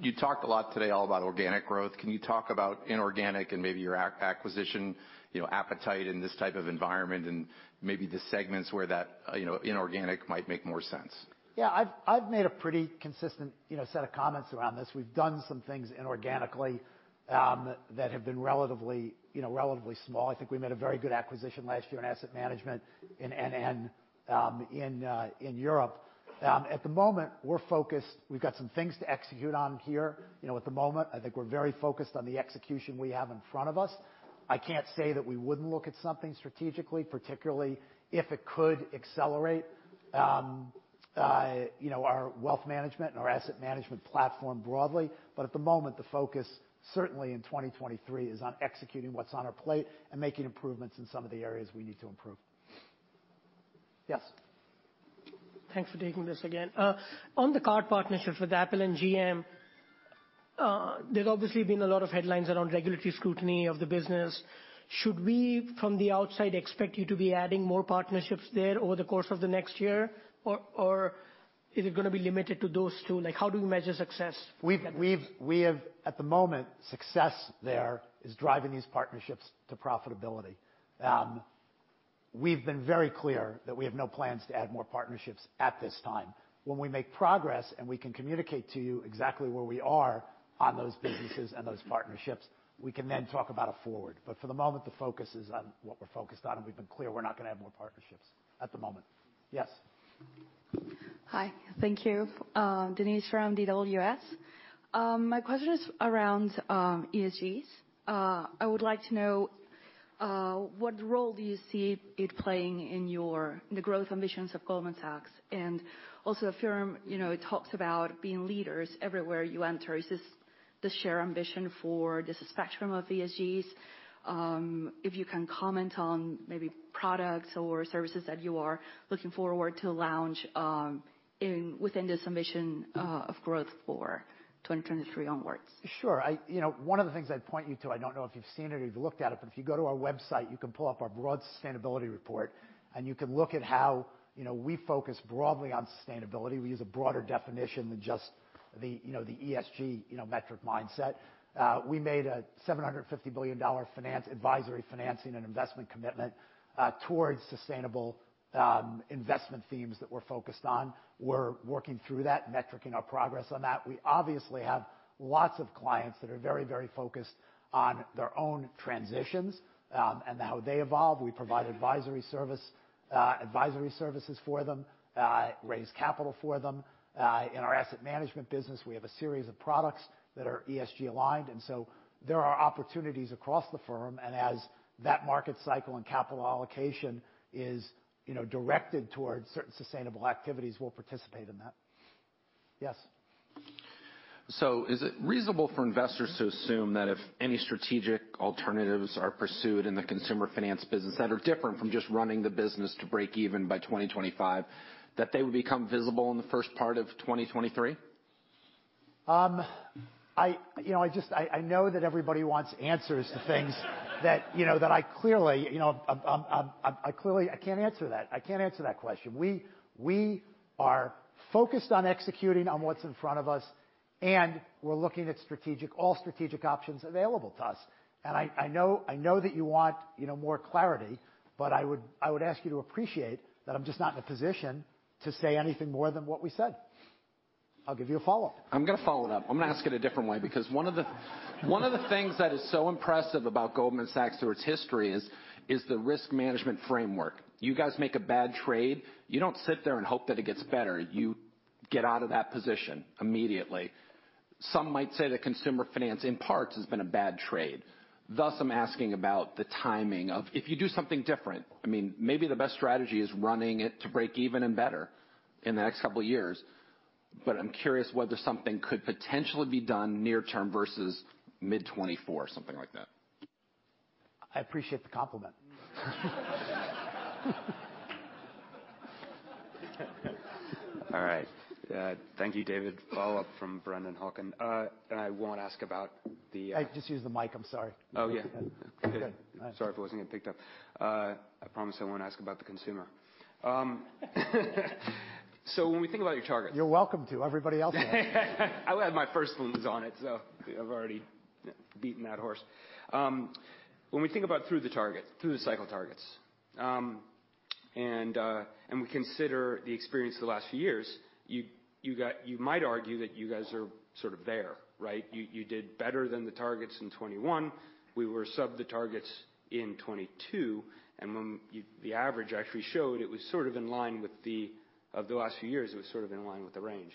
You talked a lot today all about organic growth. Can you talk about inorganic and maybe your acquisition, you know, appetite in this type of environment and maybe the segments where that, you know, inorganic might make more sense?
Yeah. I've made a pretty consistent, you know, set of comments around this. We've done some things inorganically, that have been relatively, you know, relatively small. I think we made a very good acquisition last year in asset management in NN, in Europe. At the moment, we're focused... We've got some things to execute on here. You know, at the moment, I think we're very focused on the execution we have in front of us. I can't say that we wouldn't look at something strategically, particularly if it could accelerate, you know, our wealth management and our asset management platform broadly. At the moment, the focus, certainly in 2023, is on executing what's on our plate and making improvements in some of the areas we need to improve. Yes.
Thanks for taking this again. On the card partnership with Apple and GM, there's obviously been a lot of headlines around regulatory scrutiny of the business. Should we, from the outside, expect you to be adding more partnerships there over the course of the next year, or is it gonna be limited to those two? Like, how do we measure success?
We have At the moment, success there is driving these partnerships to profitability. We've been very clear that we have no plans to add more partnerships at this time. When we make progress, and we can communicate to you exactly where we are on those businesses and those partnerships, we can then talk about it forward. For the moment, the focus is on what we're focused on, and we've been clear we're not gonna add more partnerships at the moment. Yes.
Hi. Thank you. Denise from DWS. My question is around ESGs. I would like to know what role do you see it playing in the growth ambitions of Goldman Sachs? Also the firm, you know, it talks about being leaders everywhere you enter. Is this the shared ambition for the spectrum of ESGs? If you can comment on maybe products or services that you are looking forward to launch in, within this ambition of growth for 2023 onwards.
Sure. You know, one of the things I'd point you to, I don't know if you've seen it or you've looked at it, but if you go to our website, you can pull up our broad sustainability report, and you can look at how, you know, we focus broadly on sustainability. We use a broader definition than just the, you know, the ESG, you know, metric mindset. We made a $750 billion finance, advisory financing and investment commitment towards sustainable investment themes that we're focused on. We're working through that, metricing our progress on that. We obviously have lots of clients that are very, very focused on their own transitions and how they evolve. We provide advisory services for them, raise capital for them. In our asset management business, we have a series of products that are ESG-aligned. There are opportunities across the firm, and as that market cycle and capital allocation is, you know, directed towards certain sustainable activities, we'll participate in that. Yes.
Is it reasonable for investors to assume that if any strategic alternatives are pursued in the consumer finance business that are different from just running the business to break even by 2025, that they would become visible in the first part of 2023?
I, you know, I know that everybody wants answers to things that, you know, that I clearly, you know, can't answer that. I can't answer that question. We are focused on executing on what's in front of us, and we're looking at strategic, all strategic options available to us. I know that you want, you know, more clarity, but I would ask you to appreciate that I'm just not in a position to say anything more than what we said. I'll give you a follow-up.
I'm gonna follow it up. I'm gonna ask it a different way, because one of the things that is so impressive about Goldman Sachs through its history is the risk management framework. You guys make a bad trade, you don't sit there and hope that it gets better. You get out of that position immediately. Some might say that consumer finance, in parts, has been a bad trade. Thus, I'm asking about the timing of if you do something different, I mean, maybe the best strategy is running it to break even and better in the next couple years. I'm curious whether something could potentially be done near term versus mid 2024, something like that.
I appreciate the compliment.
All right. Thank you, David. Follow-up from Brennan Hawken. I won't ask about the.
Just use the mic. I'm sorry.
Oh, yeah.
You're good. All right.
Sorry if it wasn't getting picked up. I promise I won't ask about the consumer. When we think about your targets...
You're welcome to. Everybody else has.
I led my first ones on it, so I've already beaten that horse. When we think about through the target, through the cycle targets, and we consider the experience the last few years, you might argue that you guys are sort of there, right? You did better than the targets in 21. We were sub the targets in 22. The average actually showed it was sort of in line with the range.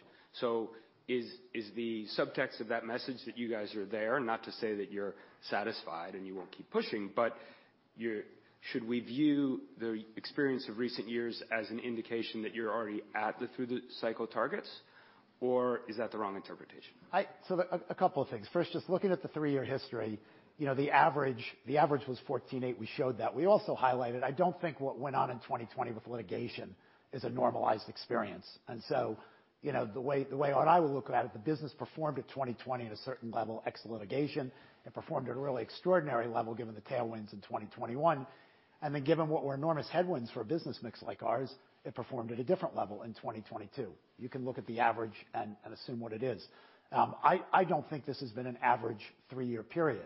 Is the subtext of that message that you guys are there? Not to say that you're satisfied, and you won't keep pushing, but should we view the experience of recent years as an indication that you're already at the through the cycle targets?
Is that the wrong interpretation?
So a couple of things. First, just looking at the three-year history, you know, the average was 14.8. We showed that. We also highlighted, I don't think what went on in 2020 with litigation is a normalized experience. So, you know, the way I would look at it, the business performed at 2020 at a certain level, ex litigation. It performed at a really extraordinary level given the tailwinds in 2021. Then given what were enormous headwinds for a business mix like ours, it performed at a different level in 2022. You can look at the average and assume what it is. I don't think this has been an average three-year period.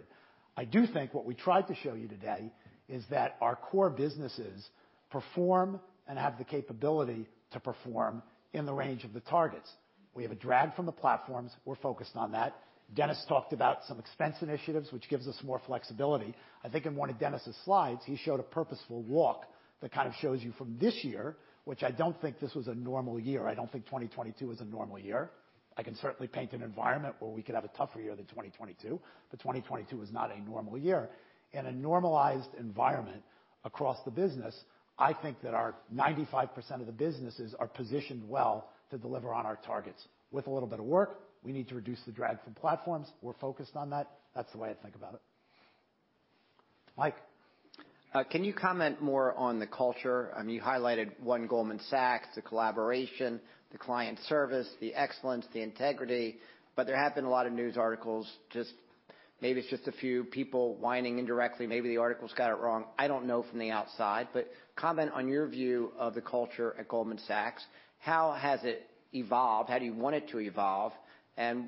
I do think what we tried to show you today is that our core businesses perform and have the capability to perform in the range of the targets. We have a drag from the platforms. We're focused on that. Denis talked about some expense initiatives, which gives us more flexibility. I think in one of Denis's slides, he showed a purposeful walk that kind of shows you from this year, which I don't think this was a normal year. I don't think 2022 was a normal year. I can certainly paint an environment where we could have a tougher year than 2022, but 2022 was not a normal year. In a normalized environment across the business, I think that our 95% of the businesses are positioned well to deliver on our targets. With a little bit of work, we need to reduce the drag from platforms. We're focused on that. That's the way I think about it. Mike?
Can you comment more on the culture? I mean, you highlighted One Goldman Sachs, the collaboration, the client service, the excellence, the integrity. There have been a lot of news articles, just maybe it's just a few people whining indirectly. Maybe the articles got it wrong. I don't know from the outside. Comment on your view of the culture at Goldman Sachs. How has it evolved? How do you want it to evolve?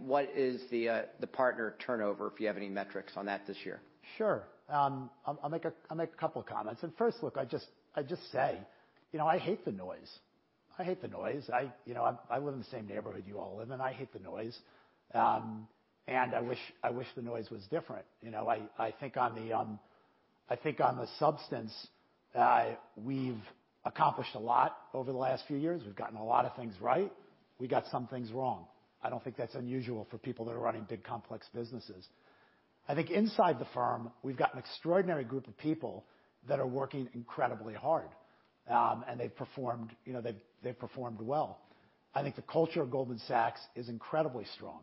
What is the partner turnover, if you have any metrics on that this year?
Sure. I'll make a couple comments. First, look, I just say, you know, I hate the noise. I hate the noise. I, you know, I live in the same neighborhood you all live in. I hate the noise. I wish the noise was different. You know, I think on the, I think on the substance, we've accomplished a lot over the last few years. We've gotten a lot of things right. We got some things wrong. I don't think that's unusual for people that are running big, complex businesses. I think inside the firm, we've got an extraordinary group of people that are working incredibly hard. They've performed, you know, they've performed well. I think the culture of Goldman Sachs is incredibly strong.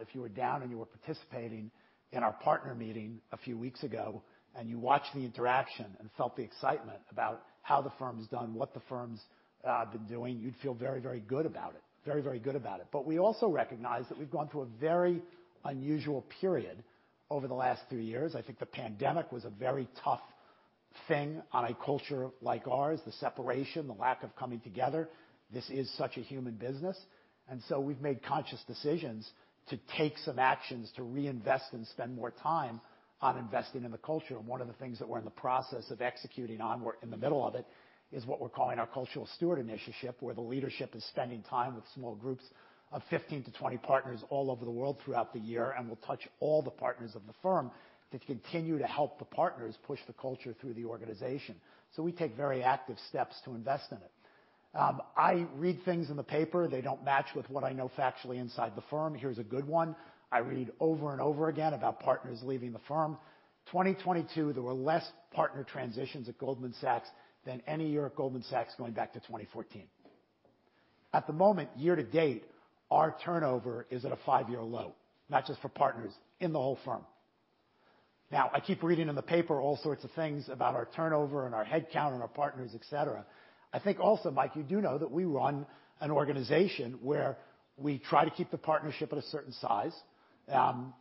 If you were down and you were participating in our partner meeting a few weeks ago, you watched the interaction and felt the excitement about how the firm's done, what the firm's been doing, you'd feel very, very good about it. Very, very good about it. We also recognize that we've gone through a very unusual period over the last three years. I think the pandemic was a very tough thing on a culture like ours, the separation, the lack of coming together. This is such a human business. We've made conscious decisions to take some actions to reinvest and spend more time on investing in the culture. One of the things that we're in the process of executing on, we're in the middle of it, is what we're calling our cultural steward initiative, where the leadership is spending time with small groups of 15 to 20 partners all over the world throughout the year and will touch all the partners of the firm to continue to help the partners push the culture through the organization. We take very active steps to invest in it. I read things in the paper, they don't match with what I know factually inside the firm. Here's a good one. I read over and over again about partners leaving the firm. 2022, there were less partner transitions at Goldman Sachs than any year at Goldman Sachs going back to 2014. At the moment, year to date, our turnover is at a five-year low, not just for partners, in the whole firm. Now, I keep reading in the paper all sorts of things about our turnover and our head count and our partners, et cetera. I think also, Mike, you do know that we run an organization where we try to keep the partnership at a certain size.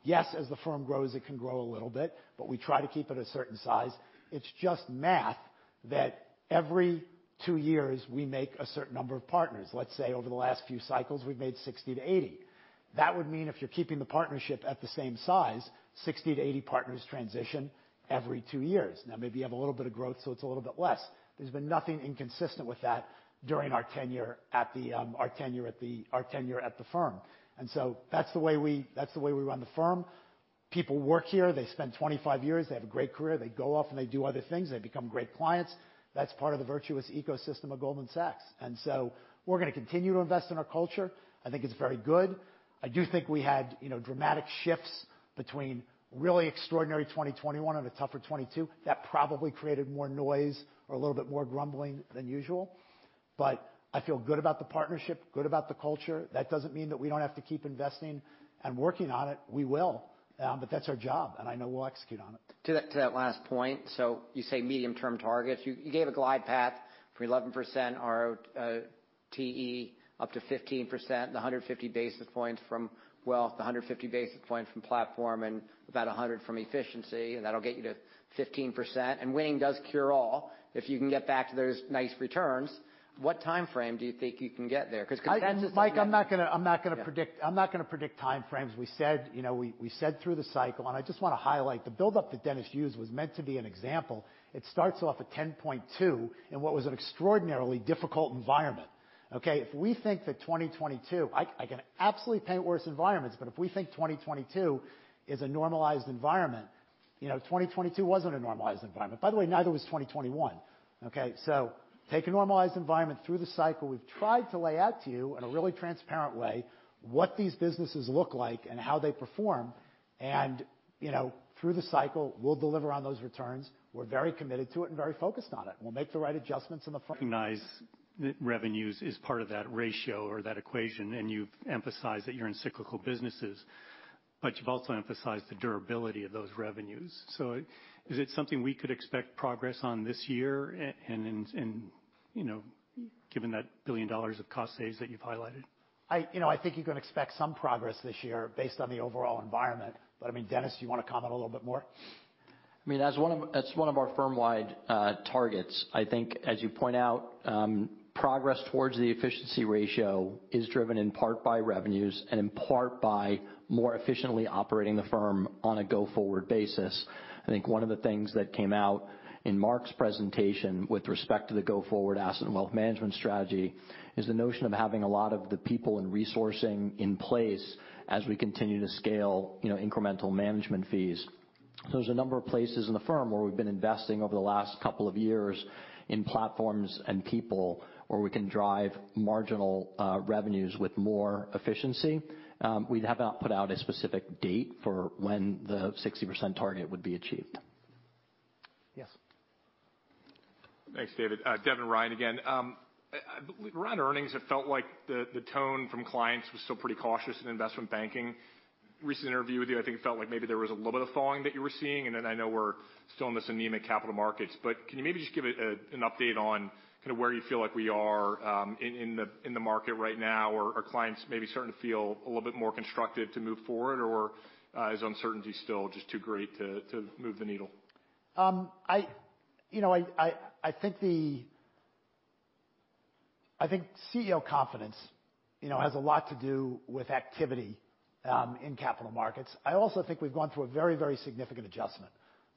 Yes, as the firm grows, it can grow a little bit, but we try to keep it a certain size. It's just math that every two years, we make a certain number of partners. Let's say over the last few cycles, we've made 60 to 80. That would mean if you're keeping the partnership at the same size, 60 to 80 partners transition every two years. Now, maybe you have a little bit of growth, so it's a little bit less. There's been nothing inconsistent with that during our tenure at the firm. That's the way we run the firm. People work here. They spend 25 years. They have a great career. They go off and they do other things. They become great clients. That's part of the virtuous ecosystem of Goldman Sachs. We're gonna continue to invest in our culture. I think it's very good. I do think we had, you know, dramatic shifts between really extraordinary 2021 and a tougher 2022. That probably created more noise or a little bit more grumbling than usual. I feel good about the partnership, good about the culture. That doesn't mean that we don't have to keep investing and working on it. We will. That's our job, and I know we'll execute on it.
To that last point, so you say medium-term targets. You, you gave a glide path for 11% ROTE, up to 15%, the 150 basis points from, well, the 150 basis points from platform and about 100 from efficiency, and that'll get you to 15%. Winning does cure all. If you can get back to those nice returns, what timeframe do you think you can get there? Because consensus-
Mike, I'm not gonna.
Yeah.
I'm not gonna predict timeframes. We said, you know, we said through the cycle, I just wanna highlight the buildup that Denis used was meant to be an example. It starts off at 10.2 in what was an extraordinarily difficult environment. Okay? If we think that 2022, I can absolutely paint worse environments, but if we think 2022 is a normalized environment, you know, 2022 wasn't a normalized environment. By the way, neither was 2021. Okay? Take a normalized environment through the cycle. We've tried to lay out to you in a really transparent way what these businesses look like and how they perform. You know, through the cycle, we'll deliver on those returns. We're very committed to it and very focused on it. We'll make the right adjustments in the front-
Recognize that revenues is part of that ratio or that equation, and you've emphasized that you're in cyclical businesses, but you've also emphasized the durability of those revenues. Is it something we could expect progress on this year, and, you know, given that $1 billion of cost saves that you've highlighted?
I, you know, I think you can expect some progress this year based on the overall environment. I mean, Denis, you wanna comment a little bit more?
I mean, that's one of our firm-wide targets. I think as you point out, progress towards the efficiency ratio is driven in part by revenues and in part by more efficiently operating the firm on a go-forward basis. I think one of the things that came out in Marc's presentation with respect to the go-forward Asset & Wealth Management strategy is the notion of having a lot of the people and resourcing in place as we continue to scale, you know, incremental management fees. There's a number of places in the firm where we've been investing over the last couple of years in platforms and people where we can drive marginal revenues with more efficiency. We have not put out a specific date for when the 60% target would be achieved.
Yes.
Thanks, David. Devin Ryan again. Around earnings, it felt like the tone from clients was still pretty cautious in investment banking. Recent interview with you, I think it felt like maybe there was a little bit of thawing that you were seeing. I know we're still in this anemic capital markets. Can you maybe just give an update on kinda where you feel like we are in the market right now, or are clients maybe starting to feel a little bit more constructive to move forward? Is uncertainty still just too great to move the needle?
I, you know, I think CEO confidence, you know, has a lot to do with activity in capital markets. I also think we've gone through a very significant adjustment.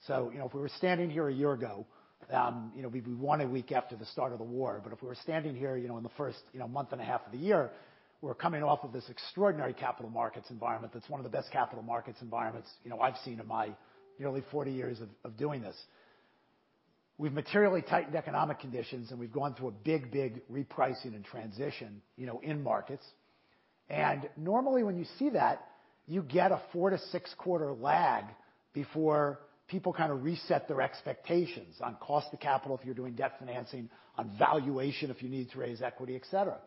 You know, if we were standing here a year ago, you know, we'd be one a week after the start of the war. If we were standing here, you know, in the first, you know, month and a half of the year, we're coming off of this extraordinary capital markets environment that's one of the best capital markets environments, you know, I've seen in my nearly 40 years of doing this. We've materially tightened economic conditions, and we've gone through a big repricing and transition, you know, in markets. Normally when you see that, you get a 4-6 quarter lag before people kind of reset their expectations on cost to capital if you're doing debt financing, on valuation if you need to raise equity, et cetera.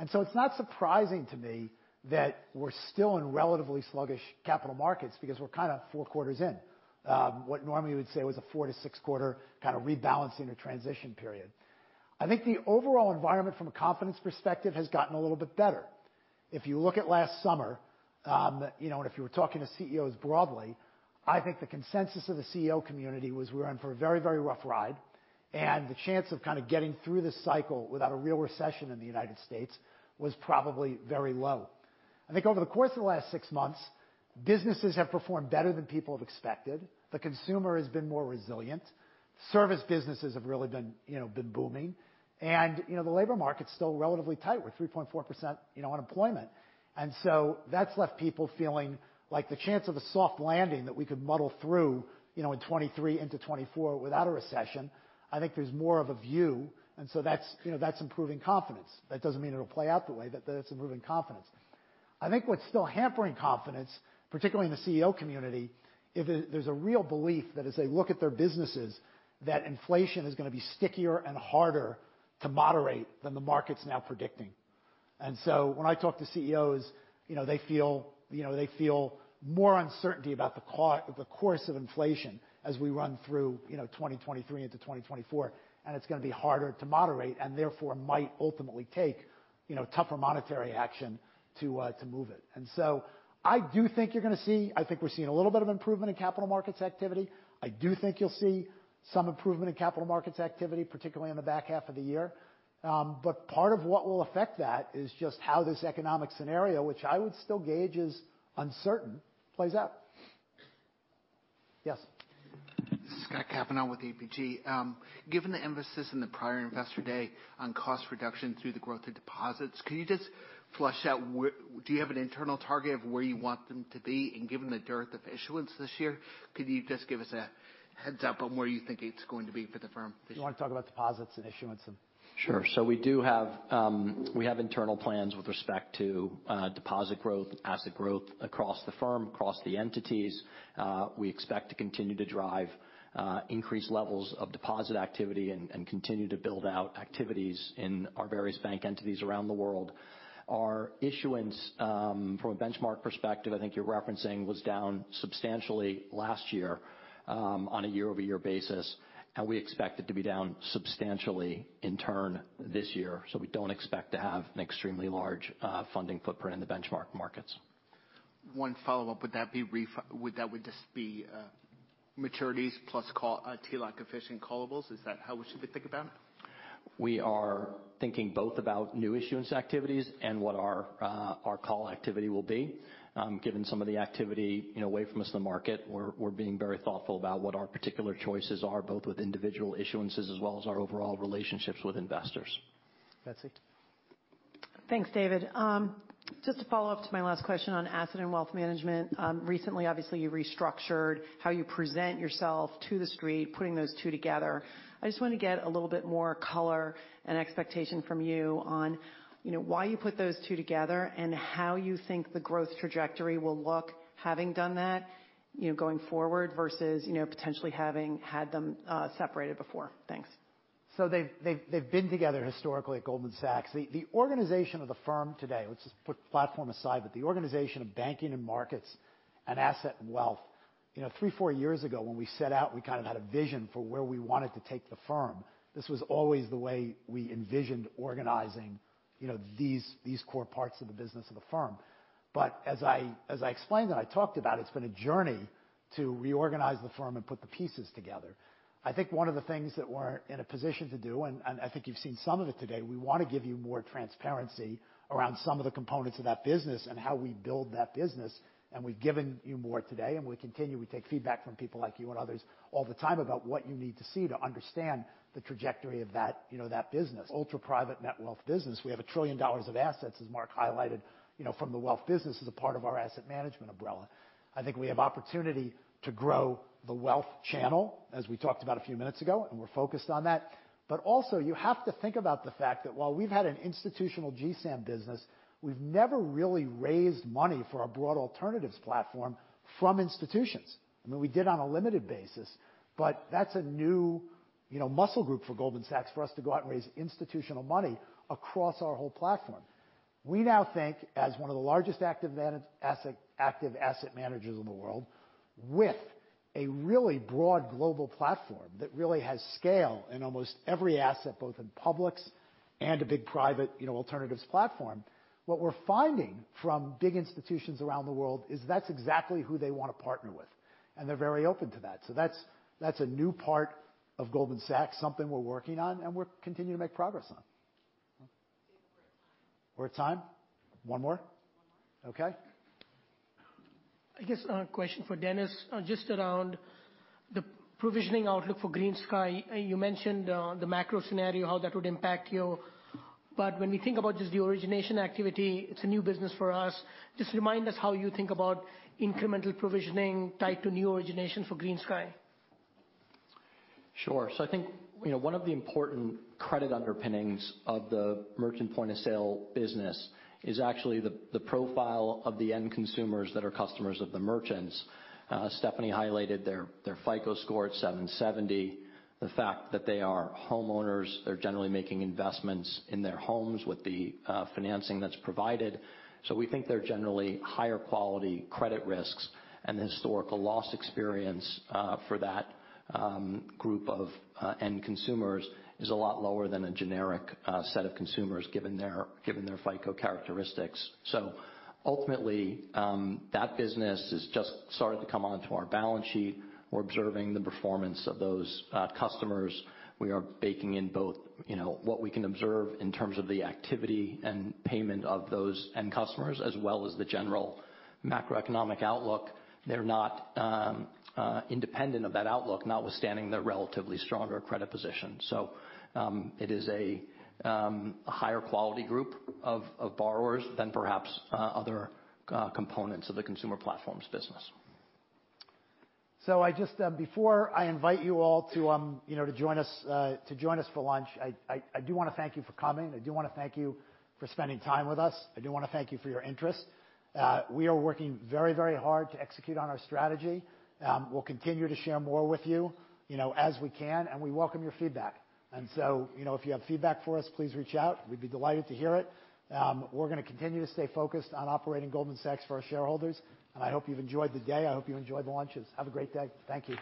It's not surprising to me that we're still in relatively sluggish capital markets because we're kind of 4 quarters in, what normally you would say was a 4-6 quarter kind of rebalancing or transition period. I think the overall environment from a confidence perspective has gotten a little bit better. If you look at last summer, you know, if you were talking to CEOs broadly, I think the consensus of the CEO community was we're in for a very, very rough ride, and the chance of kind of getting through this cycle without a real recession in the United States was probably very low. I think over the course of the last six months, businesses have performed better than people have expected. The consumer has been more resilient. Service businesses have really been, you know, been booming. The labor market's still relatively tight with 3.4%, you know, unemployment. That's left people feeling like the chance of a soft landing that we could muddle through, you know, in 2023 into 2024 without a recession, I think there's more of a view, and so that's, you know, that's improving confidence. That doesn't mean it'll play out the way, but that's improving confidence. I think what's still hampering confidence, particularly in the CEO community, is there's a real belief that as they look at their businesses, that inflation is gonna be stickier and harder to moderate than the market's now predicting. When I talk to CEOs, you know, they feel, you know, they feel more uncertainty about the course of inflation as we run through, you know, 2023 into 2024, and it's gonna be harder to moderate and therefore might ultimately take, you know, tougher monetary action to move it. I think we're seeing a little bit of improvement in capital markets activity. I do think you'll see some improvement in capital markets activity, particularly in the back half of the year. Part of what will affect that is just how this economic scenario, which I would still gauge as uncertain, plays out. Yes.
This is Scott Cavanagh with APG. Given the emphasis in the prior Investor Day on cost reduction through the growth of deposits, can you just flush out do you have an internal target of where you want them to be? Given the dearth of issuance this year, could you just give us a heads-up on where you think it's going to be for the firm this year?
You wanna talk about deposits and issuance and...
Sure. We do have internal plans with respect to deposit growth, asset growth across the firm, across the entities. We expect to continue to drive increased levels of deposit activity and continue to build out activities in our various bank entities around the world. Our issuance, from a benchmark perspective, I think you're referencing, was down substantially last year, on a year-over-year basis, and we expect it to be down substantially in turn this year. We don't expect to have an extremely large funding footprint in the benchmark markets.
One follow-up. Would that just be, maturities plus call, TLAC efficient callables? Is that how we should be think about it?
We are thinking both about new issuance activities and what our call activity will be. Given some of the activity, you know, away from us in the market, we're being very thoughtful about what our particular choices are, both with individual issuances as well as our overall relationships with investors.
Betsy.
Thanks, David. Just to follow up to my last question on Asset & Wealth Management. Recently, obviously, you restructured how you present yourself to the street, putting those two together. I just wanna get a little bit more color and expectation from you on, you know, why you put those two together and how you think the growth trajectory will look having done that, you know, going forward versus, you know, potentially having had them separated before. Thanks.
They've been together historically at Goldman Sachs. The organization of the firm today, let's just put the platform aside, the organization of Global Banking & Markets and Asset & Wealth Management, you know, three, four years ago, when we set out, we kind of had a vision for where we wanted to take the firm. This was always the way we envisioned organizing, you know, these core parts of the business of the firm. As I explained and I talked about, it's been a journey to reorganize the firm and put the pieces together. I think one of the things that we're in a position to do, and I think you've seen some of it today, we wanna give you more transparency around some of the components of that business and how we build that business. We've given you more today, and we continue. We take feedback from people like you and others all the time about what you need to see to understand the trajectory of that, you know, that business. Ultra private net wealth business, we have $1 trillion of assets, as Marc highlighted, you know, from the wealth business as a part of our asset management umbrella. I think we have opportunity to grow the wealth channel, as we talked about a few minutes ago, and we're focused on that. Also, you have to think about the fact that while we've had an institutional GSAM business, we've never really raised money for our broad alternatives platform from institutions. I mean, we did on a limited basis, but that's a new, you know, muscle group for Goldman Sachs, for us to go out and raise institutional money across our whole platform. We now think as one of the largest active asset managers in the world with a really broad global platform that really has scale in almost every asset, both in publics and a big private, you know, alternatives platform. What we're finding from big institutions around the world is that's exactly who they wanna partner with, and they're very open to that. That's, that's a new part of Goldman Sachs, something we're working on and we're continuing to make progress on. David, we're at time. We're at time? One more. One more. Okay.
I guess a question for Denis, just around the provisioning outlook for GreenSky. You mentioned, the macro scenario, how that would impact you. When we think about just the origination activity, it's a new business for us. Just remind us how you think about incremental provisioning tied to new origination for GreenSky.
Sure. I think, you know, one of the important credit underpinnings of the merchant point of sale business is actually the profile of the end consumers that are customers of the merchants. Stephanie highlighted their FICO score at 770. The fact that they are homeowners, they're generally making investments in their homes with the financing that's provided. We think they're generally higher quality credit risks, and the historical loss experience for that group of end consumers is a lot lower than a generic set of consumers given their, given their FICO characteristics. Ultimately, that business has just started to come onto our balance sheet. We're observing the performance of those customers. We are baking in both, you know, what we can observe in terms of the activity and payment of those end customers, as well as the general macroeconomic outlook. They're not independent of that outlook, notwithstanding their relatively stronger credit position. It is a higher quality group of borrowers than perhaps other components of the consumer platforms business.
I just, before I invite you all to, you know, to join us, to join us for lunch, I do wanna thank you for coming. I do wanna thank you for spending time with us. I do wanna thank you for your interest. We are working very, very hard to execute on our strategy. We'll continue to share more with you know, as we can, and we welcome your feedback. You know, if you have feedback for us, please reach out. We'd be delighted to hear it. We're gonna continue to stay focused on operating Goldman Sachs for our shareholders, and I hope you've enjoyed the day. I hope you enjoy the lunches. Have a great day. Thank you.